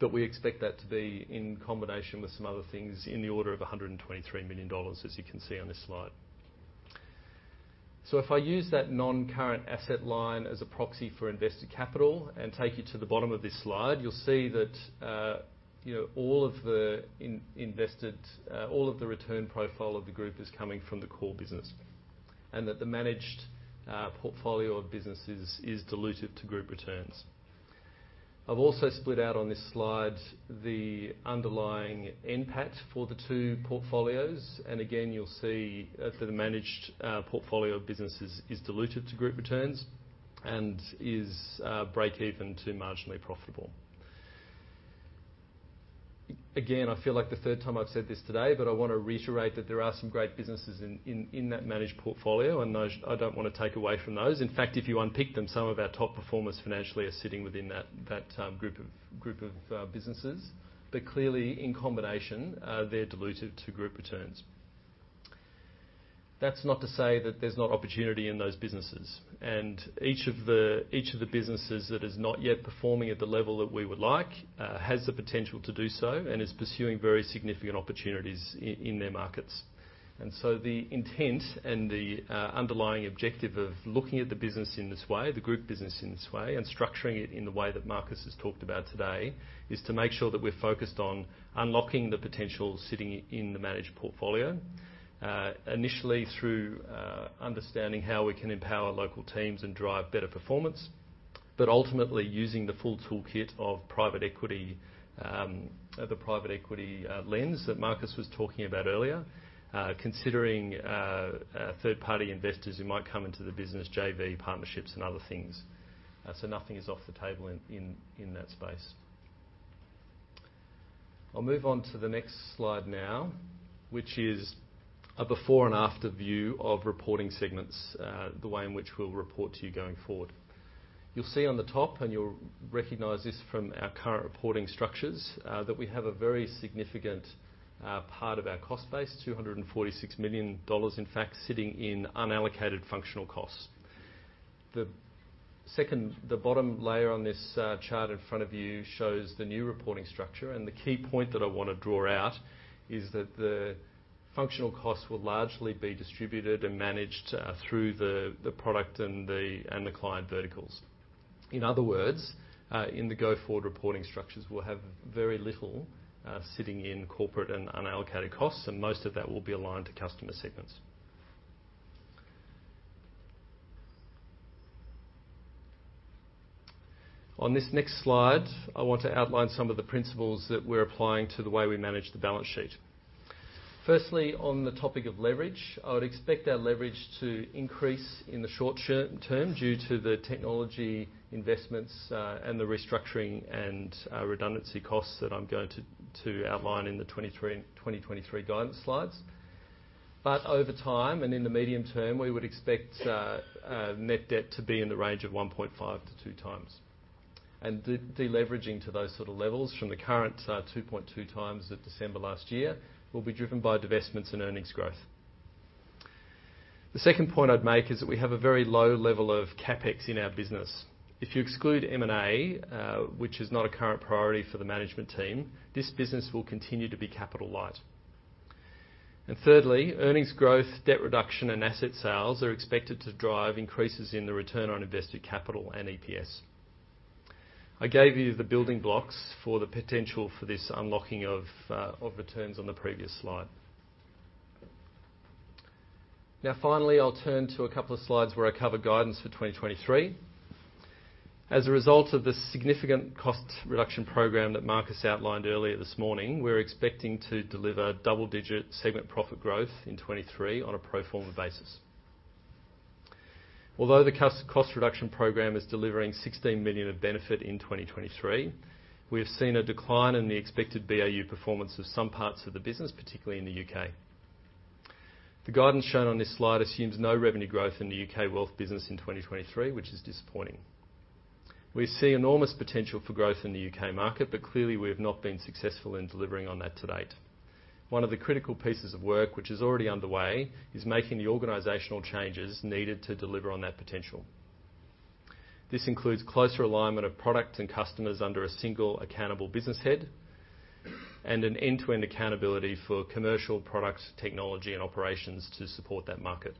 We expect that to be in combination with some other things in the order of $123 million, as you can see on this slide. If I use that non-current asset line as a proxy for invested capital and take you to the bottom of this slide, you'll see that, you know, all of the invested, all of the return profile of the group is coming from the core business. That the managed portfolio of businesses is diluted to group returns. I've also split out on this slide the underlying NPAT for the two portfolios. Again, you'll see that the managed portfolio of businesses is diluted to group returns and is break even to marginally profitable. Again, I feel like the third time I've said this today, but I wanna reiterate that there are some great businesses in that managed portfolio and those I don't wanna take away from those. In fact, if you unpick them, some of our top performers financially are sitting within that group of businesses. Clearly in combination, they're diluted to group returns. That's not to say that there's not opportunity in those businesses. Each of the businesses that is not yet performing at the level that we would like has the potential to do so and is pursuing very significant opportunities in their markets. The intent and the underlying objective of looking at the business in this way, the group business in this way, and structuring it in the way that Marcus has talked about today, is to make sure that we're focused on unlocking the potential sitting in the managed portfolio. Initially through understanding how we can empower local teams and drive better performance, but ultimately using the full toolkit of private equity, the private equity lens that Marcus was talking about earlier. Considering third-party investors who might come into the business, JV partnerships, and other things. Nothing is off the table in that space. I will move on to the next slide now, which is a before and after view of reporting segments, the way in which we will report to you going forward. You will see on the top, and you will recognize this from our current reporting structures, that we have a very significant part of our cost base, $246 million, in fact, sitting in unallocated functional costs. The second, the bottom layer on this chart in front of you shows the new reporting structure, and the key point that I wanna draw out is that the functional costs will largely be distributed and managed through the product and the client verticals. In other words, in the go-forward reporting structures, we'll have very little sitting in corporate and unallocated costs, and most of that will be aligned to customer segments. On this next slide, I want to outline some of the principles that we're applying to the way we manage the balance sheet. Firstly, on the topic of leverage, I would expect our leverage to increase in the short-term due to the technology investments, and the restructuring and redundancy costs that I'm going to outline in the 2023, 2023 guidance slides. Over time and in the medium term, we would expect net debt to be in the range of 1.5 to 2 times. Deleveraging to those sort of levels from the current 2.2 times at December last year, will be driven by divestments and earnings growth. The second point I'd make is that we have a very low level of CapEx in our business. If you exclude M&A, which is not a current priority for the management team, this business will continue to be capital light. Thirdly, earnings growth, debt reduction, and asset sales are expected to drive increases in the return on invested capital and EPS. I gave you the building blocks for the potential for this unlocking of returns on the previous slide. Finally, I'll turn to a couple of slides where I cover guidance for 2023. As a result of the significant cost reduction program that Marcus outlined earlier this morning, we're expecting to deliver double-digit Segment Profit growth in 2023 on a pro forma basis. Although the cost reduction program is delivering 16 million of benefit in 2023, we have seen a decline in the expected BAU performance of some parts of the business, particularly in the U.K. The guidance shown on this slide assumes no revenue growth in the U.K. Wealth business in 2023, which is disappointing. We see enormous potential for growth in the U.K. market, clearly, we have not been successful in delivering on that to date. One of the critical pieces of work, which is already underway, is making the organizational changes needed to deliver on that potential. This includes closer alignment of product and customers under a single accountable business head and an end-to-end accountability for commercial products, technology, and operations to support that market.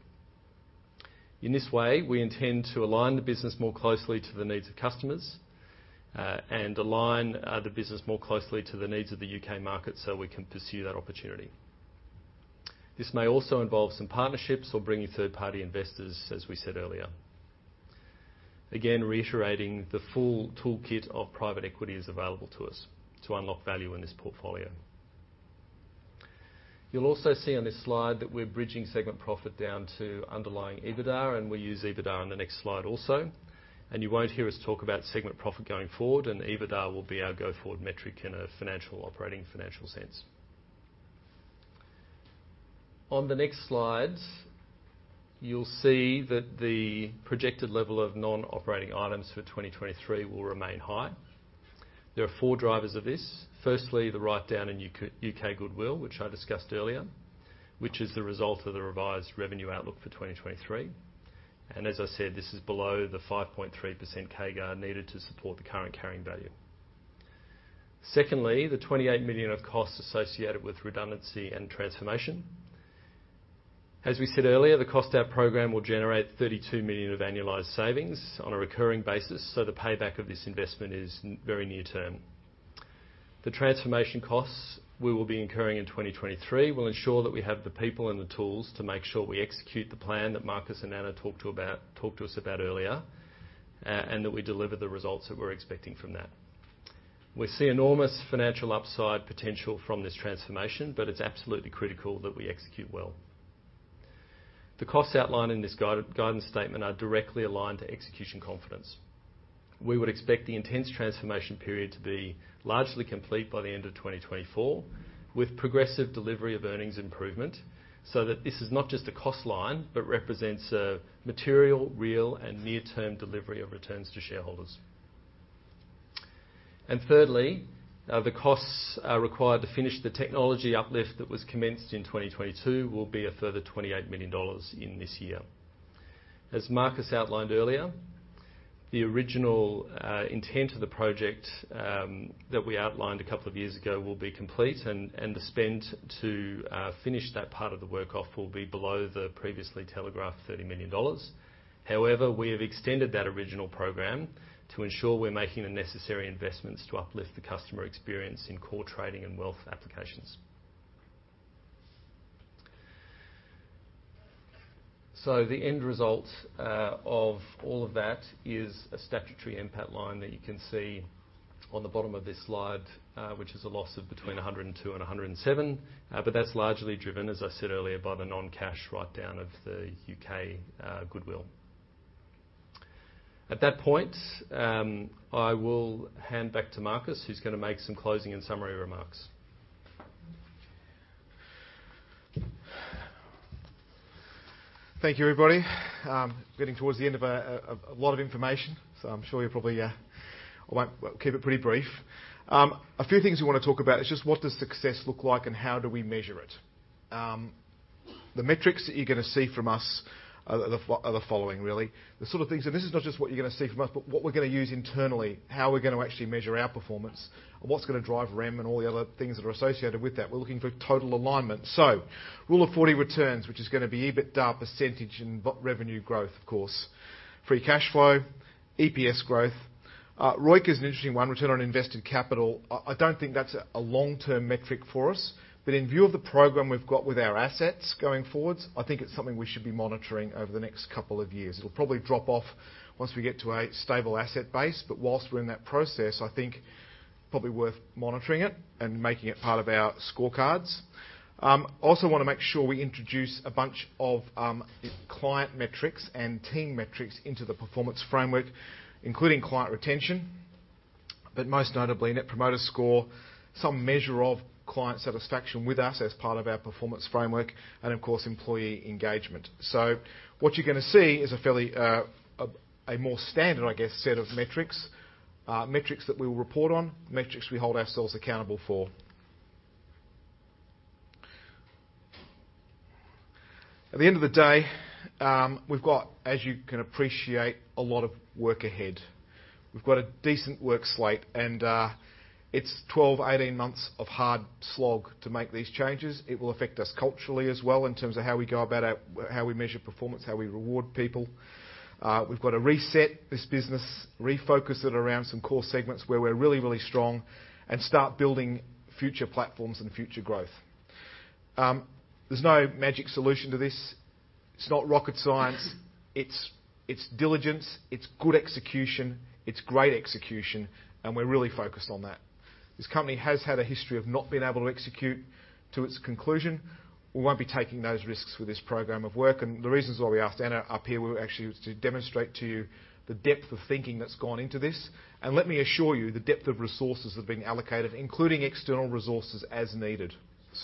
In this way, we intend to align the business more closely to the needs of customers, and align the business more closely to the needs of the U.K. market so we can pursue that opportunity. This may also involve some partnerships or bringing third-party investors, as we said earlier. Again, reiterating the full toolkit of private equity is available to us to unlock value in this portfolio. You'll also see on this slide that we're bridging Segment Profit down to underlying EBITDA, and we use EBITDA on the next slide also. You won't hear us talk about Segment Profit going forward, and EBITDA will be our go-forward metric in a financial, operating financial sense. On the next slides, you'll see that the projected level of non-operating items for 2023 will remain high. There are four drivers of this. Firstly, the write-down in U.K. goodwill, which I discussed earlier, which is the result of the revised revenue outlook for 2023. As I said, this is below the 5.3% CAGR needed to support the current carrying value. Secondly, the 28 million of costs associated with redundancy and transformation. As we said earlier, the cost out program will generate 32 million of annualized savings on a recurring basis, the payback of this investment is very near-term. The transformation costs we will be incurring in 2023 will ensure that we have the people and the tools to make sure we execute the plan that Marcus and Ana talked to us about earlier, and that we deliver the results that we're expecting from that. We see enormous financial upside potential from this transformation, but it's absolutely critical that we execute well. The costs outlined in this guide, guidance statement are directly aligned to execution confidence. We would expect the intense transformation period to be largely complete by the end of 2024, with progressive delivery of earnings improvement, so that this is not just a cost line, but represents a material, real, and near-term delivery of returns to shareholders. Thirdly, the costs are required to finish the technology uplift that was commenced in 2022 will be a further 28 million dollars in this year. Marcus outlined earlier, the original intent of the project that we outlined a couple of years ago will be complete and the spend to finish that part of the work off will be below the previously telegraphed 30 million dollars. We have extended that original program to ensure we're making the necessary investments to uplift the customer experience in core trading and wealth applications. The end result of all of that is a statutory NPAT line that you can see on the bottom of this slide, which is a loss of between 102 million and 107 million. That's largely driven, as I said earlier, by the non-cash write-down of the U.K., goodwill. At that point, I will hand back to Marcus Price, who's gonna make some closing and summary remarks. Thank you, everybody. Getting towards the end of a lot of information, so I'm sure you're probably. I might keep it pretty brief. A few things we wanna talk about is just what does success look like and how do we measure it? The metrics that you're gonna see from us are the following, really. The sort of things, and this is not just what you're gonna see from us, but what we're gonna use internally, how we're gonna actually measure our performance, and what's gonna drive REM and all the other things that are associated with that. We're looking for total alignment. Rule of 40 returns, which is gonna be EBITDA % and revenue growth, of course. Free cash flow, EPS growth. ROIC is an interesting one, return on invested capital. I don't think that's a long-term metric for us. In view of the program we've got with our assets going forwards, I think it's something we should be monitoring over the next couple of years. It'll probably drop off once we get to a stable asset base. Whilst we're in that process, I think probably worth monitoring it and making it part of our scorecards. Also wanna make sure we introduce a bunch of client metrics and team metrics into the performance framework, including client retention, but most notably Net Promoter Score, some measure of client satisfaction with us as part of our performance framework and of course, employee engagement. What you're gonna see is a fairly, a more standard, I guess, set of metrics that we'll report on, metrics we hold ourselves accountable for. At the end of the day, we've got, as you can appreciate, a lot of work ahead. We've got a decent work slate and it's 12, 18 months of hard slog to make these changes. It will affect us culturally as well in terms of how we go about how we measure performance, how we reward people. We've got to reset this business, refocus it around some core segments where we're really, really strong and start building future platforms and future growth. There's no magic solution to this. It's not rocket science. It's diligence, it's good execution, it's great execution, and we're really focused on that. This company has had a history of not being able to execute to its conclusion. We won't be taking those risks with this program of work. The reasons why we asked Ana up here were actually to demonstrate to you the depth of thinking that's gone into this. Let me assure you, the depth of resources have been allocated, including external resources as needed.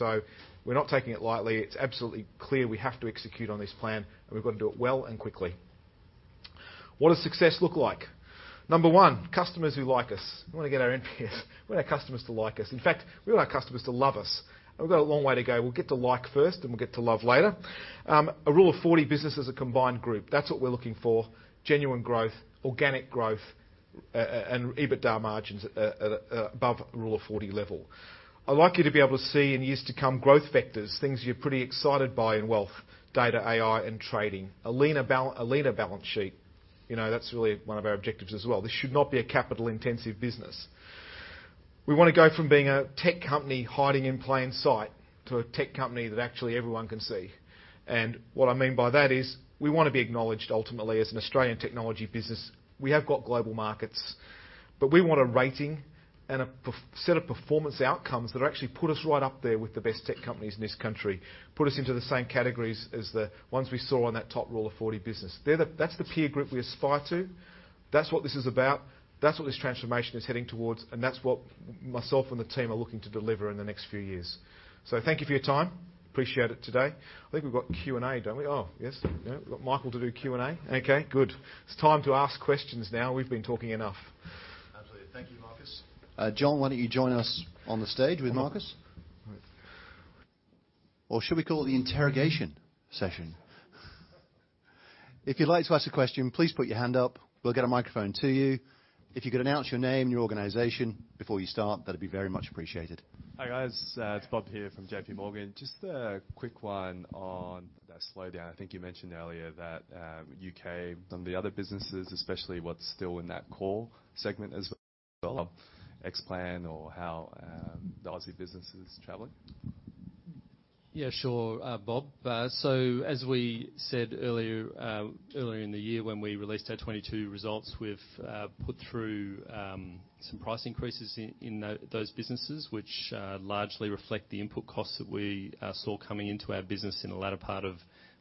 We're not taking it lightly. It's absolutely clear we have to execute on this plan, and we've got to do it well and quickly. What does success look like? Number one, customers who like us. We wanna get our NPS. We want our customers to like us. In fact, we want our customers to love us. We've got a long way to go. We'll get to like first, and we'll get to love later. A Rule of 40 business as a combined group. That's what we're looking for: genuine growth, organic growth, and EBITDA margins above Rule of 40 level. I'd like you to be able to see in years to come growth vectors, things you're pretty excited by in wealth, data, AI, and trading. A leaner balance sheet, you know, that's really one of our objectives as well. This should not be a capital intensive business. We wanna go from being a tech company hiding in plain sight to a tech company that actually everyone can see. What I mean by that is we wanna be acknowledged ultimately as an Australian technology business. We have got global markets, but we want a rating and a set of performance outcomes that actually put us right up there with the best tech companies in this country, put us into the same categories as the ones we saw on that top Rule of 40 business. That's the peer group we aspire to. That's what this is about. That's what this transformation is heading towards. That's what myself and the team are looking to deliver in the next few years. Thank you for your time. Appreciate it today. I think we've got Q&A, don't we? Oh, yes. Yeah. We've got Michael to do Q&A. Okay, good. It's time to ask questions now. We've been talking enough. Absolutely. Thank you, Marcus. John, why don't you join us on the stage with Marcus? All right. Should we call it the interrogation session? If you'd like to ask a question, please put your hand up. We'll get a microphone to you. If you could announce your name and your organization before you start, that'd be very much appreciated. Hi, guys. It's Bob here from JPMorgan. Just a quick one on that slowdown. I think you mentioned earlier that, U.K., some of the other businesses, especially what's still in that core segment as well, Xplan or how, the Aussie business is traveling. Yeah, sure, Bob. As we said earlier in the year when we released our 2022 results, we've put through some price increases in those businesses, which largely reflect the input costs that we saw coming into our business in the latter part of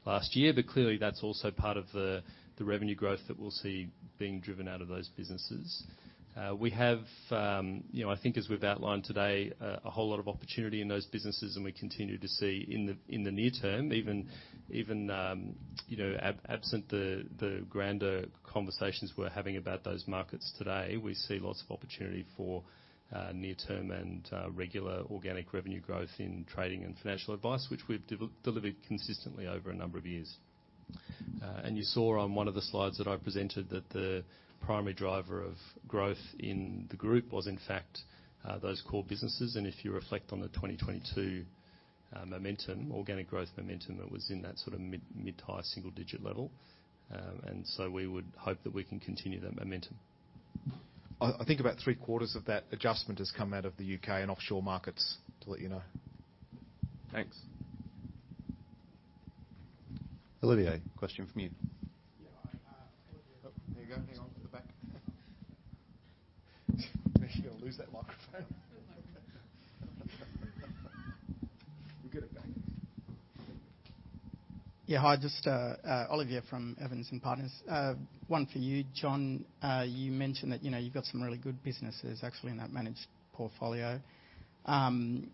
last year. Clearly, that's also part of the revenue growth that we'll see being driven out of those businesses. We have, you know, I think as we've outlined today, a whole lot of opportunity in those businesses, and we continue to see in the, in the near term, even, you know, absent the grander conversations we're having about those markets today, we see lots of opportunity for near term and regular organic revenue growth in trading and financial advice, which we've delivered consistently over a number of years. You saw on one of the slides that I presented that the primary driver of growth in the group was, in fact, those core businesses. If you reflect on the 2022 momentum, organic growth momentum, it was in that sort of mid-tier single-digit level. We would hope that we can continue that momentum. I think about three-quarters of that adjustment has come out of the U.K. and offshore markets, to let you know. Thanks. Olivier, question from you. Yeah. Oh. There you go. Hang on. To the back. You're gonna lose that microphone. We'll get it back. Hi, just Olivier from Evans & Partners. One for you, John. You mentioned that, you know, you've got some really good businesses actually in that managed portfolio. I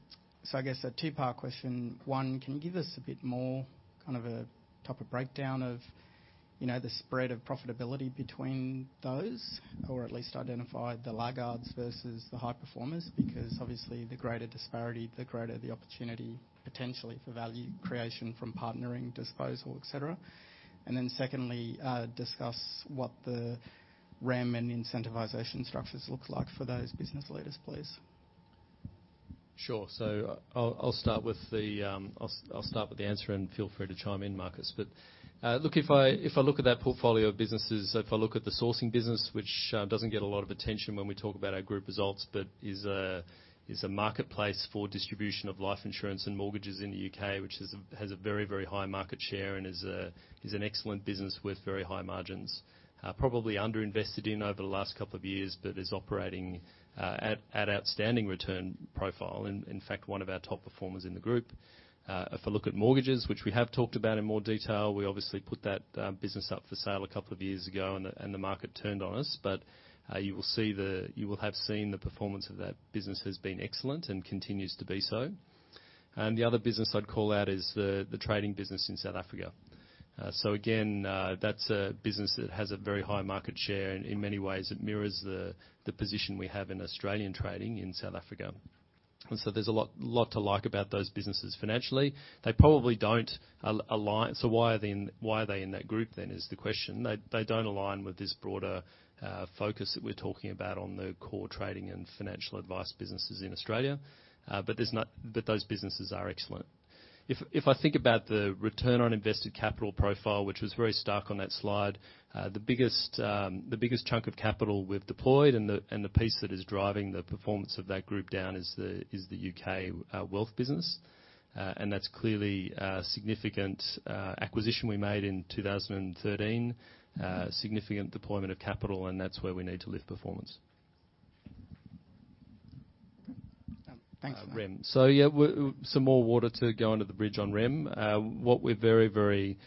guess a two-part question. One, can you give us a bit more kind of a topic breakdown of, you know, the spread of profitability between those, or at least identify the laggards versus the high performers? Because obviously the greater disparity, the greater the opportunity potentially for value creation from partnering, disposal, et cetera. Secondly, discuss what the REM and incentivization structures look like for those business leaders, please. Sure. I'll start with the answer and feel free to chime in, Marcus. Look, if I look at that portfolio of businesses, if I look at the sourcing business, which doesn't get a lot of attention when we talk about our group results, but is a marketplace for distribution of life insurance and mortgages in the U.K., which has a very high market share and is an excellent business with very high margins. Probably underinvested in over the last couple of years, but is operating at outstanding return profile. In fact, one of our top performers in the group. If I look at mortgages, which we have talked about in more detail, we obviously put that business up for sale two years ago, and the market turned on us. You will have seen the performance of that business has been excellent and continues to be so. The other business I'd call out is the trading business in South Africa. Again, that's a business that has a very high market share, and in many ways it mirrors the position we have in Australian trading in South Africa. There's a lot to like about those businesses financially. They probably don't align. Why are they in that group then, is the question. They don't align with this broader focus that we're talking about on the core trading and financial advice businesses in Australia. Those businesses are excellent. If I think about the return on invested capital profile, which was very stark on that slide, the biggest chunk of capital we've deployed and the piece that is driving the performance of that group down is the U.K. wealth business. That's clearly a significant acquisition we made in 2013. Significant deployment of capital, and that's where we need to lift performance. Thanks. REM. Yeah, some more water to go under the bridge on REM. What we're very, very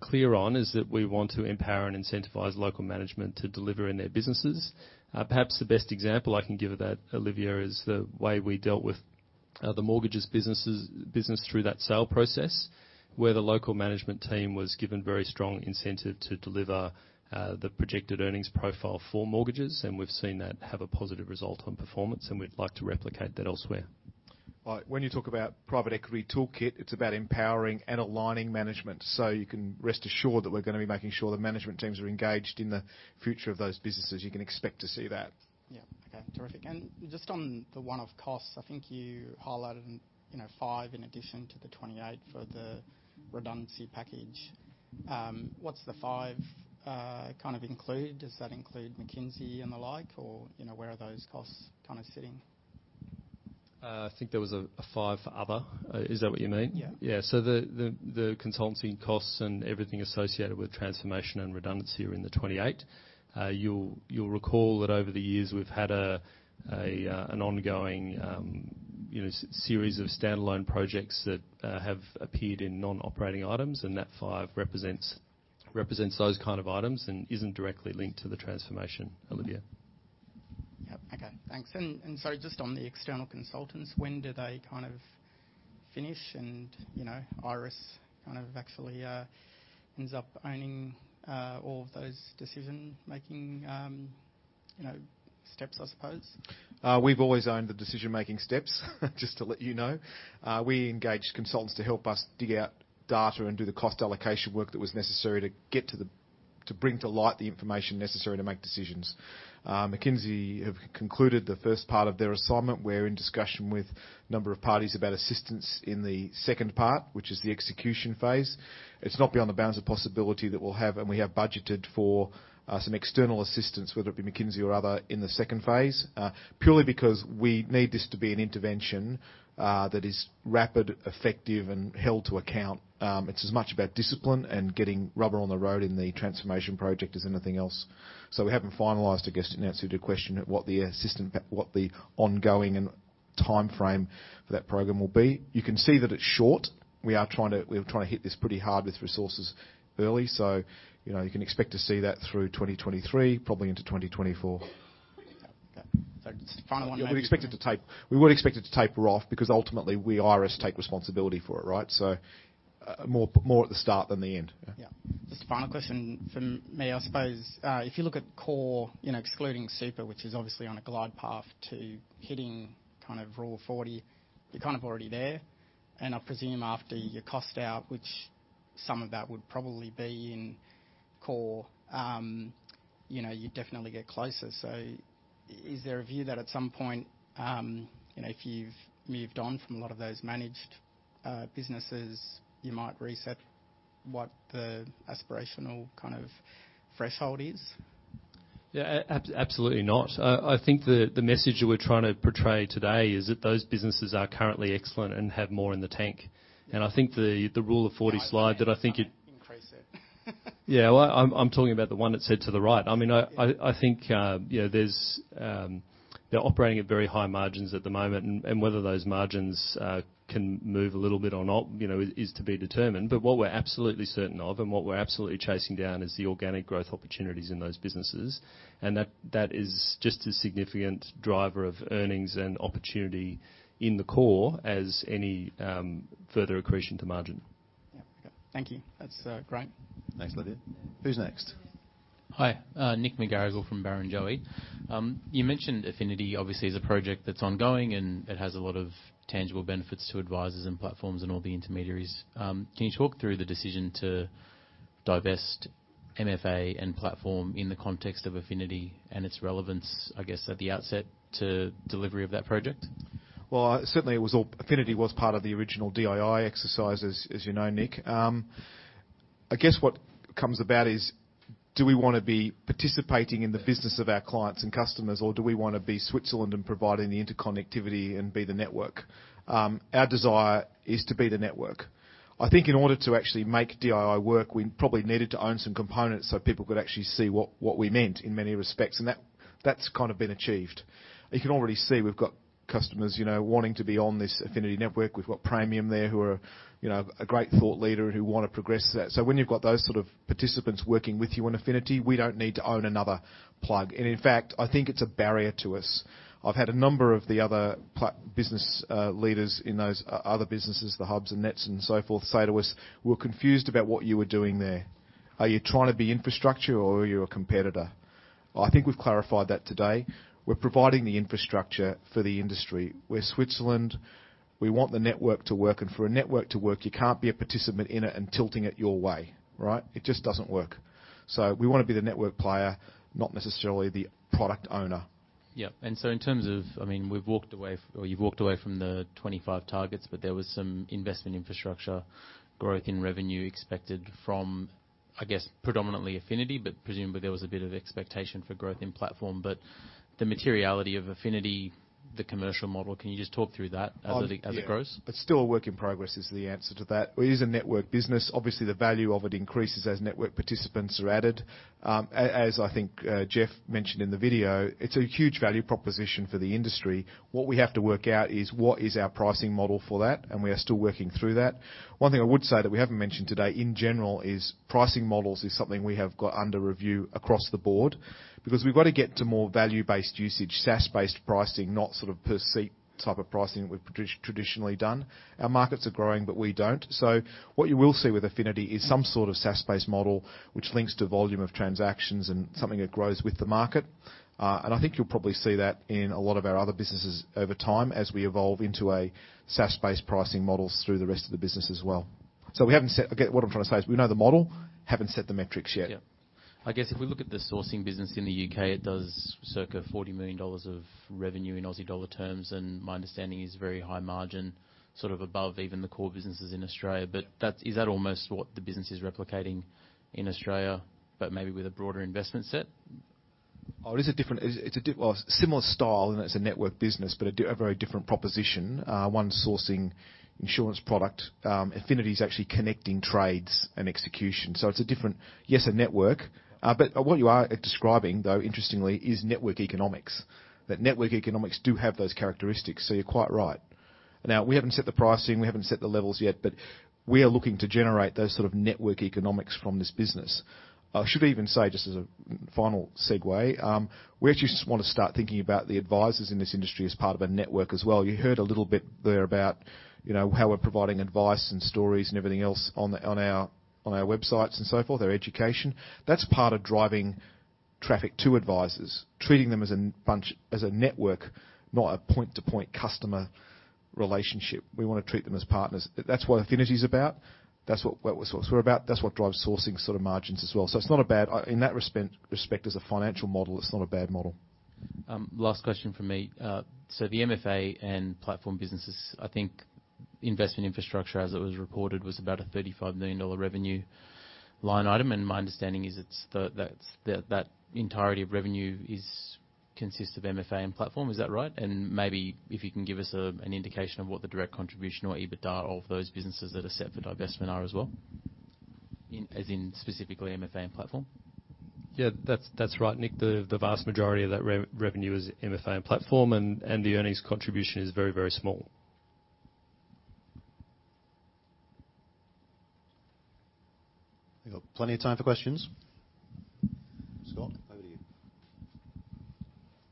clear on is that we want to empower and incentivize local management to deliver in their businesses. Perhaps the best example I can give of that, Olivier, is the way we dealt with the mortgages business through that sale process. The local management team was given very strong incentive to deliver the projected earnings profile for mortgages, and we've seen that have a positive result on performance. We'd like to replicate that elsewhere. When you talk about private equity toolkit, it's about empowering and aligning management. You can rest assured that we're gonna be making sure the management teams are engaged in the future of those businesses. You can expect to see that. Yeah. Okay, terrific. Just on the one-off costs, I think you highlighted, 5 in addition to the 28 for the redundancy package. What's the 5 kind of include? Does that include McKinsey and the like? Where are those costs kind of sitting? I think there was a 5 for other. Is that what you mean? Yeah. The consulting costs and everything associated with transformation and redundancy are in the 28 million. You'll recall that over the years, we've had an ongoing, you know, series of standalone projects that have appeared in non-operating items, and that 5 million represents those kind of items and isn't directly linked to the transformation, Olivier. Okay, thanks. Just on the external consultants, when do they kind of finish and, you know, Iress kind of actually ends up owning all of those decision-making, you know, steps, I suppose? We've always owned the decision-making steps, just to let you know. We engaged consultants to help us dig out data and do the cost allocation work that was necessary to bring to light the information necessary to make decisions. McKinsey have concluded the first part of their assignment. We're in discussion with a number of parties about assistance in the second part, which is the execution phase. It's not beyond the bounds of possibility that we'll have, and we have budgeted for, some external assistance, whether it be McKinsey or other, in the second phase, purely because we need this to be an intervention that is rapid, effective and held to account. It's as much about discipline and getting rubber on the road in the transformation project as anything else. We haven't finalized, I guess, to answer to your question, at what the ongoing and timeframe for that program will be. You can see that it's short. We're trying to hit this pretty hard with resources early. You know, you can expect to see that through 2023, probably into 2024. Okay. just the final one maybe. You would expect it to taper off because ultimately we, Iress, take responsibility for it, right? More at the start than the end. Yeah. Yeah. Just a final question from me. I suppose, if you look at core, you know, excluding Super, which is obviously on a glide path to hitting kind of Rule of 40, you're kind of already there. I presume after your cost out, which some of that would probably be in core, you know, you definitely get closer. Is there a view that at some point, you know, if you've moved on from a lot of those managed businesses, you might reset what the aspirational kind of threshold is? Yeah. Absolutely not. I think the message that we're trying to portray today is that those businesses are currently excellent and have more in the tank. I think the Rule of 40 slide Increase it. Yeah. Well, I'm talking about the one that said to the right. I mean, I think, you know, there's. They're operating at very high margins at the moment. Whether those margins can move a little bit or not, you know, is to be determined. What we're absolutely certain of and what we're absolutely chasing down is the organic growth opportunities in those businesses. That is just a significant driver of earnings and opportunity in the core as any further accretion to margin. Yeah. Okay. Thank you. That's great. Thanks, Olivier. Who's next? Hi, Nick McGarrigle from Barrenjoey. You mentioned Affinity obviously is a project that's ongoing, and it has a lot of tangible benefits to advisors and platforms and all the intermediaries. Can you talk through the decision to divest MFA and Platform in the context of Affinity and its relevance, I guess, at the outset to delivery of that project? Well, certainly Affinity was part of the original DII exercise as you know, Nick. I guess what comes about is do we wanna be participating in the business of our clients and customers, or do we wanna be Switzerland and providing the interconnectivity and be the network? Our desire is to be the network. I think in order to actually make DII work, we probably needed to own some components so people could actually see what we meant in many respects, and that's kind of been achieved. You can already see we've got customers, you know, wanting to be on this Affinity network. We've got Praemium there who are, you know, a great thought leader who wanna progress that. When you've got those sort of participants working with you on Affinity, we don't need to own another plug. In fact, I think it's a barrier to us. I've had a number of the other business leaders in those other businesses, the hubs and nets and so forth, say to us, "We're confused about what you were doing there. Are you trying to be infrastructure or are you a competitor?" I think we've clarified that today. We're providing the infrastructure for the industry. We're Switzerland. We want the network to work. For a network to work, you can't be a participant in it and tilting it your way, right? It just doesn't work. We wanna be the network player, not necessarily the product owner. Yeah. I mean, you've walked away from the 25 targets, but there was some investment infrastructure growth in revenue expected from, I guess, predominantly Affinity, but presumably there was a bit of expectation for growth in Platform. The materiality of Affinity, the commercial model, can you just talk through that as it grows? It's still a work in progress, is the answer to that. We use a network business. Obviously, the value of it increases as network participants are added. As I think Geoff mentioned in the video, it's a huge value proposition for the industry. What we have to work out is what is our pricing model for that. We are still working through that. One thing I would say that we haven't mentioned today in general is pricing models is something we have got under review across the board because we've got to get to more value-based usage, SaaS-based pricing, not sort of per seat type of pricing that we've traditionally done. Our markets are growing, but we don't. What you will see with Affinity is some sort of SaaS-based model which links to volume of transactions and something that grows with the market. I think you'll probably see that in a lot of our other businesses over time as we evolve into a SaaS-based pricing models through the rest of the business as well. Again, what I'm trying to say is, we know the model, haven't set the metrics yet. Yeah. I guess if we look at the sourcing business in the U.K., it does circa 40 million dollars of revenue in Aussie dollar terms, and my understanding is very high margin, sort of above even the core businesses in Australia. Is that almost what the business is replicating in Australia, but maybe with a broader investment set? Oh, it is a different. It's a Well, a similar style in that it's a network business, but a very different proposition. One sourcing insurance product. Affinity is actually connecting trades and execution, so it's a different. Yes, a network, but what you are describing, though, interestingly, is network economics. That network economics do have those characteristics, so you're quite right. Now, we haven't set the pricing, we haven't set the levels yet, but we are looking to generate those sort of network economics from this business. I should even say, just as a final segue, we actually just wanna start thinking about the advisors in this industry as part of a network as well. You heard a little bit there about, you know, how we're providing advice and stories and everything else on our websites and so forth, our education. That's part of driving traffic to advisors, treating them as a bunch, as a network, not a point-to-point customer relationship. We wanna treat them as partners. That's what Affinity's about, that's what we're sort of about, that's what drives sourcing sort of margins as well. I, in that respect, as a financial model, it's not a bad model. Last question from me. The MFA and platform businesses, I think investment infrastructure, as it was reported, was about a 35 million dollar revenue line item. My understanding is it's the entirety of revenue consists of MFA and platform. Is that right? Maybe if you can give us an indication of what the direct contribution or EBITDA of those businesses that are set for divestment are as well? As in specifically MFA and platform. Yeah. That's, that's right, Nick. The vast majority of that revenue is MFA and platform, and the earnings contribution is very, very small. We've got plenty of time for questions. Scott, over to you.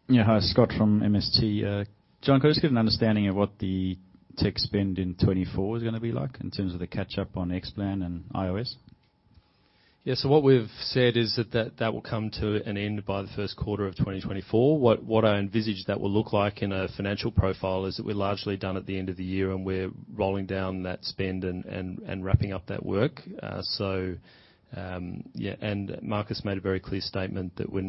Yeah. Hi, Scott from MST. John, could I just get an understanding of what the tech spend in 2024 is gonna be like in terms of the catch up on Xplan and iOS? What we've said is that will come to an end by the 1st quarter of 2024. What I envisage that will look like in a financial profile is that we're largely done at the end of the year, and we're rolling down that spend and wrapping up that work. Marcus made a very clear statement that we're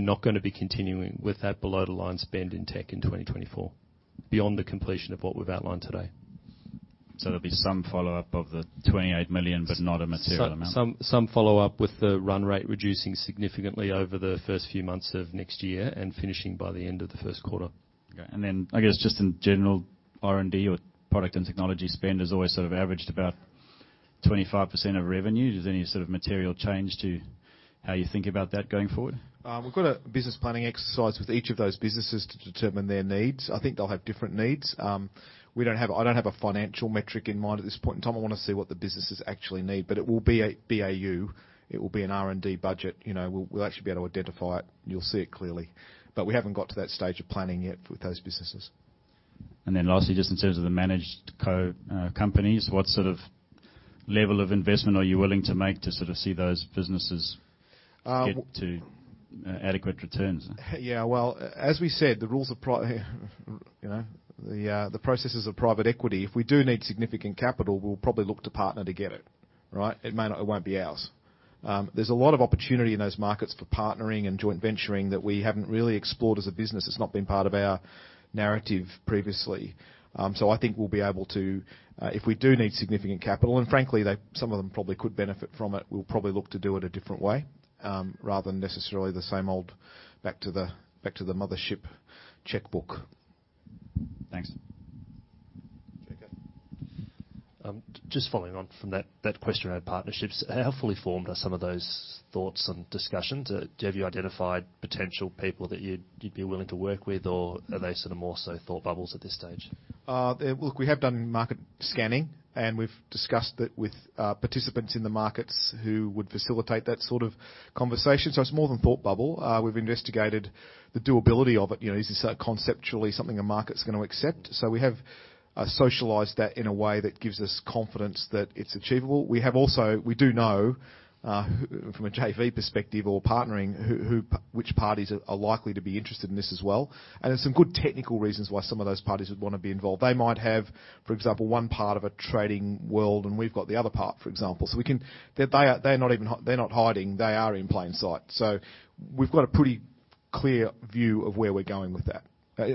not gonna be continuing with that below the line spend in tech in 2024, beyond the completion of what we've outlined today. There'll be some follow-up of the 28 million, but not a material amount. Some follow-up with the run rate reducing significantly over the first few months of next year and finishing by the end of the first quarter. Okay. Then I guess just in general, R&D or product and technology spend has always sort of averaged about 25% of revenue. Is there any sort of material change to how you think about that going forward? We've got a business planning exercise with each of those businesses to determine their needs. I think they'll have different needs. I don't have a financial metric in mind at this point in time. I wanna see what the businesses actually need, but it will be a BAU. It will be an R&D budget. You know, we'll actually be able to identify it. You'll see it clearly. We haven't got to that stage of planning yet with those businesses. Lastly, just in terms of the managed companies, what sort of level of investment are you willing to make to sort of see those businesses? Um- get to adequate returns? Well, as we said, You know, the processes of private equity, if we do need significant capital, we'll probably look to partner to get it, right? It won't be ours. There's a lot of opportunity in those markets for partnering and joint venturing that we haven't really explored as a business. It's not been part of our narrative previously. I think we'll be able to, if we do need significant capital, and frankly, they, some of them probably could benefit from it, we'll probably look to do it a different way, rather than necessarily the same old back to the mothership checkbook. Thanks. Jacob. Just following on from that question around partnerships, how fully formed are some of those thoughts and discussions? Have you identified potential people that you'd be willing to work with, or are they sort of more so thought bubbles at this stage? Look, we have done market scanning, and we've discussed it with participants in the markets who would facilitate that sort of conversation, so it's more than thought bubble. We've investigated the doability of it. You know, is this conceptually something the market's gonna accept? We have socialized that in a way that gives us confidence that it's achievable. We have also. We do know, from a JV perspective or partnering who, which parties are likely to be interested in this as well, and there's some good technical reasons why some of those parties would wanna be involved. They might have, for example, one part of a trading world and we've got the other part, for example. We can. They're not even hiding. They are in plain sight. We've got a pretty clear view of where we're going with that. By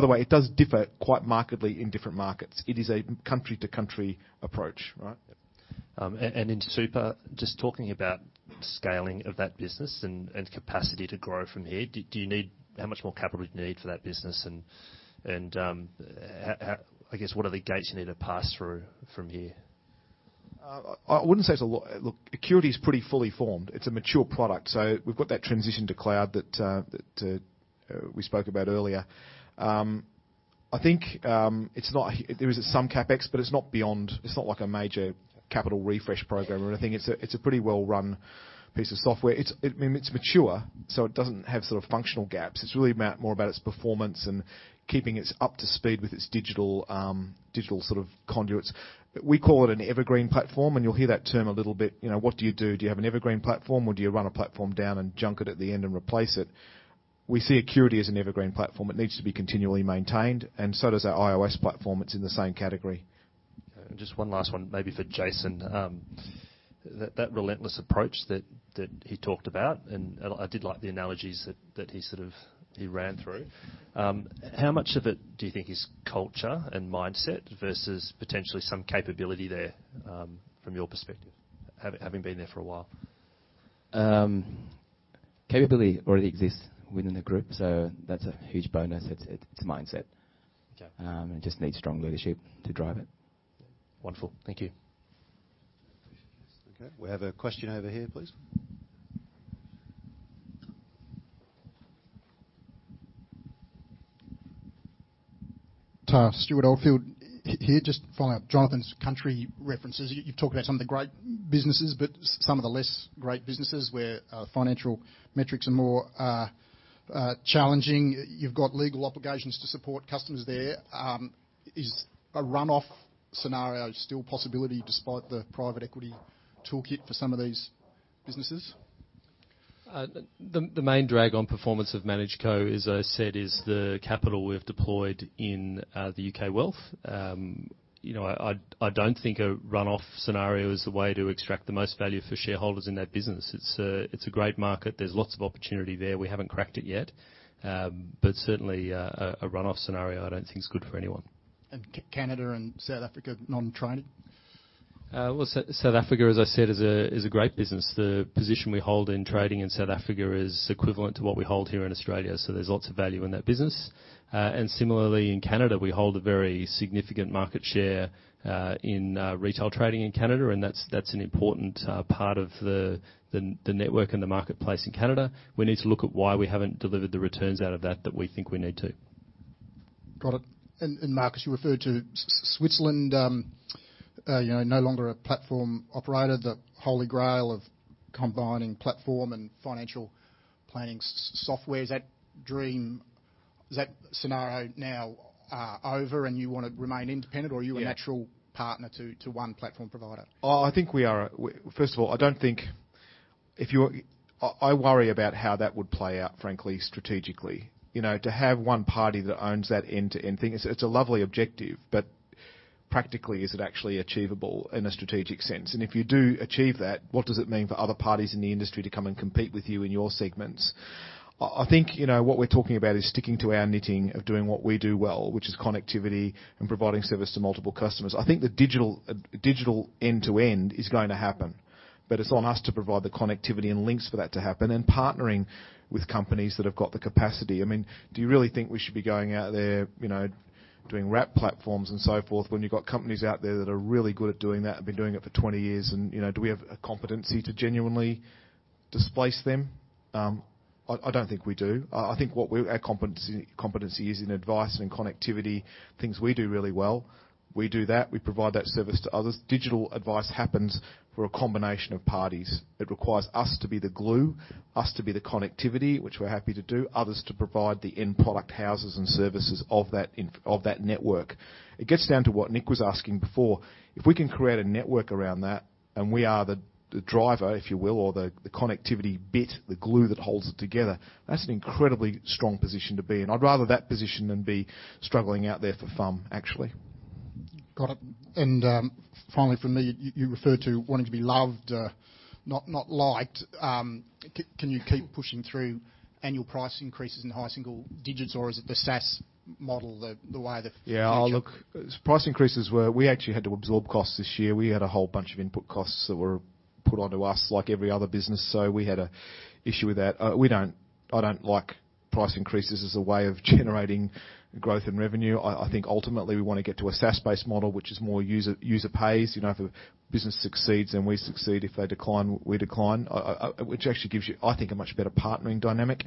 the way, it does differ quite markedly in different markets. It is a country to country approach, right? In super, just talking about scaling of that business and capacity to grow from here. How much more capital do you need for that business, and, I guess, what are the gates you need to pass through from here? I wouldn't say it's a lot. Look, Acurity is pretty fully formed. It's a mature product. We've got that transition to cloud that we spoke about earlier. I think it's not. There is some CapEx, but it's not beyond, it's not like a major capital refresh program or anything. It's a pretty well-run piece of software. It's, I mean, it's mature, so it doesn't have sort of functional gaps. It's really about, more about its performance and keeping it up to speed with its digital sort of conduits. We call it an evergreen platform, and you'll hear that term a little bit. You know, what do you do? Do you have an evergreen platform, or do you run a platform down and junk it at the end and replace it? We see Acurity as an evergreen platform. It needs to be continually maintained, so does our IOS+ platform. It's in the same category. Okay. Just one last one maybe for Jason. That relentless approach that he talked about, and I did like the analogies that he sort of, he ran through, how much of it do you think is culture and mindset versus potentially some capability there, from your perspective, having been there for a while? Capability already exists within the group, so that's a huge bonus. It's a mindset. Okay. It just needs strong leadership to drive it. Wonderful. Thank you. Okay. We have a question over here, please. Stewart Oldfield here. Just following up Jonathan's country references. You've talked about some of the great businesses, but some of the less great businesses where financial metrics are more challenging, you've got legal obligations to support customers there. Is a runoff scenario still a possibility despite the private equity toolkit for some of these businesses? The main drag on performance of ManageCo, as I said, is the capital we've deployed in the U.K. Wealth. You know, I don't think a run-off scenario is the way to extract the most value for shareholders in that business. It's a great market. There's lots of opportunity there. We haven't cracked it yet. Certainly, a run-off scenario, I don't think is good for anyone. Canada and South Africa, non-trading? South Africa, as I said, is a great business. The position we hold in trading in South Africa is equivalent to what we hold here in Australia, so there's lots of value in that business. Similarly in Canada, we hold a very significant market share in retail trading in Canada, and that's an important part of the network and the marketplace in Canada. We need to look at why we haven't delivered the returns out of that that we think we need to. Got it. Marcus, you referred to Switzerland, you know, no longer a platform operator, the Holy Grail of combining platform and financial planning software. Is that scenario now over and you wanna remain independent? Yeah. Are you a natural partner to one platform provider? I think we are a First of all, I don't think. If you're I worry about how that would play out, frankly, strategically. You know, to have one party that owns that end-to-end thing, it's a lovely objective, but practically, is it actually achievable in a strategic sense? If you do achieve that, what does it mean for other parties in the industry to come and compete with you in your segments? I think, you know, what we're talking about is sticking to our knitting of doing what we do well, which is connectivity and providing service to multiple customers. I think the digital end to end is going to happen, but it's on us to provide the connectivity and links for that to happen and partnering with companies that have got the capacity. I mean, do you really think we should be going out there, you know, doing wrap platforms and so forth when you've got companies out there that are really good at doing that and been doing it for 20 years? You know, do we have a competency to genuinely displace them? I don't think we do. I think our competency is in advice and connectivity, things we do really well. We do that. We provide that service to others. Digital advice happens for a combination of parties. It requires us to be the glue, us to be the connectivity, which we're happy to do, others to provide the end product houses and services of that network. It gets down to what Nick was asking before. If we can create a network around that and we are the driver, if you will, or the connectivity bit, the glue that holds it together, that's an incredibly strong position to be in. I'd rather that position than be struggling out there for fun, actually. Got it. Finally from me, you referred to wanting to be loved, not liked. Can you keep pushing through annual price increases in high single digits, or is it the SaaS model the way the-? Look, price increases were. We actually had to absorb costs this year. We had a whole bunch of input costs that were put onto us like every other business, so we had a issue with that. We don't. I don't like price increases as a way of generating growth and revenue. I think ultimately we wanna get to a SaaS-based model, which is more user pays. You know, if a business succeeds, then we succeed. If they decline, we decline. Which actually gives you, I think, a much better partnering dynamic.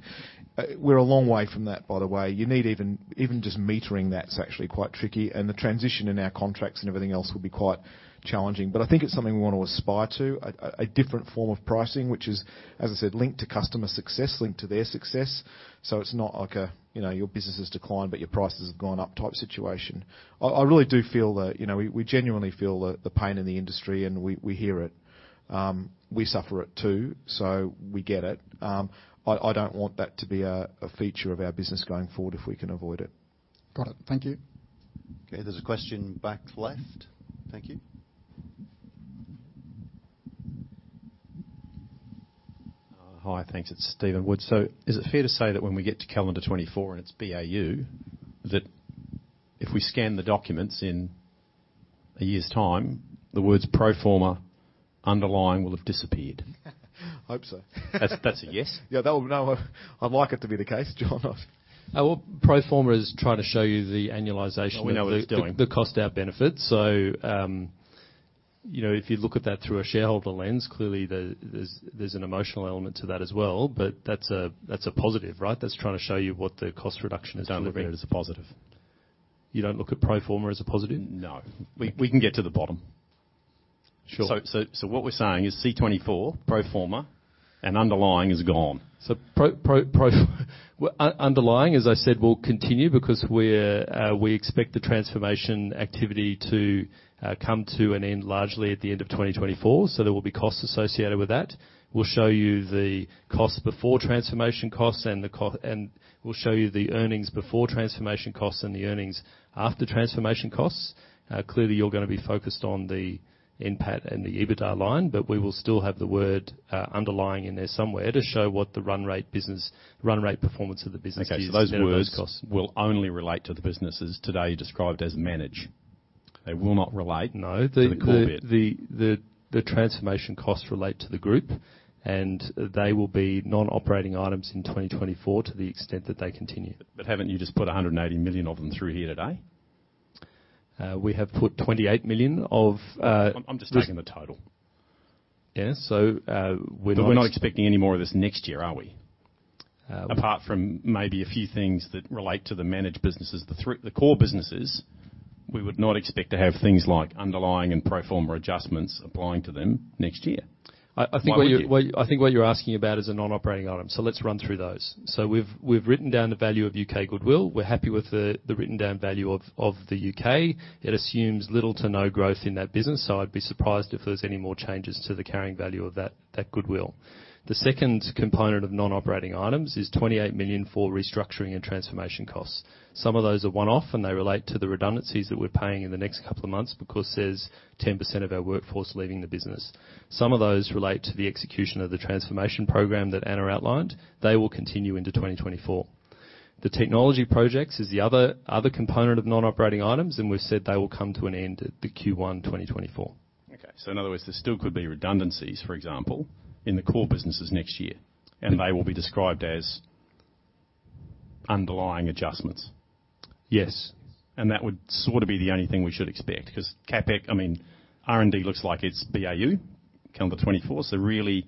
We're a long way from that, by the way. You need even just metering that's actually quite tricky, and the transition in our contracts and everything else will be quite challenging. I think it's something we wanna aspire to. A different form of pricing, which is, as I said, linked to customer success, linked to their success. It's not like a, you know, your business has declined, but your prices have gone up type situation. I really do feel that, you know, we genuinely feel the pain in the industry, and we hear it. We suffer it too, so we get it. I don't want that to be a feature of our business going forward if we can avoid it. Got it. Thank you. Okay, there's a question back left. Thank you. Hi. Thanks. It's Steven Wood. Is it fair to say that when we get to calendar 2024 and it's BAU, that if we scan the documents in a year's time, the words pro forma underlying will have disappeared? Hope so. That's a yes? Yeah, No, I'd like it to be the case, John. Well, pro forma is trying to show you the annualization- Oh, we know what it's doing. ...the cost out benefit. You know, if you look at that through a shareholder lens, clearly there's an emotional element to that as well. That's a positive, right? That's trying to show you what the cost reduction is delivering. I don't look at it as a positive. You don't look at pro forma as a positive? No. We can get to the bottom. Sure. What we're saying is C 2024, pro forma and underlying is gone. Well, underlying, as I said, will continue because we're, we expect the transformation activity to come to an end largely at the end of 2024, so there will be costs associated with that. We'll show you the costs before transformation costs we'll show you the earnings before transformation costs and the earnings after transformation costs. Clearly, you're gonna be focused on the NPAT and the EBITDA line, but we will still have the word, underlying in there somewhere to show what the run rate business, run rate performance of the business is. Okay. those words. ...instead of those costs will only relate to the businesses today described as manage. They will not relate- No. The. ...to the core bit. ...the transformation costs relate to the group. They will be non-operating items in 2024 to the extent that they continue. Haven't you just put 180 million of them through here today? We have put 28 million of. I'm just taking the total. Yeah. We're not expecting any more of this next year, are we? Uh- Apart from maybe a few things that relate to the managed businesses. The core businesses. We would not expect to have things like underlying and pro forma adjustments applying to them next year. I think. Why would you? I think what you're asking about is a non-operating item, so let's run through those. We've written down the value of U.K. goodwill. We're happy with the written down value of the U.K. It assumes little to no growth in that business, so I'd be surprised if there's any more changes to the carrying value of that goodwill. The second component of non-operating items is 28 million for restructuring and transformation costs. Some of those are one-off, and they relate to the redundancies that we're paying in the next couple of months because there's 10% of our workforce leaving the business. Some of those relate to the execution of the transformation program that Ana outlined. They will continue into 2024. The technology projects is the other component of non-operating items, and we've said they will come to an end at the Q1 2024. Okay. In other words, there still could be redundancies, for example, in the core businesses next year. Mm-hmm. They will be described as underlying adjustments? Yes. That would sort of be the only thing we should expect 'cause CapEx... I mean, R&D looks like it's BAU, calendar 2024. Really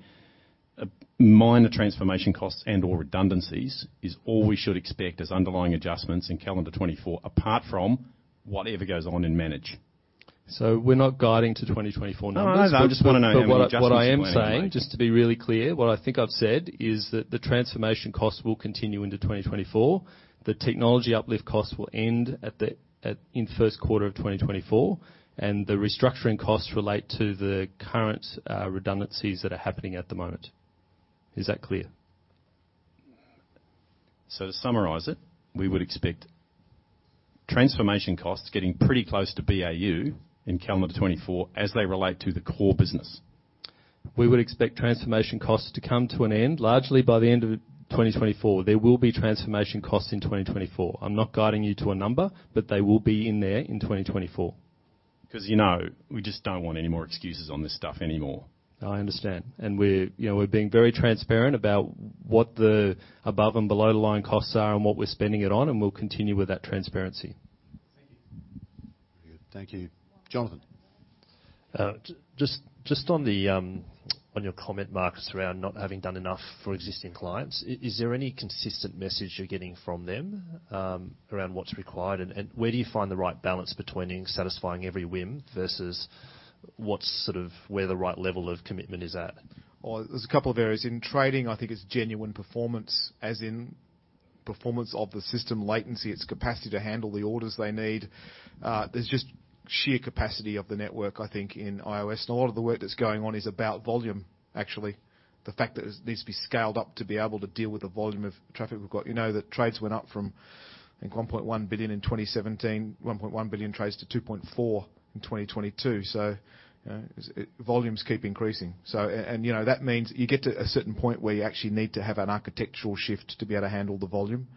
minor transformation costs and/or redundancies is all we should expect as underlying adjustments in calendar 2024, apart from whatever goes on in Manage. We're not guiding to 2024 numbers. I know. I just wanna know how many adjustments we're gonna make? What I am saying, just to be really clear, what I think I've said is that the transformation costs will continue into 2024. The technology uplift costs will end in first quarter of 2024, and the restructuring costs relate to the current redundancies that are happening at the moment. Is that clear? To summarize it, we would expect transformation costs getting pretty close to BAU in calendar 2024 as they relate to the core business. We would expect transformation costs to come to an end largely by the end of 2024. There will be transformation costs in 2024. I'm not guiding you to a number, but they will be in there in 2024. ‘Cause you know we just don't want any more excuses on this stuff anymore. I understand. We're, you know, we're being very transparent about what the above and below the line costs are and what we're spending it on, and we'll continue with that transparency. Thank you. Thank you. Jonathan. Just on the on your comment, Marcus, around not having done enough for existing clients, is there any consistent message you're getting from them, around what's required? Where do you find the right balance between satisfying every whim versus what's sort of where the right level of commitment is at? Well, there's a couple of areas. In trading, I think it's genuine performance, as in performance of the system latency, its capacity to handle the orders they need. There's just sheer capacity of the network, I think, in IOS, and a lot of the work that's going on is about volume, actually. The fact that it needs to be scaled up to be able to deal with the volume of traffic we've got. You know that trades went up from, I think, 1.1 billion in 2017. 1.1 billion trades to 2.4 in 2022. You know, it, volumes keep increasing. And, you know, that means you get to a certain point where you actually need to have an architectural shift to be able to handle the volume,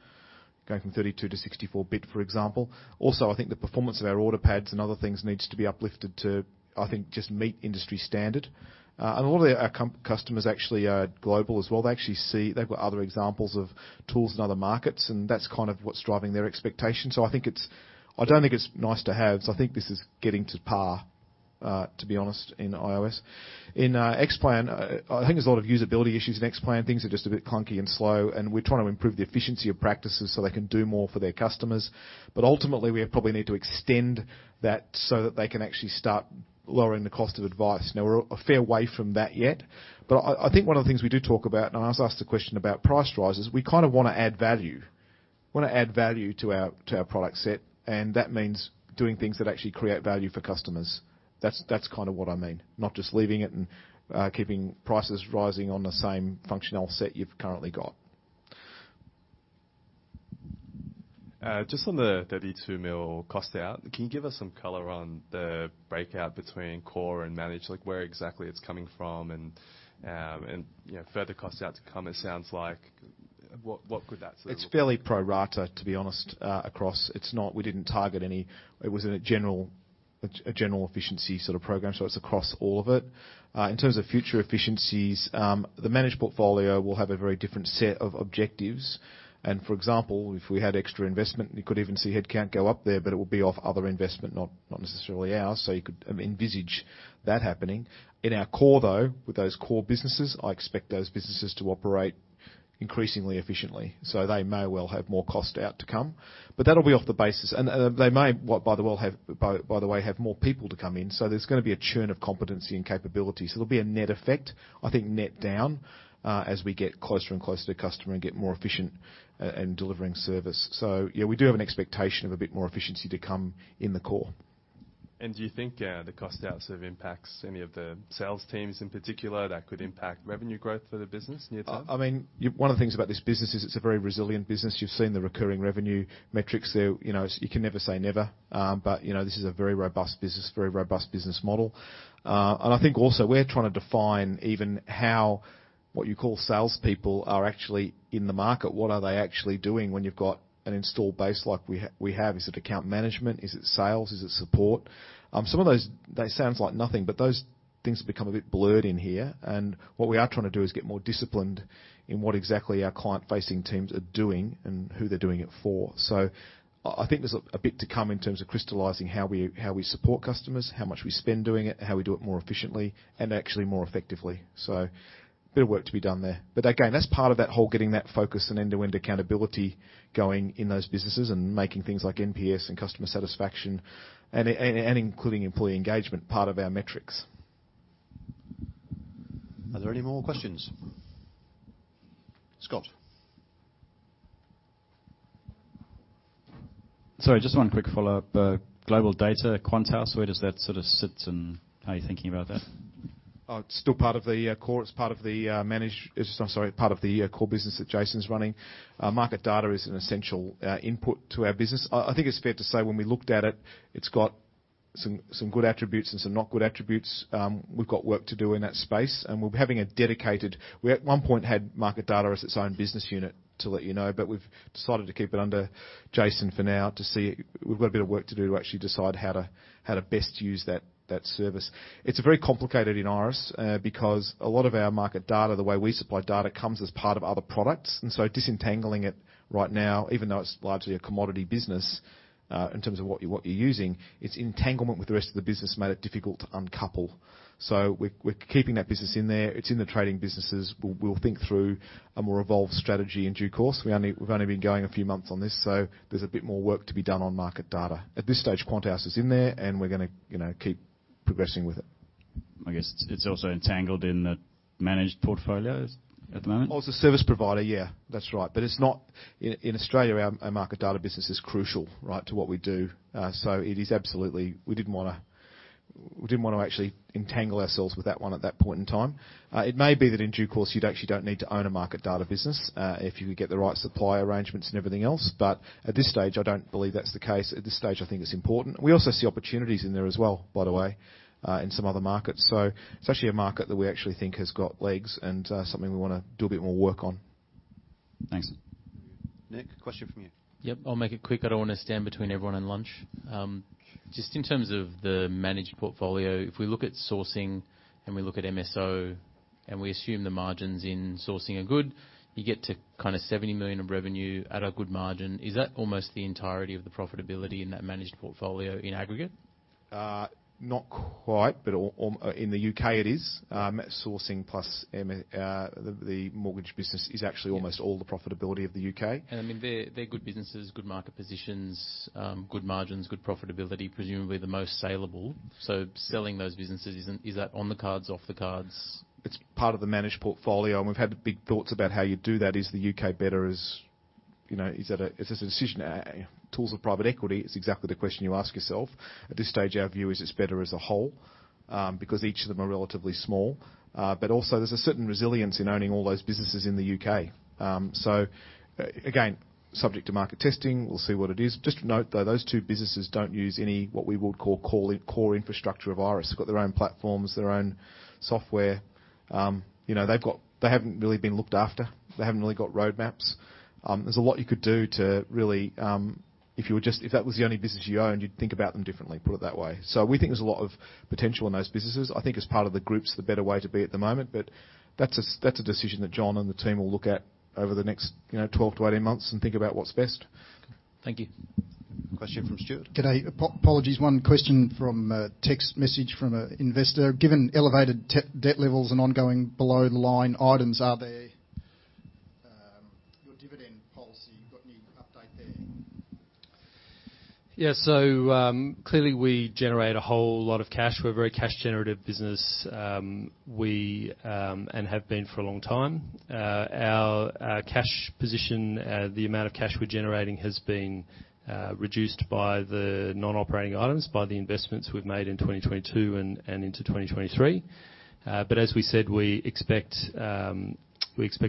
going from 32-64-bit, for example. I think the performance of our order pads and other things needs to be uplifted to, I think, just meet industry standard. A lot of our customers actually are global as well. They actually see they've got other examples of tools in other markets, and that's kind of what's driving their expectations. I don't think it's nice to have, so I think this is getting to par, to be honest, in IOS+. In Xplan, I think there's a lot of usability issues in Xplan. Things are just a bit clunky and slow, and we're trying to improve the efficiency of practices so they can do more for their customers. Ultimately, we probably need to extend that so that they can actually start lowering the cost of advice. We're a fair way from that yet, I think one of the things we do talk about, and I was asked a question about price rises, we kind of wanna add value. We wanna add value to our product set, and that means doing things that actually create value for customers. That's kind of what I mean, not just leaving it and keeping prices rising on the same functional set you've currently got. Just on the 32 million cost out, can you give us some color on the breakout between core and manage, like, where exactly it's coming from and, you know, further costs out to come, it sounds like? What could that sort of- It's fairly pro rata, to be honest, across. We didn't target any. It was in a general, a general efficiency sort of program, so it's across all of it. In terms of future efficiencies, the manage portfolio will have a very different set of objectives. For example, if we had extra investment, you could even see headcount go up there, but it will be off other investment, not necessarily ours. You could, I mean, envisage that happening. In our core though, with those core businesses, I expect those businesses to operate increasingly efficiently, so they may well have more cost out to come. That'll be off the basis. They may, by the way, have more people to come in, so there's gonna be a churn of competency and capability. There'll be a net effect, I think net down, as we get closer and closer to customer and get more efficient, in delivering service. We do have an expectation of a bit more efficiency to come in the core. Do you think the cost outs have impacts any of the sales teams in particular that could impact revenue growth for the business near term? I mean, one of the things about this business is it's a very resilient business. You've seen the recurring revenue metrics there. You know, you can never say never, but, you know, this is a very robust business, very robust business model. I think also we're trying to define even how, what you call salespeople are actually in the market. What are they actually doing when you've got an installed base like we have? Is it account management? Is it sales? Is it support? Some of those, they sounds like nothing, but those things have become a bit blurred in here. What we are trying to do is get more disciplined in what exactly our client-facing teams are doing and who they're doing it for. I think there's a bit to come in terms of crystallizing how we support customers, how much we spend doing it, how we do it more efficiently, and actually more effectively. A bit of work to be done there. Again, that's part of that whole getting that focus and end-to-end accountability going in those businesses and making things like NPS and customer satisfaction and including employee engagement, part of our metrics. Are there any more questions? Scott? Sorry, just one quick follow-up. global data, QuantHouse, where does that sort of sit and how are you thinking about that? It's still part of the core. It's part of the core business that Jason's running. Market data is an essential input to our business. I think it's fair to say when we looked at it's got some good attributes and some not good attributes. We've got work to do in that space, and we're having a dedicated... We, at one point, had market data as its own business unit, to let you know, but we've decided to keep it under Jason for now to see... We've got a bit of work to do to actually decide how to best use that service. It's very complicated in Iress because a lot of our market data, the way we supply data, comes as part of other products. Disentangling it right now, even though it's largely a commodity business, in terms of what you, what you're using, its entanglement with the rest of the business made it difficult to uncouple. We're, we're keeping that business in there. It's in the trading businesses. We'll, we'll think through a more evolved strategy in due course. We've only been going a few months on this, so there's a bit more work to be done on market data. At this stage, QuantHouse is in there, and we're gonna, you know, keep progressing with it. I guess it's also entangled in the managed portfolios at the moment? Well, as a service provider, yeah. That's right. It's not. In Australia, our market data business is crucial, right, to what we do. It is absolutely. We didn't wanna actually entangle ourselves with that one at that point in time. It may be that in due course you'd actually don't need to own a market data business, if you could get the right supply arrangements and everything else. At this stage, I don't believe that's the case. At this stage, I think it's important. We also see opportunities in there as well, by the way, in some other markets. It's actually a market that we actually think has got legs and something we wanna do a bit more work on. Thanks. Nick, question from you. Yep. I'll make it quick. I don't wanna stand between everyone and lunch. Just in terms of the managed portfolio, if we look at sourcing and we look at MSO, and we assume the margins in sourcing are good, you get to kind of 70 million of revenue at a good margin. Is that almost the entirety of the profitability in that managed portfolio in aggregate? Not quite, but in the U.K. it is. Sourcing plus M, the mortgage business is actually almost all the profitability of the U.K. I mean, they're good businesses, good market positions, good margins, good profitability. Presumably the most saleable, so selling those businesses isn't... Is that on the cards, off the cards? It's part of the managed portfolio. We've had big thoughts about how you do that. Is the U.K. better as, you know? Is this a decision? Tools of private equity is exactly the question you ask yourself. At this stage, our view is it's better as a whole, because each of them are relatively small. Also there's a certain resilience in owning all those businesses in the U.K. Again, subject to market testing, we'll see what it is. Just note, though, those two businesses don't use any, what we would call it core infrastructure of Iress. They've got their own platforms, their own software. You know. They haven't really been looked after. They haven't really got roadmaps. There's a lot you could do to really. If that was the only business you owned, you'd think about them differently, put it that way. We think there's a lot of potential in those businesses. I think as part of the group's the better way to be at the moment. That's a decision that John and the team will look at over the next, you know, 12-18 months and think about what's best. Thank you. Question from Stewart. G'day. Apologies, one question from a text message from an investor. Given elevated debt levels and ongoing below the line items, are there, your dividend policy, have you got any update there? Clearly we generate a whole lot of cash. We're a very cash generative business. We have been for a long time. Our cash position, the amount of cash we're generating has been reduced by the non-operating items, by the investments we've made in 2022 and into 2023. As we said, we expect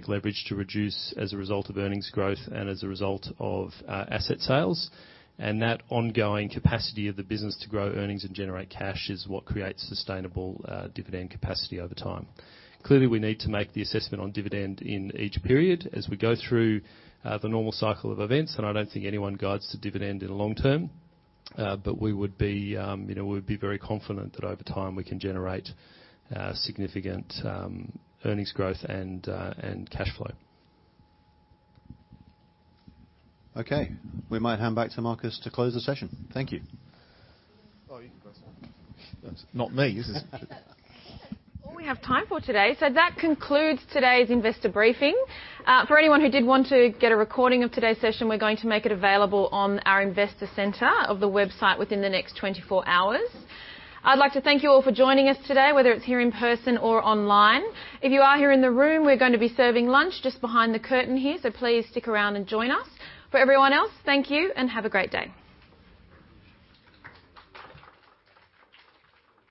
leverage to reduce as a result of earnings growth and as a result of asset sales. That ongoing capacity of the business to grow earnings and generate cash is what creates sustainable dividend capacity over time. Clearly, we need to make the assessment on dividend in each period as we go through the normal cycle of events, and I don't think anyone guides the dividend in the long term. We would be, you know, we would be very confident that over time we can generate significant earnings growth and cash flow. Okay. We might hand back to Marcus to close the session. Thank you. Oh, you can close it. Not me. All we have time for today. That concludes today's investor briefing. For anyone who did want to get a recording of today's session, we're going to make it available on our investor center of the website within the next 24 hours. I'd like to thank you all for joining us today, whether it's here in person or online. If you are here in the room, we're gonna be serving lunch just behind the curtain here, please stick around and join us. For everyone else, thank you and have a great day.